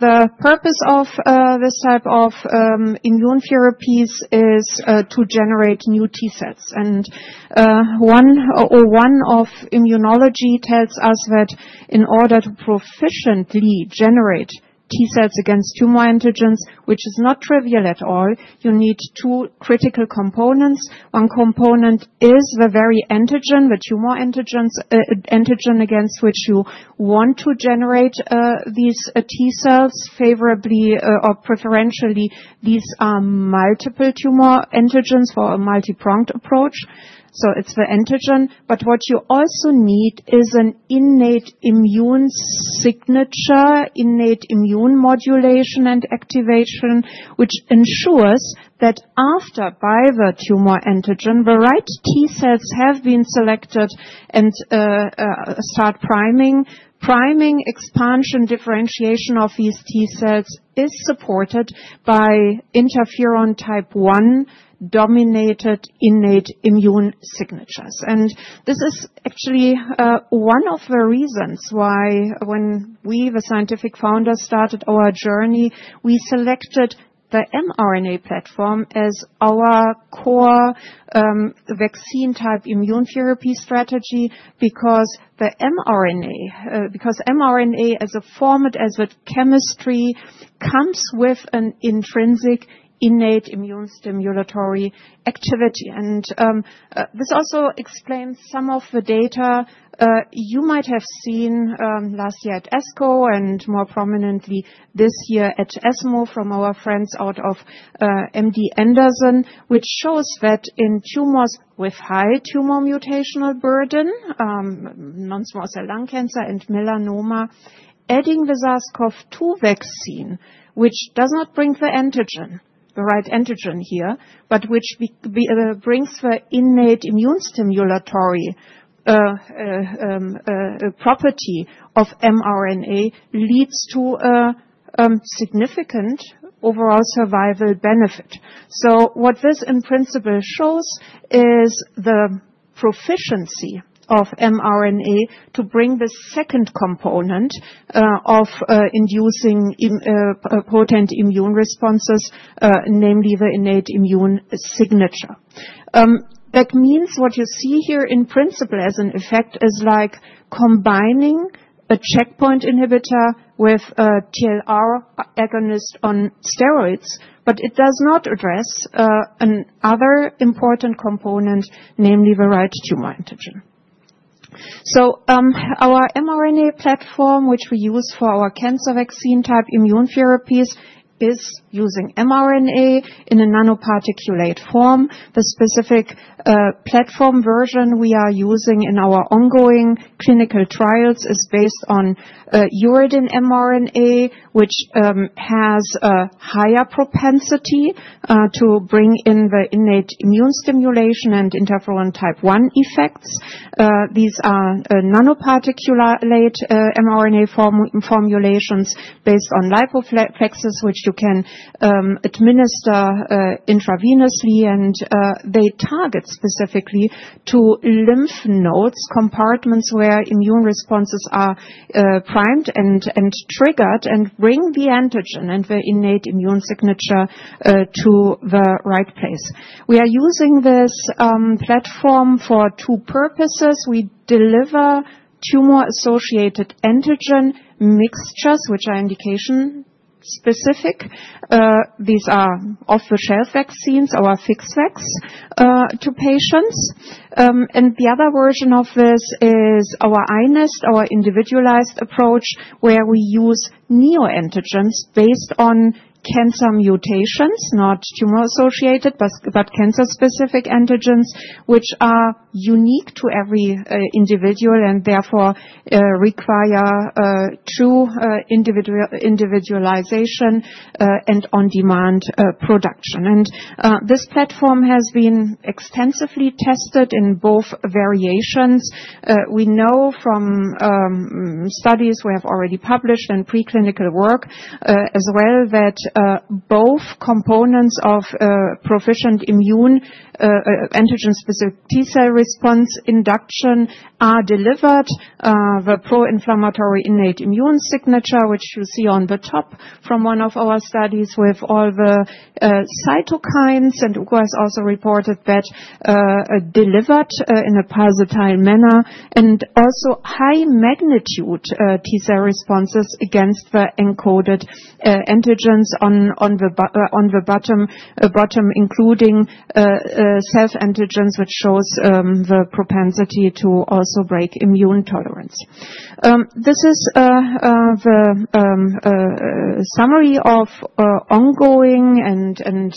the purpose of this type of immune therapies is to generate new T-cells. And one of immunology tells us that in order to proficiently generate T-cells against tumor antigens, which is not trivial at all, you need two critical components. One component is the very antigen, the tumor antigen against which you want to generate these T-cells favorably or preferentially. These are multiple tumor antigens for a multi-pronged approach, so it's the antigen, but what you also need is an innate immune signature, innate immune modulation and activation, which ensures that, activated by the tumor antigen, the right T-cells have been selected and start priming. Priming, expansion, differentiation of these T-cells is supported by interferon type I dominated innate immune signatures. This is actually one of the reasons why when we, the scientific founders, started our journey, we selected the mRNA platform as our core vaccine-type immune therapy strategy because mRNA, because mRNA as a format, as a chemistry, comes with an intrinsic innate immune stimulatory activity. And this also explains some of the data you might have seen last year at ASCO and more prominently this year at ESMO from our friends out of MD Anderson, which shows that in tumors with high tumor mutational burden, non-small cell lung cancer and melanoma, adding the SARS-CoV-2 vaccine, which does not bring the antigen, the right antigen here, but which brings the innate immune stimulatory property of mRNA, leads to a significant overall survival benefit. So what this in principle shows is the proficiency of mRNA to bring the second component of inducing potent immune responses, namely the innate immune signature. That means what you see here in principle as an effect is like combining a checkpoint inhibitor with a TLR agonist on steroids, but it does not address another important component, namely the right tumor antigen. So our mRNA platform, which we use for our cancer vaccine-type immune therapies, is using mRNA in a nanoparticulate form. The specific platform version we are using in our ongoing clinical trials is based on uridine mRNA, which has a higher propensity to bring in the innate immune stimulation and interferon type I effects. These are nanoparticulate mRNA formulations based on lipoplexes, which you can administer intravenously, and they target specifically to lymph nodes, compartments where immune responses are primed and triggered and bring the antigen and the innate immune signature to the right place. We are using this platform for two purposes. We deliver tumor-associated antigen mixtures, which are indication-specific. These are off-the-shelf vaccines, our fixed vaccine to patients. The other version of this is our iNeST, our individualized approach, where we use neoantigens based on cancer mutations, not tumor-associated, but cancer-specific antigens, which are unique to every individual and therefore require true individualization and on-demand production. This platform has been extensively tested in both variations. We know from studies we have already published and preclinical work as well that both components of proficient immune antigen-specific T-cell response induction are delivered. The pro-inflammatory innate immune signature, which you see on the top from one of our studies with all the cytokines, and Ugur has also reported that delivered in a parenteral manner, and also high-magnitude T-cell responses against the encoded antigens on the bottom, including self-antigens, which shows the propensity to also break immune tolerance. This is the summary of ongoing and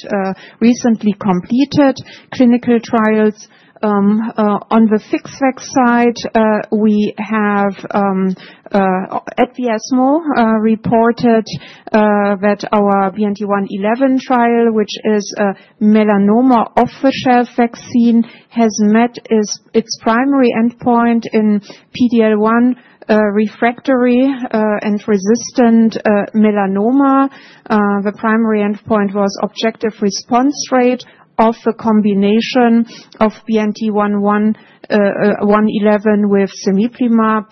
recently completed clinical trials. On the FixVac vaccine side, we have at the ESMO reported that our BNT111 trial, which is a melanoma off-the-shelf vaccine, has met its primary endpoint in PD-L1 refractory and resistant melanoma. The primary endpoint was objective response rate of the combination of BNT111 with cemiplimab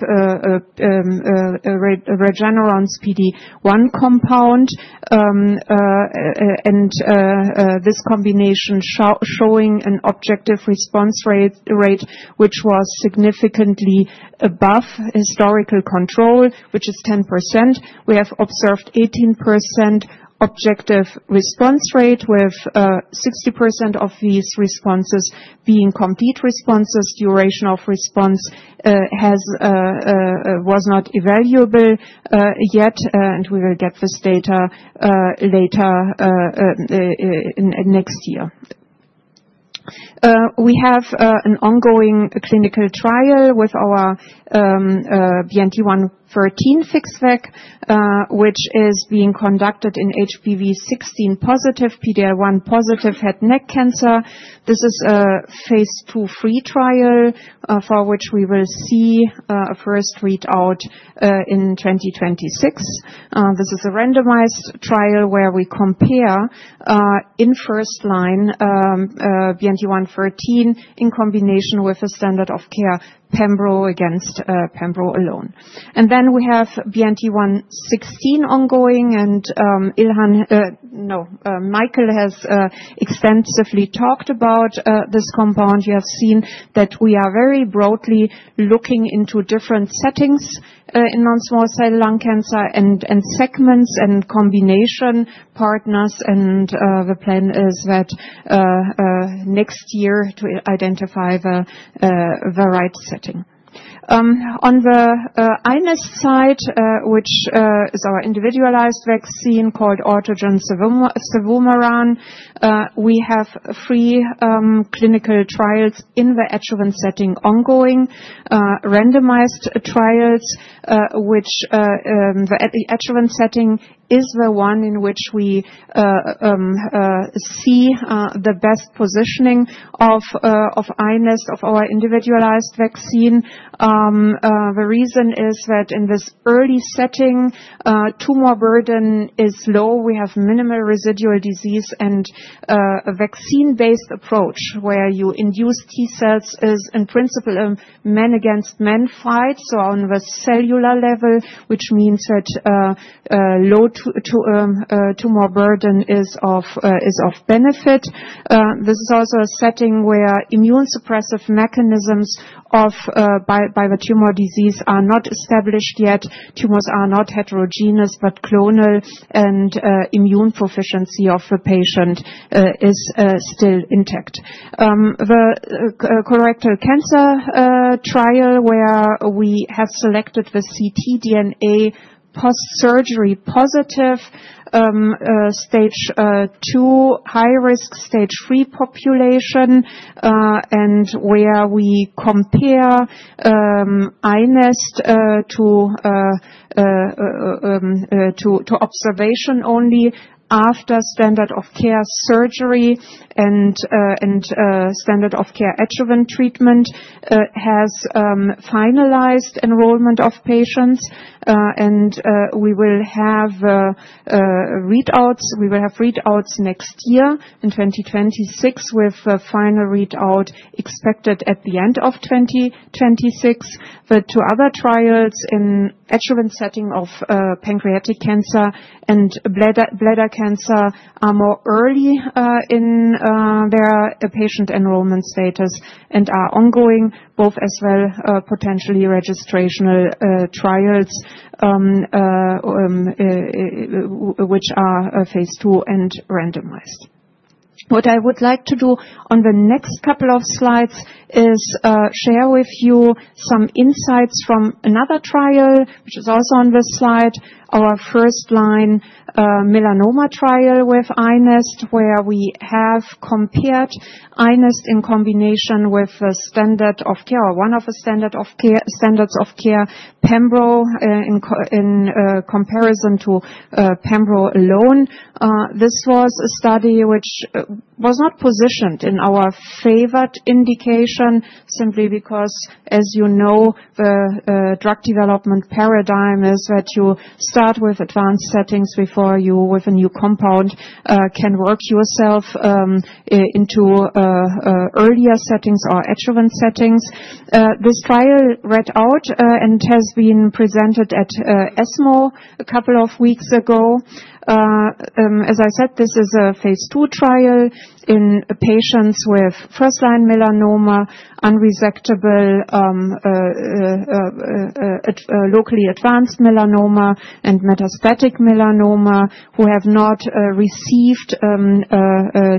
Regeneron PD-1 compound, and this combination showing an objective response rate, which was significantly above historical control, which is 10%. We have observed 18% objective response rate, with 60% of these responses being complete responses. Duration of response was not evaluable yet, and we will get this data later next year. We have an ongoing clinical trial with our BNT113 FixVac vaccine, which is being conducted in HPV-16 positive, PD-L1 positive head and neck cancer. This is a phase II trial for which we will see a first readout in 2026. This is a randomized trial where we compare in first line BNT113 in combination with a standard of care pembrol against pembrol alone. Then we have BNT116 ongoing. Michael has extensively talked about this compound. You have seen that we are very broadly looking into different settings in non-small cell lung cancer and segments and combination partners, and the plan is that next year to identify the right setting. On the iNeST side, which is our individualized vaccine called autogene cevumeran, we have three clinical trials in the adjuvant setting ongoing, randomized trials, which the adjuvant setting is the one in which we see the best positioning of iNeST, of our individualized vaccine. The reason is that in this early setting, tumor burden is low. We have minimal residual disease, and a vaccine-based approach where you induce T-cells is in principle a man-against-man fight. So on the cellular level, which means that low tumor burden is of benefit. This is also a setting where immune suppressive mechanisms by the tumor disease are not established yet. Tumors are not heterogeneous, but clonal, and immune proficiency of the patient is still intact. The colorectal cancer trial where we have selected the CT DNA post-surgery positive stage two high-risk stage three population, and where we compare iNeST to observation only after standard of care surgery and standard of care adjuvant treatment has finalized enrollment of patients. And we will have readouts next year in 2026 with the final readout expected at the end of 2026. The two other trials in adjuvant setting of pancreatic cancer and bladder cancer are more early in their patient enrollment status and are ongoing, both as well potentially registrational trials, which are phase II and randomized. What I would like to do on the next couple of slides is share with you some insights from another trial, which is also on this slide, our first-line melanoma trial with BNT111, where we have compared BNT111 in combination with the standard of care or one of the standards of care pembrol in comparison to pembrol alone. This was a study which was not positioned in our favored indication simply because, as you know, the drug development paradigm is that you start with advanced settings before you with a new compound can work yourself into earlier settings or adjuvant settings. This trial read out and has been presented at ESMO a couple of weeks ago. As I said, this is a phase II trial in patients with first-line melanoma, unresectable, locally advanced melanoma, and metastatic melanoma who have not received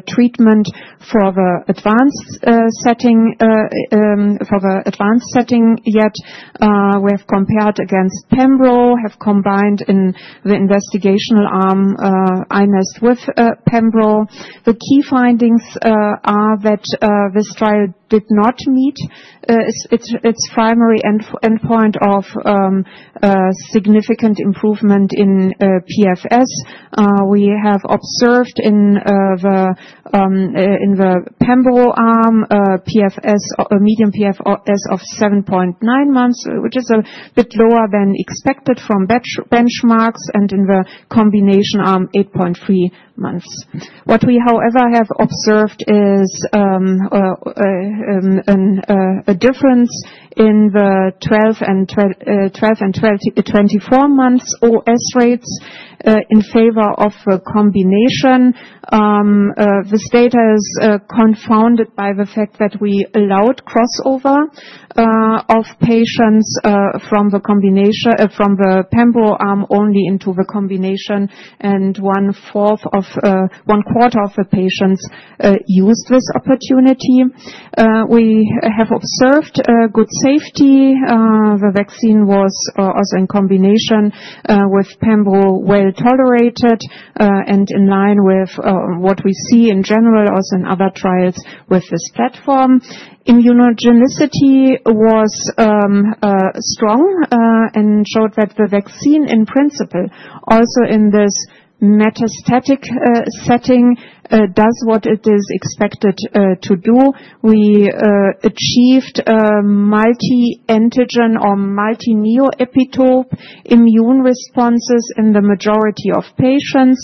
treatment for the advanced setting yet. We have compared against pembrol, have combined in the investigational arm iNeST with pembrol. The key findings are that this trial did not meet its primary endpoint of significant improvement in PFS. We have observed in the pembrol arm PFS, a median PFS of 7.9 months, which is a bit lower than expected from benchmarks, and in the combination arm 8.3 months. What we, however, have observed is a difference in the 12- and 24-month OS rates in favor of the combination. This data is confounded by the fact that we allowed crossover of patients from the pembrol arm only into the combination, and one quarter of the patients used this opportunity. We have observed good safety. The vaccine was also, in combination with pembrol, well tolerated and in line with what we see in general also in other trials with this platform. Immunogenicity was strong and showed that the vaccine in principle, also in this metastatic setting, does what it is expected to do. We achieved multi-antigen or multi-neoepitope immune responses in the majority of patients.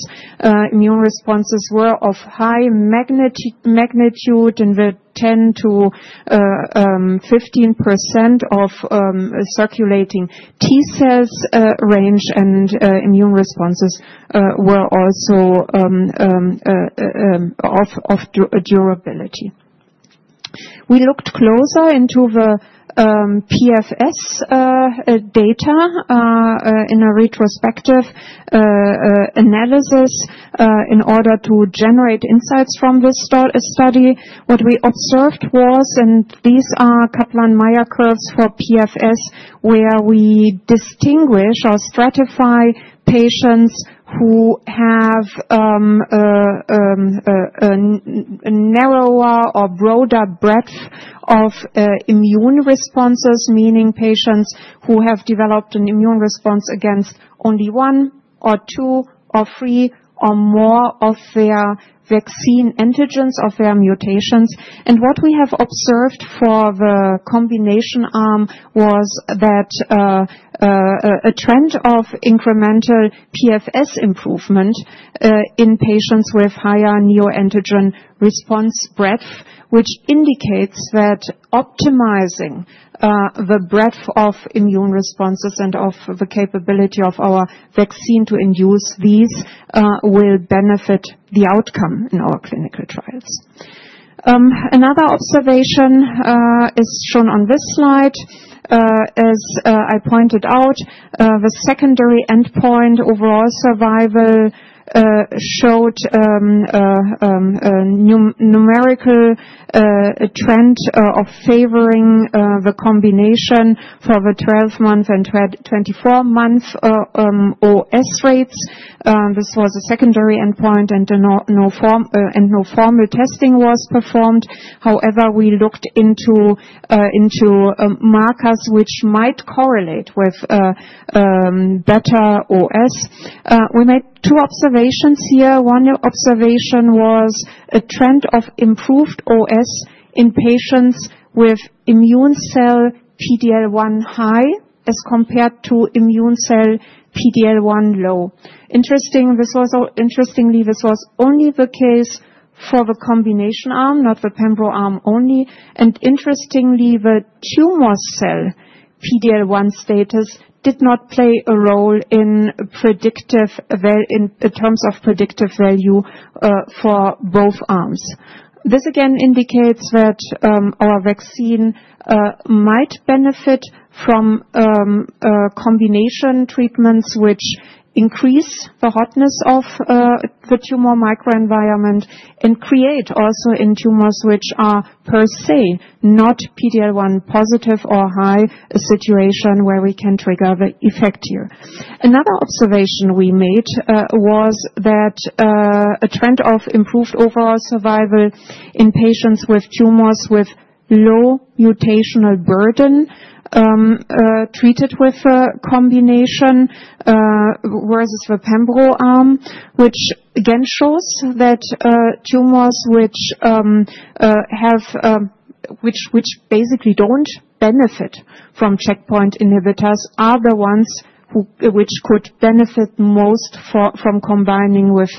Immune responses were of high magnitude in the 10%-15% of circulating T-cells range, and immune responses were also of durability. We looked closer into the PFS data in a retrospective analysis in order to generate insights from this study. What we observed was, and these are Kaplan-Meier curves for PFS, where we distinguish or stratify patients who have a narrower or broader breadth of immune responses, meaning patients who have developed an immune response against only one or two or three or more of their vaccine antigens or their mutations. What we have observed for the combination arm was that a trend of incremental PFS improvement in patients with higher neoantigen response breadth, which indicates that optimizing the breadth of immune responses and of the capability of our vaccine to induce these will benefit the outcome in our clinical trials. Another observation is shown on this slide. As I pointed out, the secondary endpoint overall survival showed numerical trend of favoring the combination for the 12-month and 24-month OS rates. This was a secondary endpoint, and no formal testing was performed. However, we looked into markers which might correlate with better OS. We made two observations here. One observation was a trend of improved OS in patients with immune cell PD-L1 high as compared to immune cell PD-L1 low. Interestingly, this was only the case for the combination arm, not the pembrol arm only. And interestingly, the tumor cell PD-L1 status did not play a role in terms of predictive value for both arms. This again indicates that our vaccine might benefit from combination treatments which increase the hotness of the tumor microenvironment and create also in tumors which are per se not PD-L1 positive or high a situation where we can trigger the effect here. Another observation we made was that a trend of improved overall survival in patients with tumors with low mutational burden treated with a combination versus the pembrol arm, which again shows that tumors which basically don't benefit from checkpoint inhibitors are the ones which could benefit most from combining with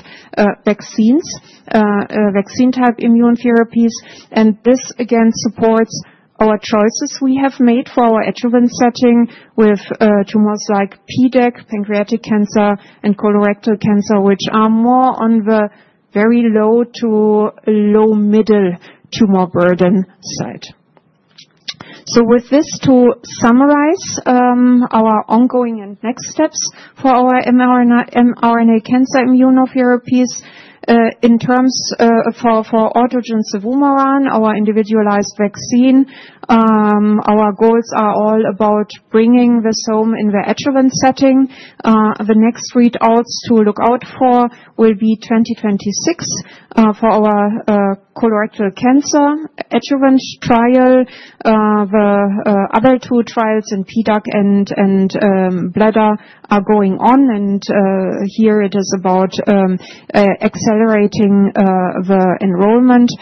vaccine-type immune therapies. And this again supports our choices we have made for our adjuvant setting with tumors like PDAC, pancreatic cancer, and colorectal cancer, which are more on the very low to low-middle tumor burden side. So, with this, to summarize our ongoing and next steps for our mRNA cancer immunotherapies in terms of autogene selvemeran, our individualized vaccine, our goals are all about bringing it home in the adjuvant setting. The next readouts to look out for will be 2026 for our colorectal cancer adjuvant trial. The other two trials in pancreatic and bladder are going on, and here it is about accelerating the enrollment.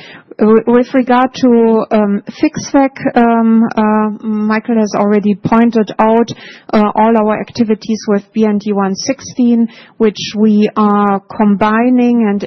With regard to FixVac, Michael has already pointed out all our activities with BNT116, which we are combining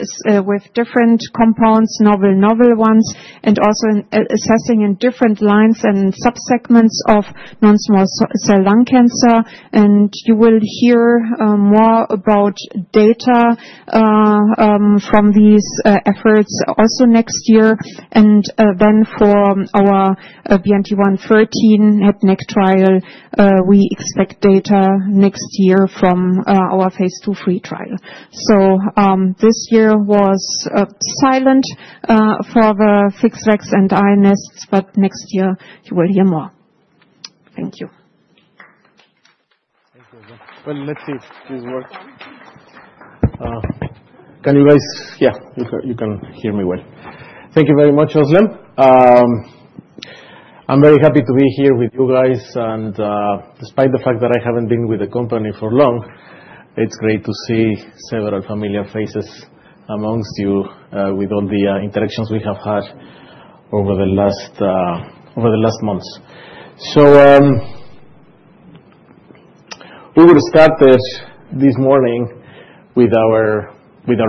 with different compounds, novel ones, and also assessing in different lines and subsegments of non-small cell lung cancer. And you will hear more about data from these efforts also next year. And then for our BNT113 head and neck trial, we expect data next year from our phase II/III trial. So this year was silent for the COVID vaccine and iNeSTs, but next year you will hear more. Thank you. Thank you, Özlem. Let's see if this works. Can you guys? Yeah, you can hear me well. Thank you very much, Özlem. I'm very happy to be here with you guys. And despite the fact that I haven't been with the company for long, it's great to see several familiar faces amongst you with all the interactions we have had over the last months. So we will start this morning with our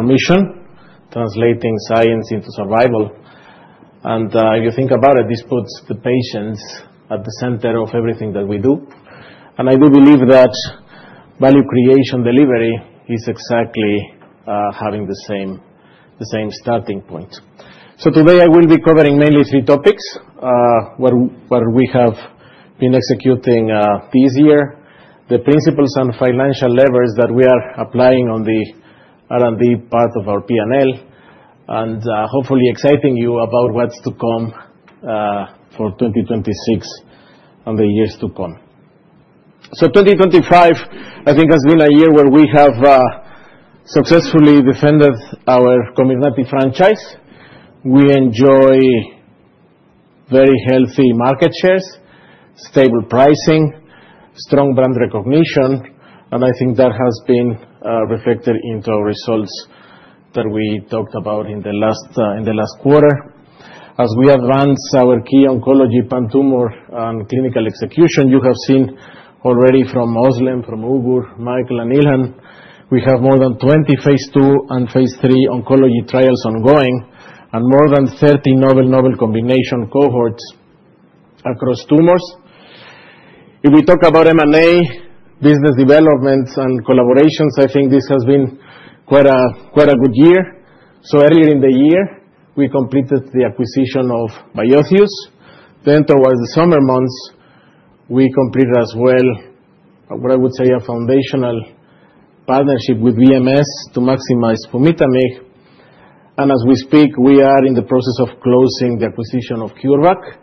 mission, translating science into survival. And if you think about it, this puts the patients at the center of everything that we do. And I do believe that value creation delivery is exactly having the same starting point. So today, I will be covering mainly three topics where we have been executing this year, the principles and financial levers that we are applying on the R&D part of our P&L, and hopefully exciting you about what's to come for 2026 and the years to come. So 2025, I think, has been a year where we have successfully defended our COMIRNATY franchise. We enjoy very healthy market shares, stable pricing, strong brand recognition, and I think that has been reflected into our results that we talked about in the last quarter. As we advance our key oncology, pan-tumor, and clinical execution, you have seen already from Özlem, from Ugur, Michael, and Ilhan, we have more than 20 phase II and phase III oncology trials ongoing and more than 30 novel combination cohorts across tumors. If we talk about M&A, business developments, and collaborations, I think this has been quite a good year. So earlier in the year, we completed the acquisition of Biotheus. Then, towards the summer months, we completed as well what I would say a foundational partnership with BMS to maximize pumitamig. And as we speak, we are in the process of closing the acquisition of CureVac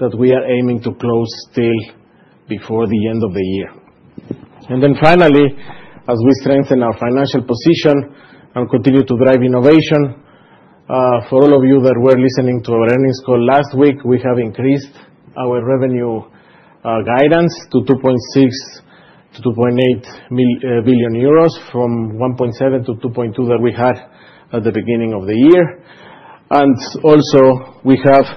that we are aiming to close till before the end of the year. And then finally, as we strengthen our financial position and continue to drive innovation, for all of you that were listening to our earnings call last week, we have increased our revenue guidance to 2.6-2.8 billion euros from 1.7-2.2 billion that we had at the beginning of the year. And also, we have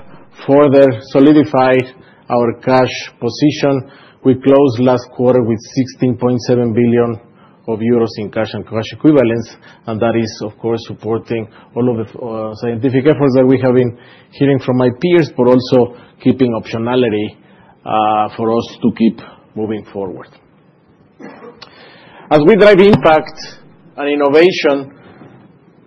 further solidified our cash position. We closed last quarter with 16.7 billion euros in cash and cash equivalents, and that is, of course, supporting all of the scientific efforts that we have been hearing from my peers, but also keeping optionality for us to keep moving forward. As we drive impact and innovation,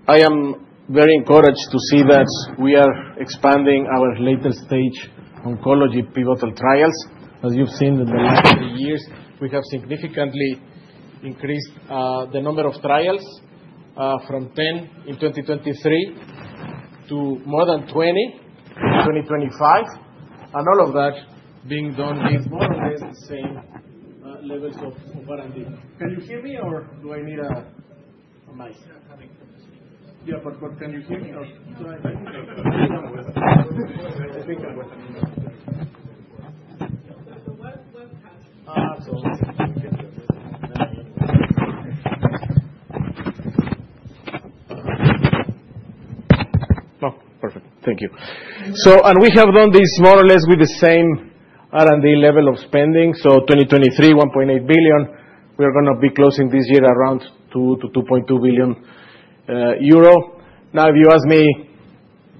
I am very encouraged to see that we are expanding our later stage oncology pivotal trials. As you've seen in the last three years, we have significantly increased the number of trials from 10 in 2023 to more than 20 in 2025, and all of that being done with more or less the same levels of R&D. Can you hear me, or do I need a mic? Yeah, but can you hear me or? Oh, perfect. Thank you. And we have done this more or less with the same R&D level of spending. So 2023, 1.8 billion. We are going to be closing this year around 2 billion-2.2 billion euro. Now, if you ask me,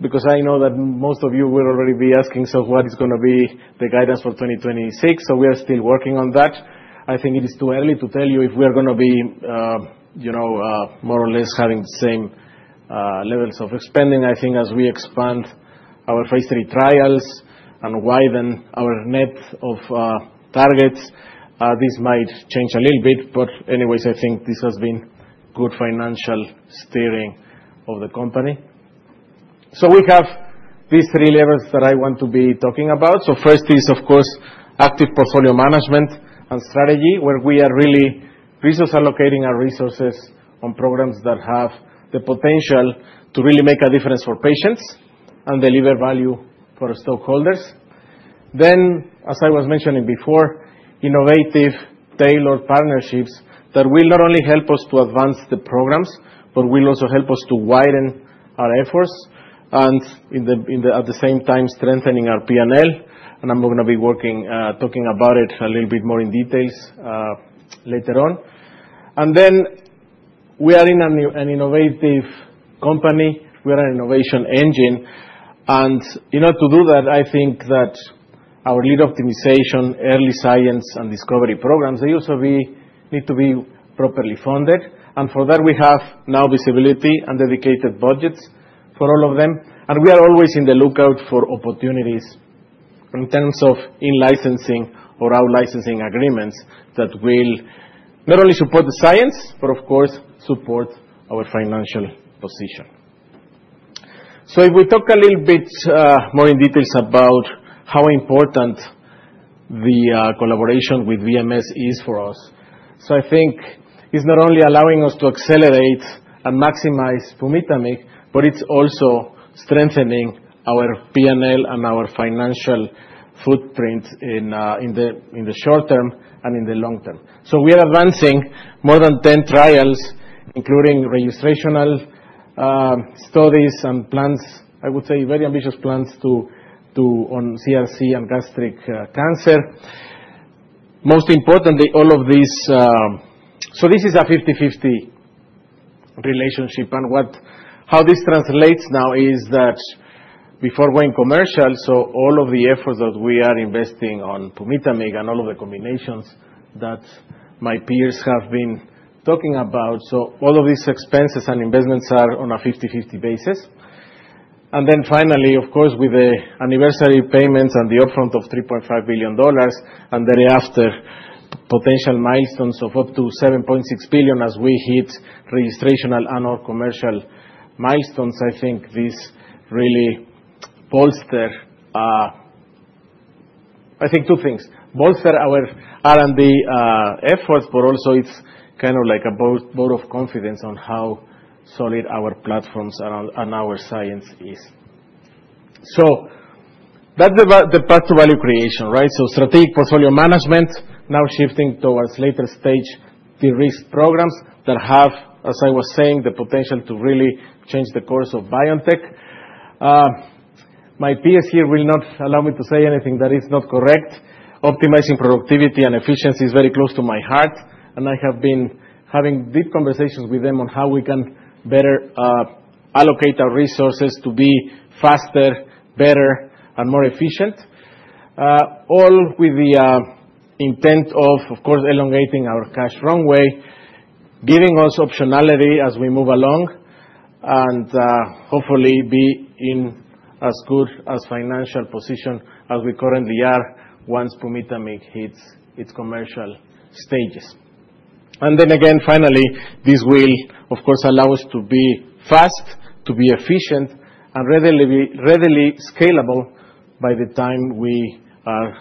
because I know that most of you will already be asking, "So what is going to be the guidance for 2026?" so we are still working on that. I think it is too early to tell you if we are going to be more or less having the same levels of expanding. I think as we expand our phase III trials and widen our net of targets, this might change a little bit, but anyways, I think this has been good financial steering of the company, so we have these three levels that I want to be talking about. So first is, of course, active portfolio management and strategy, where we are really resource allocating our resources on programs that have the potential to really make a difference for patients and deliver value for stockholders. Then, as I was mentioning before, innovative tailored partnerships that will not only help us to advance the programs, but will also help us to widen our efforts and at the same time strengthening our P&L. And I'm going to be talking about it a little bit more in details later on. And then we are in an innovative company. We are an innovation engine. And to do that, I think that our lead optimization, early science, and discovery programs, they also need to be properly funded. And for that, we have now visibility and dedicated budgets for all of them. And we are always on the lookout for opportunities in terms of in-licensing or out-licensing agreements that will not only support the science, but of course, support our financial position. So if we talk a little bit more in detail about how important the collaboration with BMS is for us, so I think it's not only allowing us to accelerate and maximize pumitamig, but it's also strengthening our P&L and our financial footprint in the short term and in the long term. So we are advancing more than 10 trials, including registrational studies and plans, I would say very ambitious plans on CRC and gastric cancer. Most importantly, all of these so this is a 50/50 relationship. How this translates now is that before going commercial, so all of the efforts that we are investing on pumitamig and all of the combinations that my peers have been talking about, so all of these expenses and investments are on a 50/50 basis. Then finally, of course, with the anniversary payments and the upfront of $3.5 billion and thereafter potential milestones of up to $7.6 billion as we hit registrational and/or commercial milestones, I think this really bolsters I think two things. Bolsters our R&D efforts, but also it's kind of like a boat of confidence on how solid our platforms and our science is. That's the path to value creation, right? Strategic portfolio management, now shifting towards later stage de-risk programs that have, as I was saying, the potential to really change the course of BioNTech. My peers here will not allow me to say anything that is not correct. Optimizing productivity and efficiency is very close to my heart, and I have been having deep conversations with them on how we can better allocate our resources to be faster, better, and more efficient, all with the intent of, of course, elongating our cash runway, giving us optionality as we move along, and hopefully be in as good a financial position as we currently are once pumitamig hits its commercial stages, and then again, finally, this will, of course, allow us to be fast, to be efficient, and readily scalable by the time we are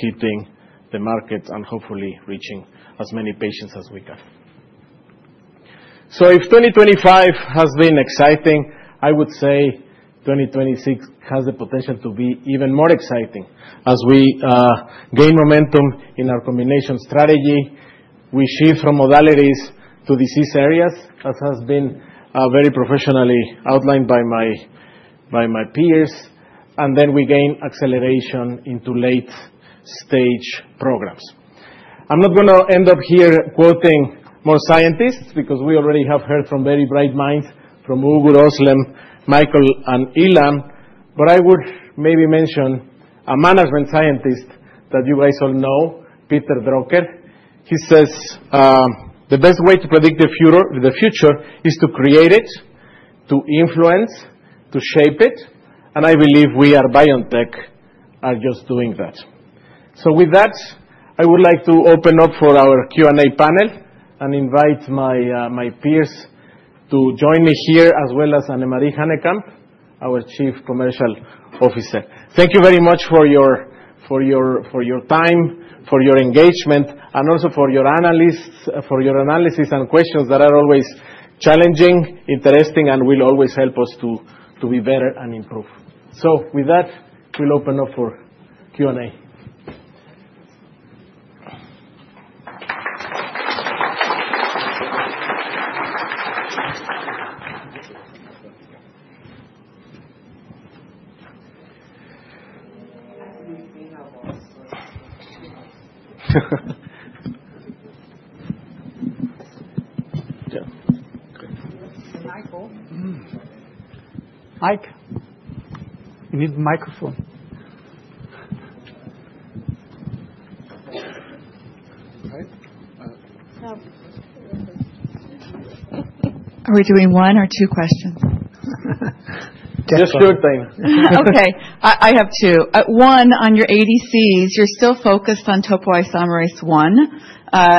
hitting the market and hopefully reaching as many patients as we can, so if 2025 has been exciting, I would say 2026 has the potential to be even more exciting as we gain momentum in our combination strategy. We shift from modalities to disease areas, as has been very professionally outlined by my peers, and then we gain acceleration into late stage programs. I'm not going to end up here quoting more scientists because we already have heard from very bright minds from Ugur, Özlem, Michael, and Ilhan, but I would maybe mention a management scientist that you guys all know, Peter Drucker. He says, "The best way to predict the future is to create it, to influence, to shape it." And I believe we at BioNTech are just doing that. So with that, I would like to open up for our Q&A panel and invite my peers to join me here, as well as Annemarie Hanekamp, our Chief Commercial Officer. Thank you very much for your time, for your engagement, and also for your analysis and questions that are always challenging, interesting, and will always help us to be better and improve. So with that, we'll open up for Q&A. Mike, you need the microphone. Are we doing one or two questions? Just your thing. Okay. I have two. One, on your ADCs, you're still focused on Topoisomerase I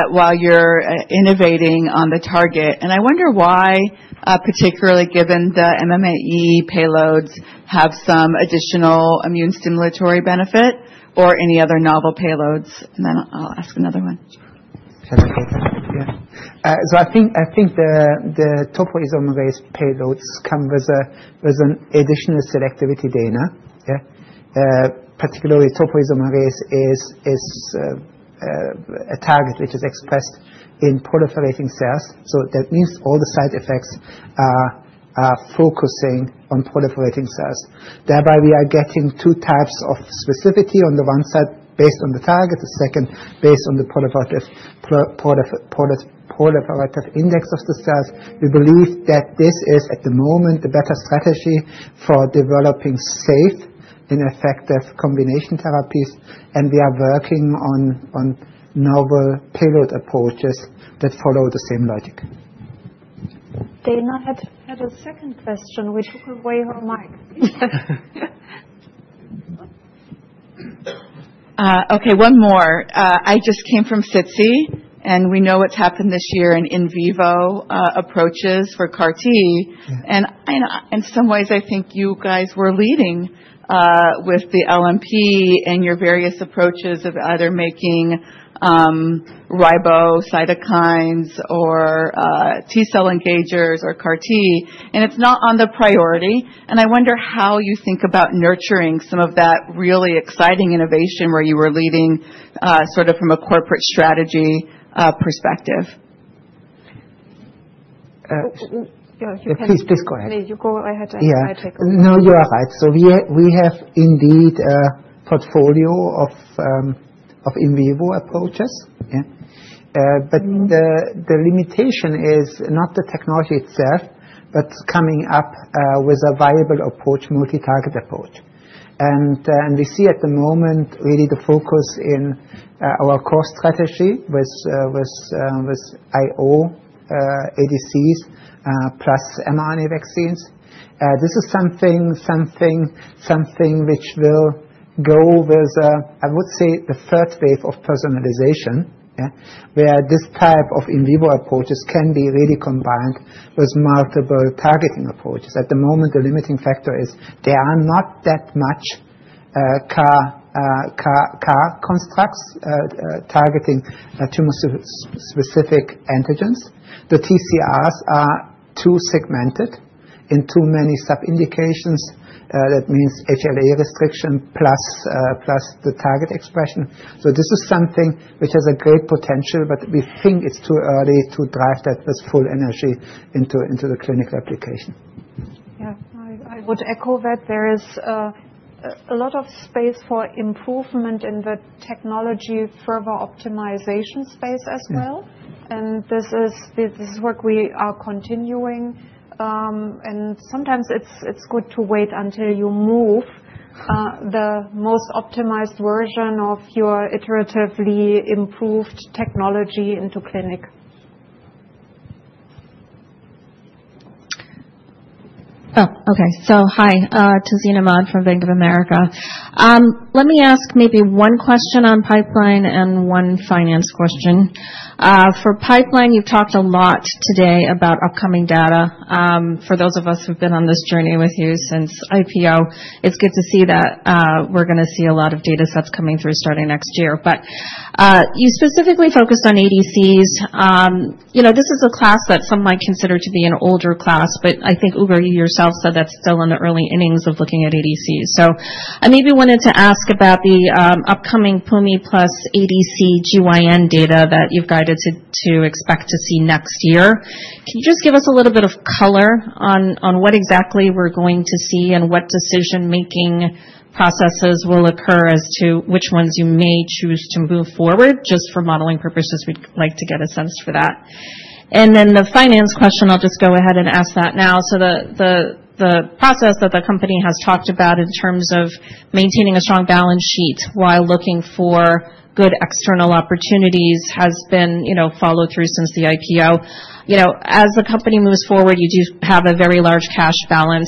while you're innovating on the target. And I wonder why, particularly given the MMAE payloads have some additional immune stimulatory benefit or any other novel payloads. And then I'll ask another one. So I think the topoisomerase payloads come with an additional selectivity. Particularly, topoisomerase is a target which is expressed in proliferating cells. So that means all the side effects are focusing on proliferating cells. Thereby, we are getting two types of specificity on the one side based on the target, the second based on the proliferative index of the cells. We believe that this is, at the moment, the better strategy for developing safe and effective combination therapies, and we are working on novel payload approaches that follow the same logic. Dana had a second question. We took away her mic. Okay, one more. I just came from SITC, and we know what's happened this year in vivo approaches for CAR-T, and in some ways, I think you guys were leading with the LNP and your various approaches of either making RiboCytokines or T-cell engagers or CAR-T, and it's not on the priority, and I wonder how you think about nurturing some of that really exciting innovation where you were leading sort of from a corporate strategy perspective. Please go ahead. You go ahead. No, you are right. So we have indeed a portfolio of in vivo approaches. But the limitation is not the technology itself, but coming up with a viable approach, multi-target approach. And we see at the moment really the focus in our core strategy with IO ADCs plus mRNA vaccines. This is something which will go with, I would say, the first wave of personalization, where this type of in vivo approaches can be really combined with multiple targeting approaches. At the moment, the limiting factor is there are not that much CAR constructs targeting tumor-specific antigens. The TCRs are too segmented in too many sub-indications. That means HLA restriction plus the target expression. So this is something which has a great potential, but we think it's too early to drive that with full energy into the clinical application. Yeah, I would echo that. There is a lot of space for improvement in the technology, further optimization space as well. This is work we are continuing. Sometimes it's good to wait until you move the most optimized version of your iteratively improved technology into clinic. Oh. Okay, so hi to Tazeen Ahmad from Bank of America. Let me ask maybe one question on pipeline and one finance question. For pipeline, you've talked a lot today about upcoming data. For those of us who've been on this journey with you since IPO, it's good to see that we're going to see a lot of data sets coming through starting next year. You specifically focused on ADCs. This is a class that some might consider to be an older class, but I think Ugur, you yourself said that's still in the early innings of looking at ADCs. So I maybe wanted to ask about the upcoming pumi plus ADC GYN data that you've guided to expect to see next year. Can you just give us a little bit of color on what exactly we're going to see and what decision-making processes will occur as to which ones you may choose to move forward? Just for modeling purposes, we'd like to get a sense for that. And then the finance question, I'll just go ahead and ask that now. So the process that the company has talked about in terms of maintaining a strong balance sheet while looking for good external opportunities has been followed through since the IPO. As the company moves forward, you do have a very large cash balance.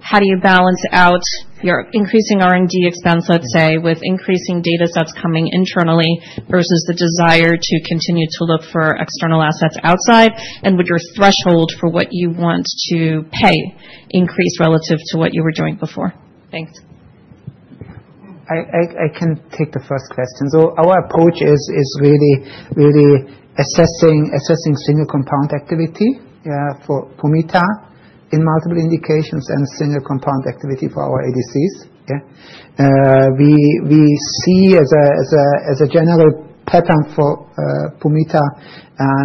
How do you balance out your increasing R&D expense, let's say, with increasing data sets coming internally versus the desire to continue to look for external assets outside? And would your threshold for what you want to pay increase relative to what you were doing before? Thanks. I can take the first question. So our approach is really assessing single compound activity for pumita in multiple indications and single compound activity for our ADCs. We see as a general pattern for pumita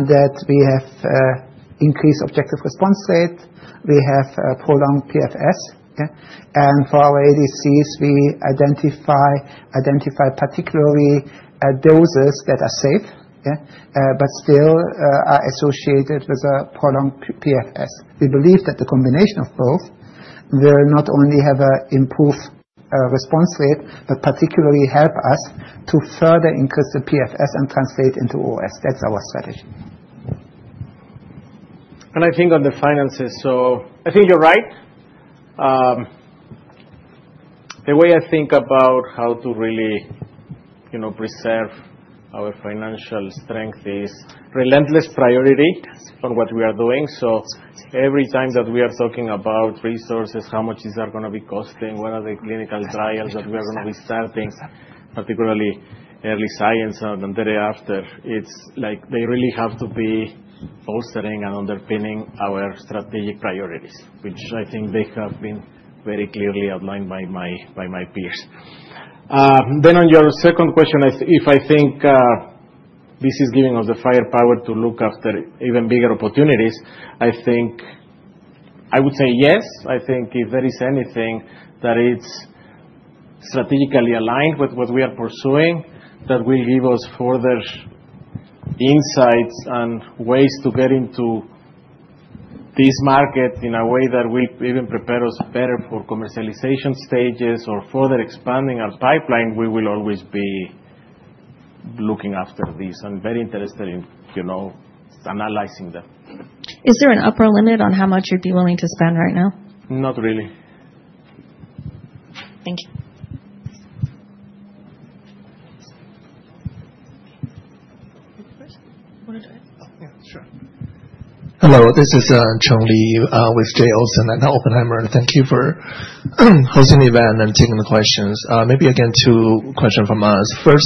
that we have increased objective response rate. We have prolonged PFS. And for our ADCs, we identify particularly doses that are safe but still are associated with a prolonged PFS. We believe that the combination of both will not only have an improved response rate but particularly help us to further increase the PFS and translate into OS. That's our strategy. And I think on the finances, so I think you're right. The way I think about how to really preserve our financial strength is relentless priority on what we are doing. So every time that we are talking about resources, how much these are going to be costing, what are the clinical trials that we are going to be starting, particularly early science and thereafter, it's like they really have to be bolstering and underpinning our strategic priorities, which I think they have been very clearly outlined by my peers. Then on your second question, if I think this is giving us the firepower to look after even bigger opportunities, I would say yes. I think if there is anything that is strategically aligned with what we are pursuing that will give us further insights and ways to get into this market in a way that will even prepare us better for commercialization stages or further expanding our pipeline, we will always be looking after this and very interested in analyzing them. Is there an upper limit on how much you'd be willing to spend right now? Not really. Thank you. Hello. This is Cheng Li with Dales at Oppenheimer. Thank you for hosting the event and taking the questions. Maybe I can have two questions from us. First,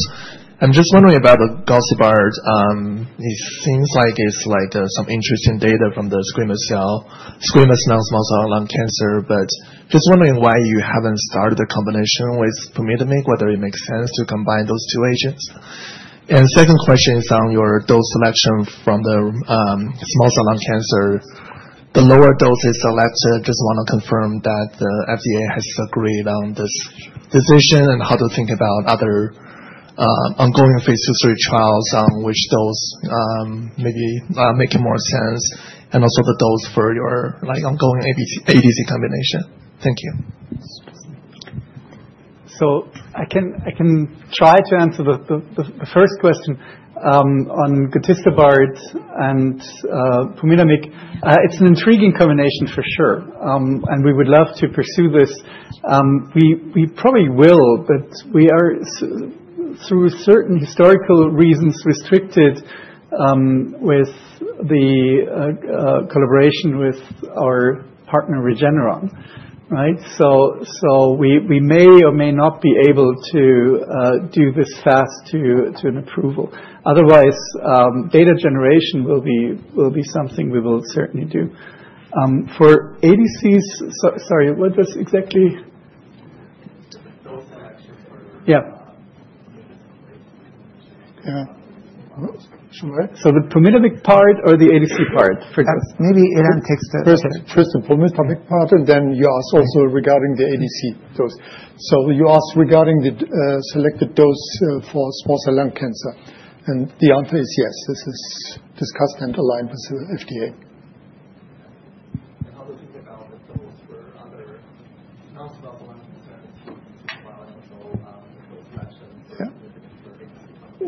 I'm just wondering about the BNT327. It seems like it's like some interesting data from the squamous non-small cell lung cancer, but just wondering why you haven't started the combination with pembrolizumab, whether it makes sense to combine those two agents. And second question is on your dose selection from the small cell lung cancer. The lower dose is selected. Just want to confirm that the FDA has agreed on this decision and how to think about other ongoing phase II through trials on which dose maybe makes more sense and also the dose for your ongoing ADC combination. Thank you. So I can try to answer the first question on gotistobart and pumitamig. It's an intriguing combination for sure, and we would love to pursue this. We probably will, but we are, through certain historical reasons, restricted with the collaboration with our partner Regeneron. So we may or may not be able to do this fast to an approval. Otherwise, data generation will be something we will certainly do. For ADCs, sorry, what was exactly? The pumitamig part or the ADC part, for example? Maybe Ilhan takes the first. First, the pumitamig part, and then you ask also regarding the ADC dose, so you ask regarding the selected dose for small cell lung cancer, and the answer is yes. This is discussed and aligned with the FDA.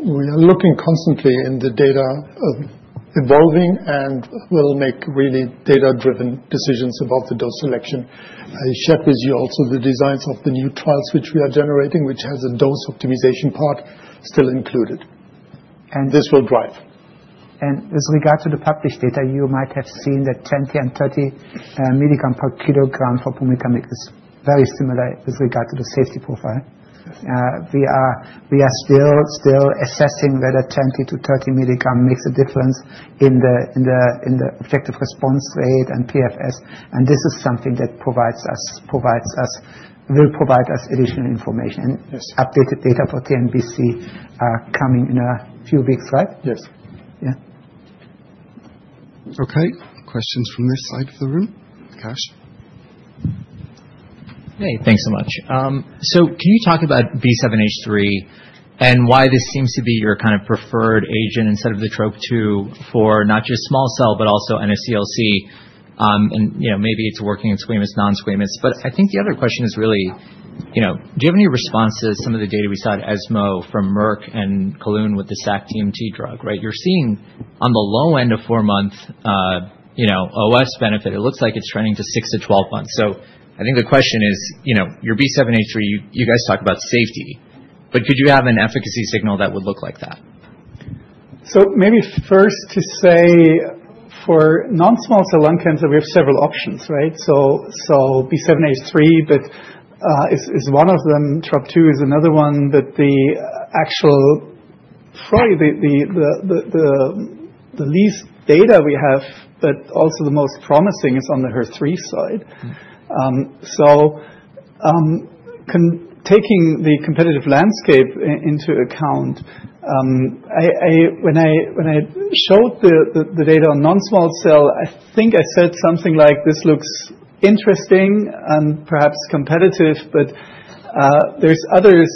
How do you think about the dose for other non-small-cell lung cancer that you've been seeing? Will the dose selection be significant for ADC? We are looking constantly in the data evolving and will make really data-driven decisions about the dose selection. I shared with you also the designs of the new trials which we are generating, which has a dose optimization part still included, and this will drive. With regard to the published data, you might have seen that 20 and 30 milligrams per kilogram for pumitamig is very similar with regard to the safety profile. We are still assessing whether 20 to 30 milligrams makes a difference in the objective response rate and PFS. This is something that will provide us additional information. Updated data for TNBC are coming in a few weeks, right? Yes. Yeah. Okay. Questions from this side of the room? Hey, thanks so much. So can you talk about B7-H3 and why this seems to be your kind of preferred agent instead of the TROP2 for not just small cell, but also NSCLC? And maybe it's working in squamous, non-squamous. But I think the other question is really, do you have any responses to some of the data we saw at ESMO from Merck and Kelun with the sac-TMT drug, right? You're seeing on the low end of four-month OS benefit. It looks like it's trending to six to 12 months. So I think the question is, your B7-H3, you guys talk about safety, but could you have an efficacy signal that would look like that? So maybe first to say for non-small cell lung cancer, we have several options, right? So B7-H3 is one of them. TROP2 is another one, but actually probably the least data we have, but also the most promising is on the HER3 side. So taking the competitive landscape into account, when I showed the data on non-small cell, I think I said something like, this looks interesting and perhaps competitive, but there's others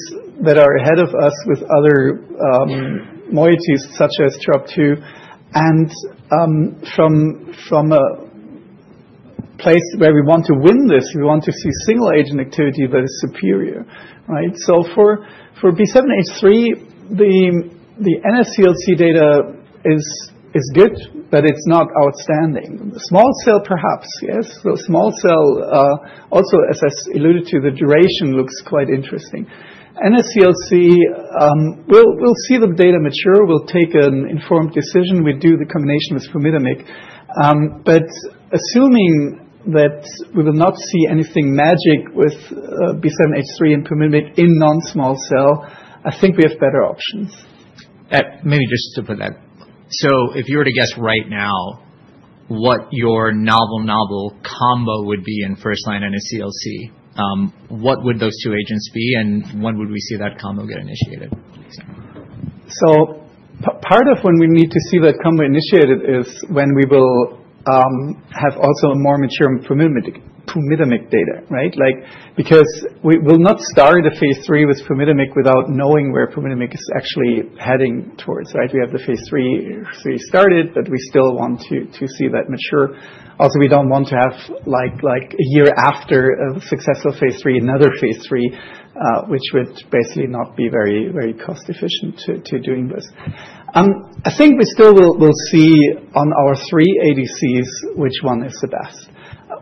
that are ahead of us with other moieties such as TROP2. And from a place where we want to win this, we want to see single-agent activity that is superior, right? So for B7-H3, the NSCLC data is good, but it's not outstanding. Small cell, perhaps, yes. So small cell, also, as I alluded to, the duration looks quite interesting. NSCLC, we'll see the data mature. We'll take an informed decision. We do the combination with pumitamig. But assuming that we will not see anything magic with B7-H3 and pumitamig in non-small cell, I think we have better options. Maybe just to put that. So if you were to guess right now what your novel combo would be in first-line NSCLC, what would those two agents be and when would we see that combo get initiated? Part of when we need to see that combo initiated is when we will have also a more mature pumitamig data, right? Because we will not start a phase III with pumitamig without knowing where pumitamig is actually heading towards, right? We have the phase III started, but we still want to see that mature. Also, we don't want to have a year after a successful phase III, another phase III, which would basically not be very cost-efficient to doing this. I think we still will see on our three ADCs which one is the best.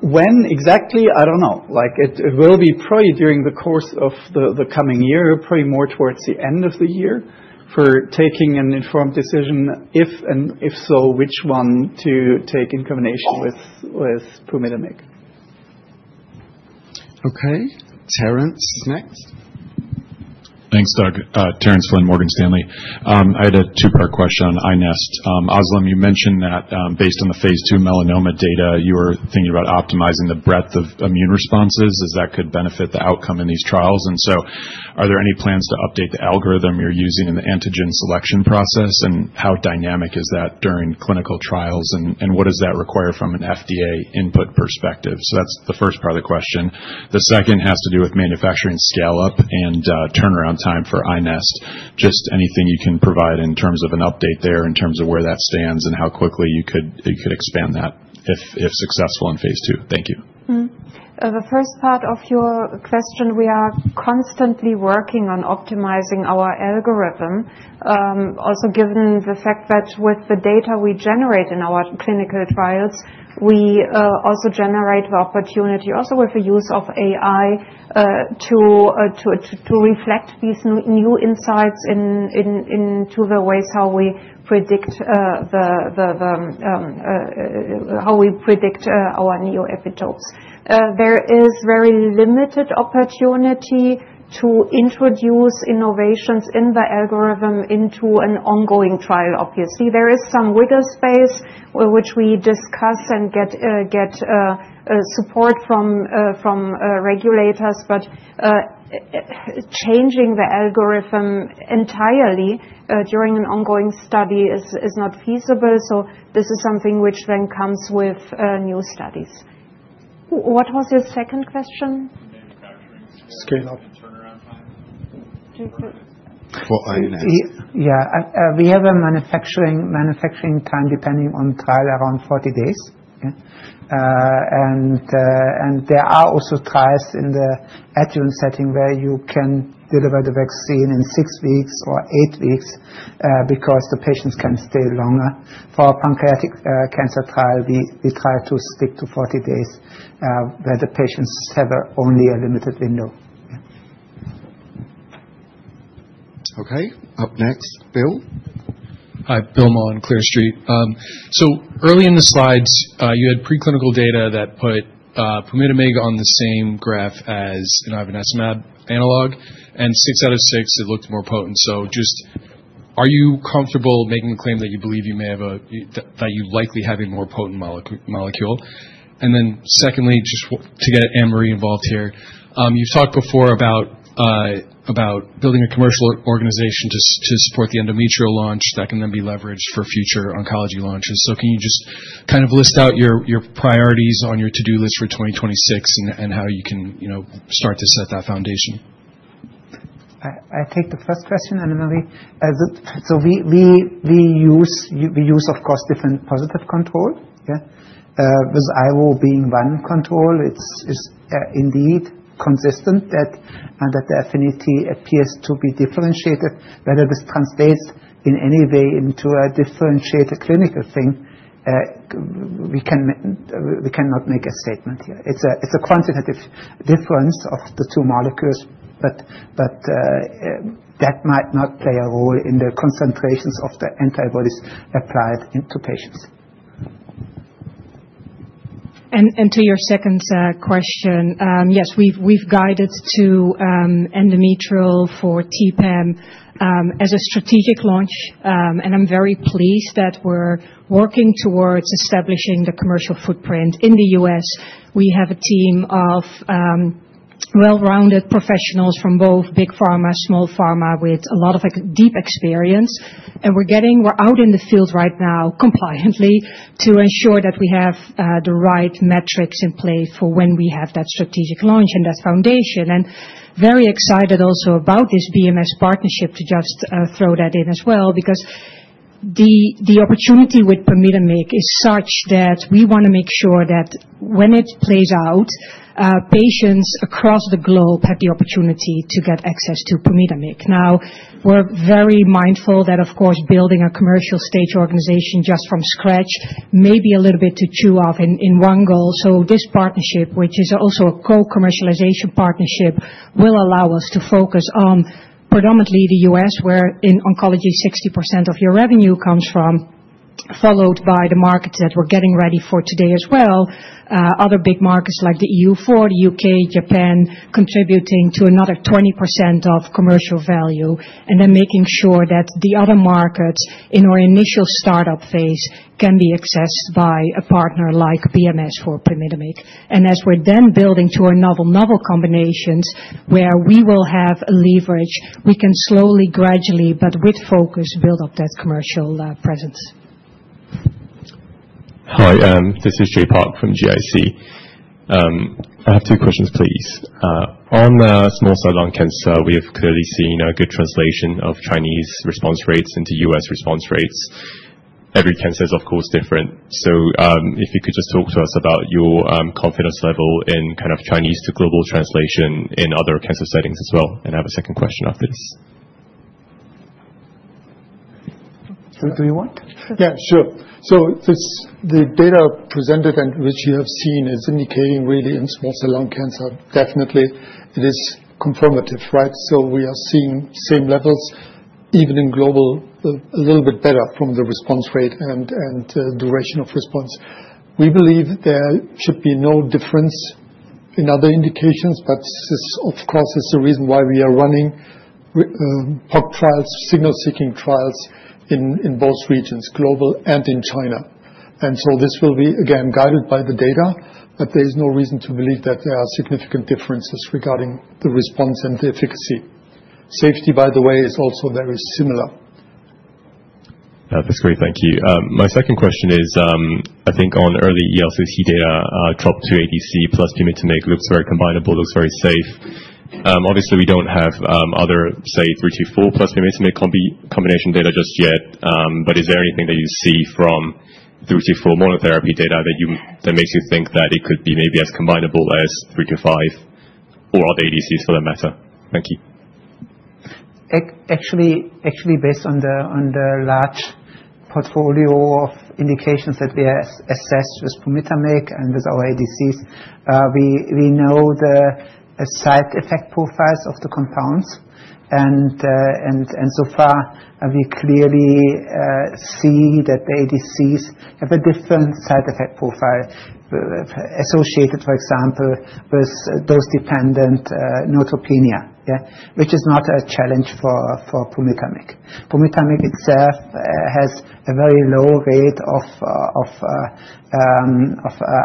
When exactly, I don't know. It will be probably during the course of the coming year, probably more towards the end of the year for taking an informed decision. If so, which one to take in combination with pumitamig. Okay. Terence next. Thanks, Doug. Terence Flynn, Morgan Stanley. I had a two-part question on iNeST. Özlem, you mentioned that based on the phase II melanoma data, you were thinking about optimizing the breadth of immune responses as that could benefit the outcome in these trials. And so are there any plans to update the algorithm you're using in the antigen selection process? And how dynamic is that during clinical trials? And what does that require from an FDA input perspective? So that's the first part of the question. The second has to do with manufacturing scale-up and turnaround time for iNeST. Just anything you can provide in terms of an update there in terms of where that stands and how quickly you could expand that if successful in phase II. Thank you. The first part of your question, we are constantly working on optimizing our algorithm. Also, given the fact that with the data we generate in our clinical trials, we also generate the opportunity with the use of AI to reflect these new insights into the ways how we predict our new epitopes. There is very limited opportunity to introduce innovations in the algorithm into an ongoing trial, obviously. There is some wiggle space, which we discuss and get support from regulators, but changing the algorithm entirely during an ongoing study is not feasible. So this is something which then comes with new studies. What was your second question? Scale-up. For iNeST. Yeah. We have a manufacturing time depending on trial around 40 days, and there are also trials in the adjuvant setting where you can deliver the vaccine in six weeks or eight weeks because the patients can stay longer. For pancreatic cancer trial, we try to stick to 40 days where the patients have only a limited window. Okay. Up next, Bill. Hi, Bill Maughan, Clear Street. So early in the slides, you had preclinical data that put pumitamig on the same graph as an ivonescimab analog. And six out of six, it looked more potent. So just are you comfortable making the claim that you believe you may have that you likely have a more potent molecule? And then secondly, just to get Annemarie involved here, you've talked before about building a commercial organization to support the endometrial launch that can then be leveraged for future oncology launches. So can you just kind of list out your priorities on your to-do list for 2026 and how you can start to set that foundation? I take the first question, Annemarie. So we use, of course, different positive control. With IVO being one control, it's indeed consistent that the affinity appears to be differentiated. Whether this translates in any way into a differentiated clinical thing, we cannot make a statement here. It's a quantitative difference of the two molecules, but that might not play a role in the concentrations of the antibodies applied into patients. To your second question, yes, we've guided to endometrial for TPEM as a strategic launch. I'm very pleased that we're working towards establishing the commercial footprint in the U.S. We have a team of well-rounded professionals from both big pharma, small pharma with a lot of deep experience. We're out in the field right now compliantly to ensure that we have the right metrics in place for when we have that strategic launch and that foundation. Very excited also about this BMS partnership to just throw that in as well because the opportunity with pumitamig is such that we want to make sure that when it plays out, patients across the globe have the opportunity to get access to pumitamig. Now, we're very mindful that, of course, building a commercial-stage organization just from scratch may be a little bit to chew off in one go. This partnership, which is also a co-commercialization partnership, will allow us to focus on predominantly the U.S., where in oncology, 60% of your revenue comes from, followed by the markets that we're getting ready for today as well. Other big markets like the EU4, the U.K., Japan contributing to another 20% of commercial value, and then making sure that the other markets in our initial startup phase can be accessed by a partner like BMS for pumitamig. And as we're then building to our novel, novel combinations where we will have a leverage, we can slowly, gradually, but with focus, build up that commercial presence. Hi, this is Jae Park from GIC. I have two questions, please. On small cell lung cancer, we have clearly seen a good translation of Chinese response rates into U.S. response rates. Every cancer is, of course, different. So if you could just talk to us about your confidence level in kind of Chinese to global translation in other cancer settings as well. And I have a second question after this. So do you want? Yeah, sure. So the data presented and which you have seen is indicating really in small cell lung cancer, definitely it is confirmatory, right? So we are seeing same levels even in global, a little bit better from the response rate and duration of response. We believe there should be no difference in other indications, but this, of course, is the reason why we are running POC trials, signal-seeking trials in both regions, global and in China, and so this will be, again, guided by the data, but there is no reason to believe that there are significant differences regarding the response and the efficacy. Safety, by the way, is also very similar. That's great. Thank you. My second question is, I think on early ELCC data, TROP2 ADC plus pembrolizumab looks very combinable, looks very safe. Obviously, we don't have other, say, 324 plus pembrolizumab combination data just yet, but is there anything that you see from 324 monotherapy data that makes you think that it could be maybe as combinable as 325 or other ADCs for that matter? Thank you. Actually, based on the large portfolio of indications that we assessed with pumitamig and with our ADCs, we know the side effect profiles of the compounds, and so far, we clearly see that the ADCs have a different side effect profile associated, for example, with dose-dependent neutropenia, which is not a challenge for pumitamig. pumitamig itself has a very low rate of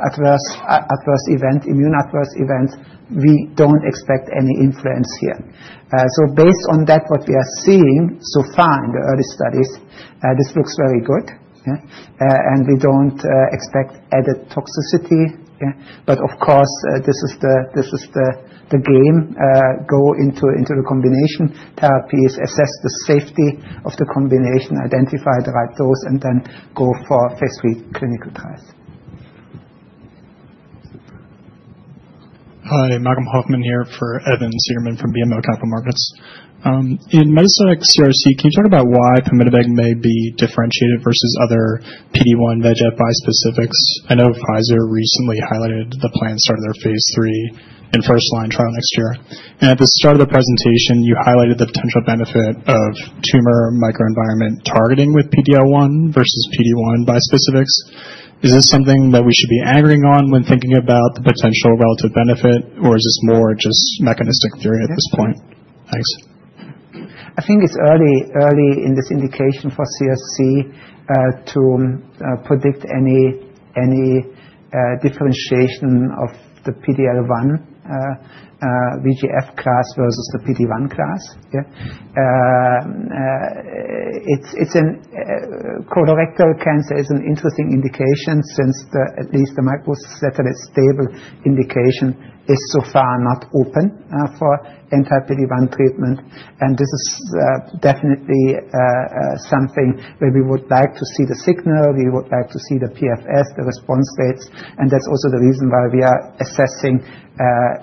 adverse events, immune adverse events. We don't expect any influence here, so based on that, what we are seeing so far in the early studies, this looks very good, and we don't expect added toxicity, but of course, this is the game: go into the combination therapies, assess the safety of the combination, identify the right dose, and then go for phase III clinical trials. Hi, Malcolm Hoffman here for Evan Seigerman from BMO Capital Markets. In metastatic CRC, can you talk about why pumitamig may be differentiated versus other PD-1 VEGF bispecifics? I know Pfizer recently highlighted the plan to start their phase III in first-line trial next year, and at the start of the presentation, you highlighted the potential benefit of tumor microenvironment targeting with PD-L1 versus PD-1 bispecifics. Is this something that we should be anchoring on when thinking about the potential relative benefit, or is this more just mechanistic theory at this point? Thanks. I think it's early in this indication for CRC to predict any differentiation of the PD-L1 VEGF class versus the PD-1 class. It's a colorectal cancer. It's an interesting indication since at least the microsatellite stable indication is so far not open for anti-PD-1 treatment, and this is definitely something where we would like to see the signal. We would like to see the PFS, the response rates, and that's also the reason why we are assessing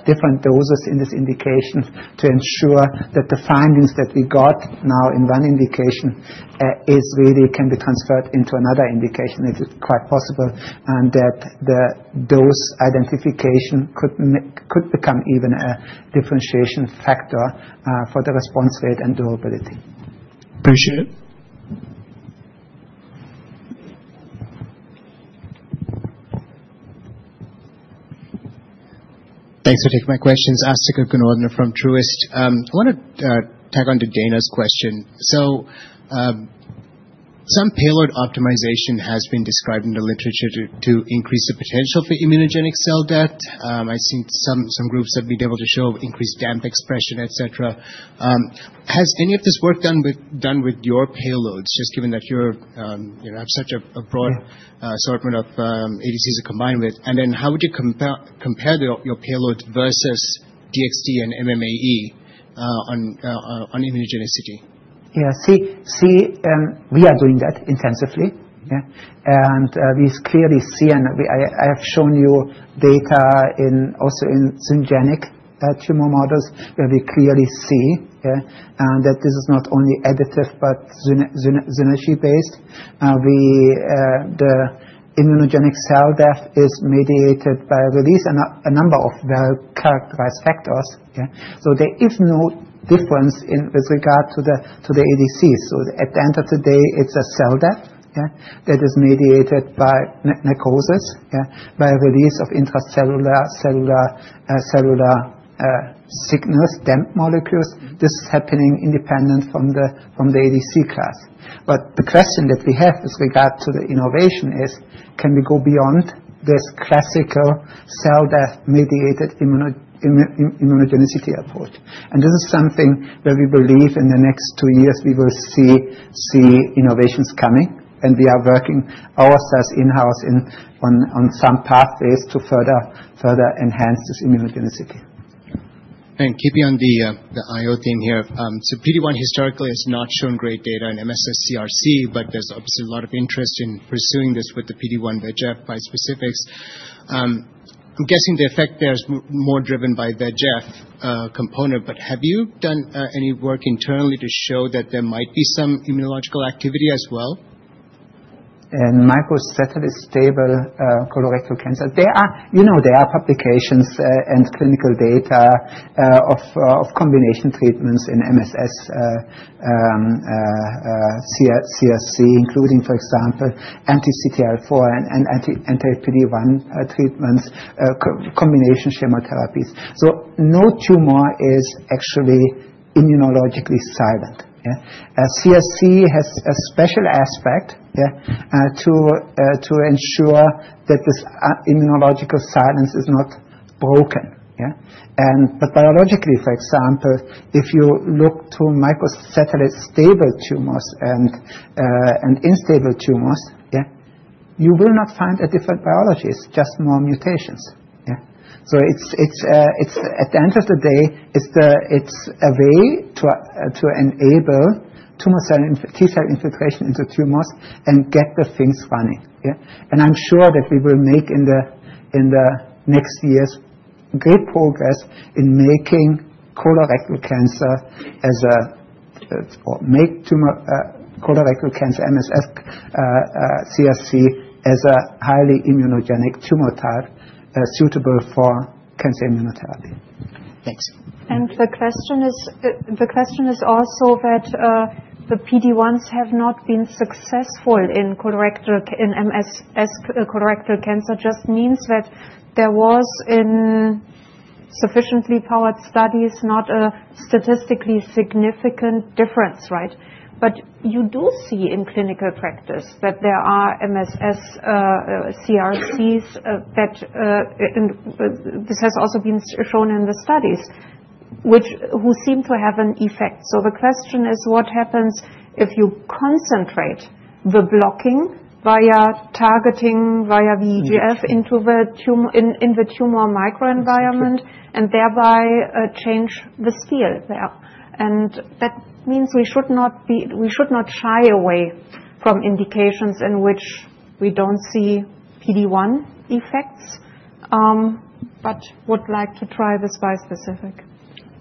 different doses in this indication to ensure that the findings that we got now in one indication can be transferred into another indication. It is quite possible that the dose identification could become even a differentiation factor for the response rate and durability. Appreciate it. Thanks for taking my questions. Asthika Goonewardene from Truist. I want to tag on to Daina's question. So some payload optimization has been described in the literature to increase the potential for immunogenic cell death. I think some groups have been able to show increased DAMPs expression, etc. Has any of this work done with your payloads, just given that you have such a broad assortment of ADCs to combine with? And then how would you compare your payload versus DXd and MMAE on immunogenicity? Yeah. See, we are doing that intensively, and we clearly see, and I have shown you data also in syngeneic tumor models where we clearly see that this is not only additive but synergy-based. The immunogenic cell death is mediated by a release and a number of well-characterized factors, so there is no difference with regard to the ADCs, so at the end of the day, it's a cell death that is mediated by necrosis, by release of intracellular cellular signals, DAMP molecules. This is happening independent from the ADC class, but the question that we have with regard to the innovation is, can we go beyond this classical cell death mediated immunogenicity approach? And this is something where we believe in the next two years we will see innovations coming. And we are working ourselves in-house on some pathways to further enhance this immunogenicity. KP on the IO team here. PD-1 historically has not shown great data in MSS CRC, but there's obviously a lot of interest in pursuing this with the PD-1 VEGF bispecifics. I'm guessing the effect there is more driven by VEGF component, but have you done any work internally to show that there might be some immunological activity as well? Microsatellite stable colorectal cancer. You know there are publications and clinical data of combination treatments in MSS CRC, including, for example, anti-CTLA-4 and anti-PD-1 treatments, combination chemotherapies. So no tumor is actually immunologically silent. CRC has a special aspect to ensure that this immunological silence is not broken. But biologically, for example, if you look to microsatellite stable tumors and unstable tumors, you will not find a different biology. It's just more mutations. So at the end of the day, it's a way to enable T-cell infiltration into tumors and get the things running. And I'm sure that we will make in the next years great progress in making colorectal cancer MSS CRC as a highly immunogenic tumor type suitable for cancer immunotherapy. Thanks. And the question is also that the PD-1s have not been successful in colorectal cancer just means that there was in sufficiently powered studies not a statistically significant difference, right? But you do see in clinical practice that there are MSS CRCs that this has also been shown in the studies, which seem to have an effect. So the question is, what happens if you concentrate the blocking via targeting via VEGF into the tumor microenvironment and thereby change the milieu there? And that means we should not shy away from indications in which we don't see PD-1 effects, but would like to try this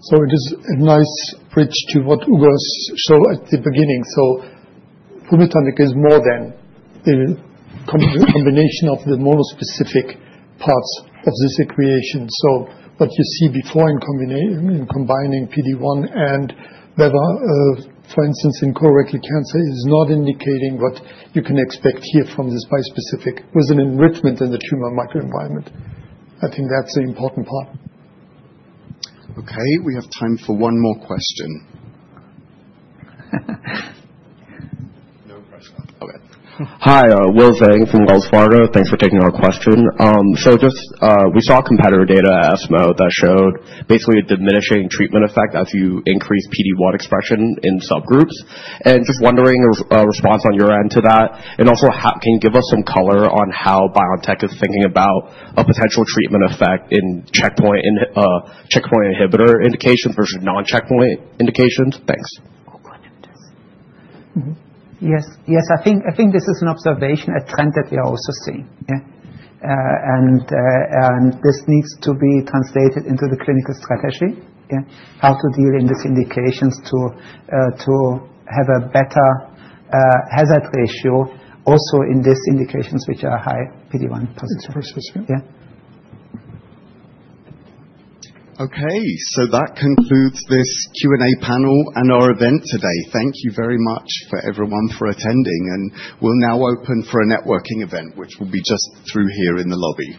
bispecific. It is a nice bridge to what Ugur showed at the beginning. pumitamig is more than the combination of the monospecific parts of this equation. What you see before in combining PD-1 and VEGF, for instance, in colorectal cancer is not indicating what you can expect here from this bispecific with an enrichment in the tumor microenvironment. I think that's an important part. Okay. We have time for one more question. No question. Hi. Will Zhang from Wells Fargo. Thanks for taking our question, so we saw competitor data at ESMO that showed basically a diminishing treatment effect as you increase PD-1 expression in subgroups, and just wondering a response on your end to that, and also, can you give us some color on how BioNTech is thinking about a potential treatment effect in checkpoint inhibitor indications versus non-checkpoint indications? Thanks. Yes. I think this is an observation, a trend that we are also seeing, and this needs to be translated into the clinical strategy, how to deal in these indications to have a better hazard ratio also in these indications which are high PD-1 positive. Okay, so that concludes this Q&A panel and our event today. Thank you very much to everyone for attending, and we'll now open for a networking event, which will be just through here in the lobby.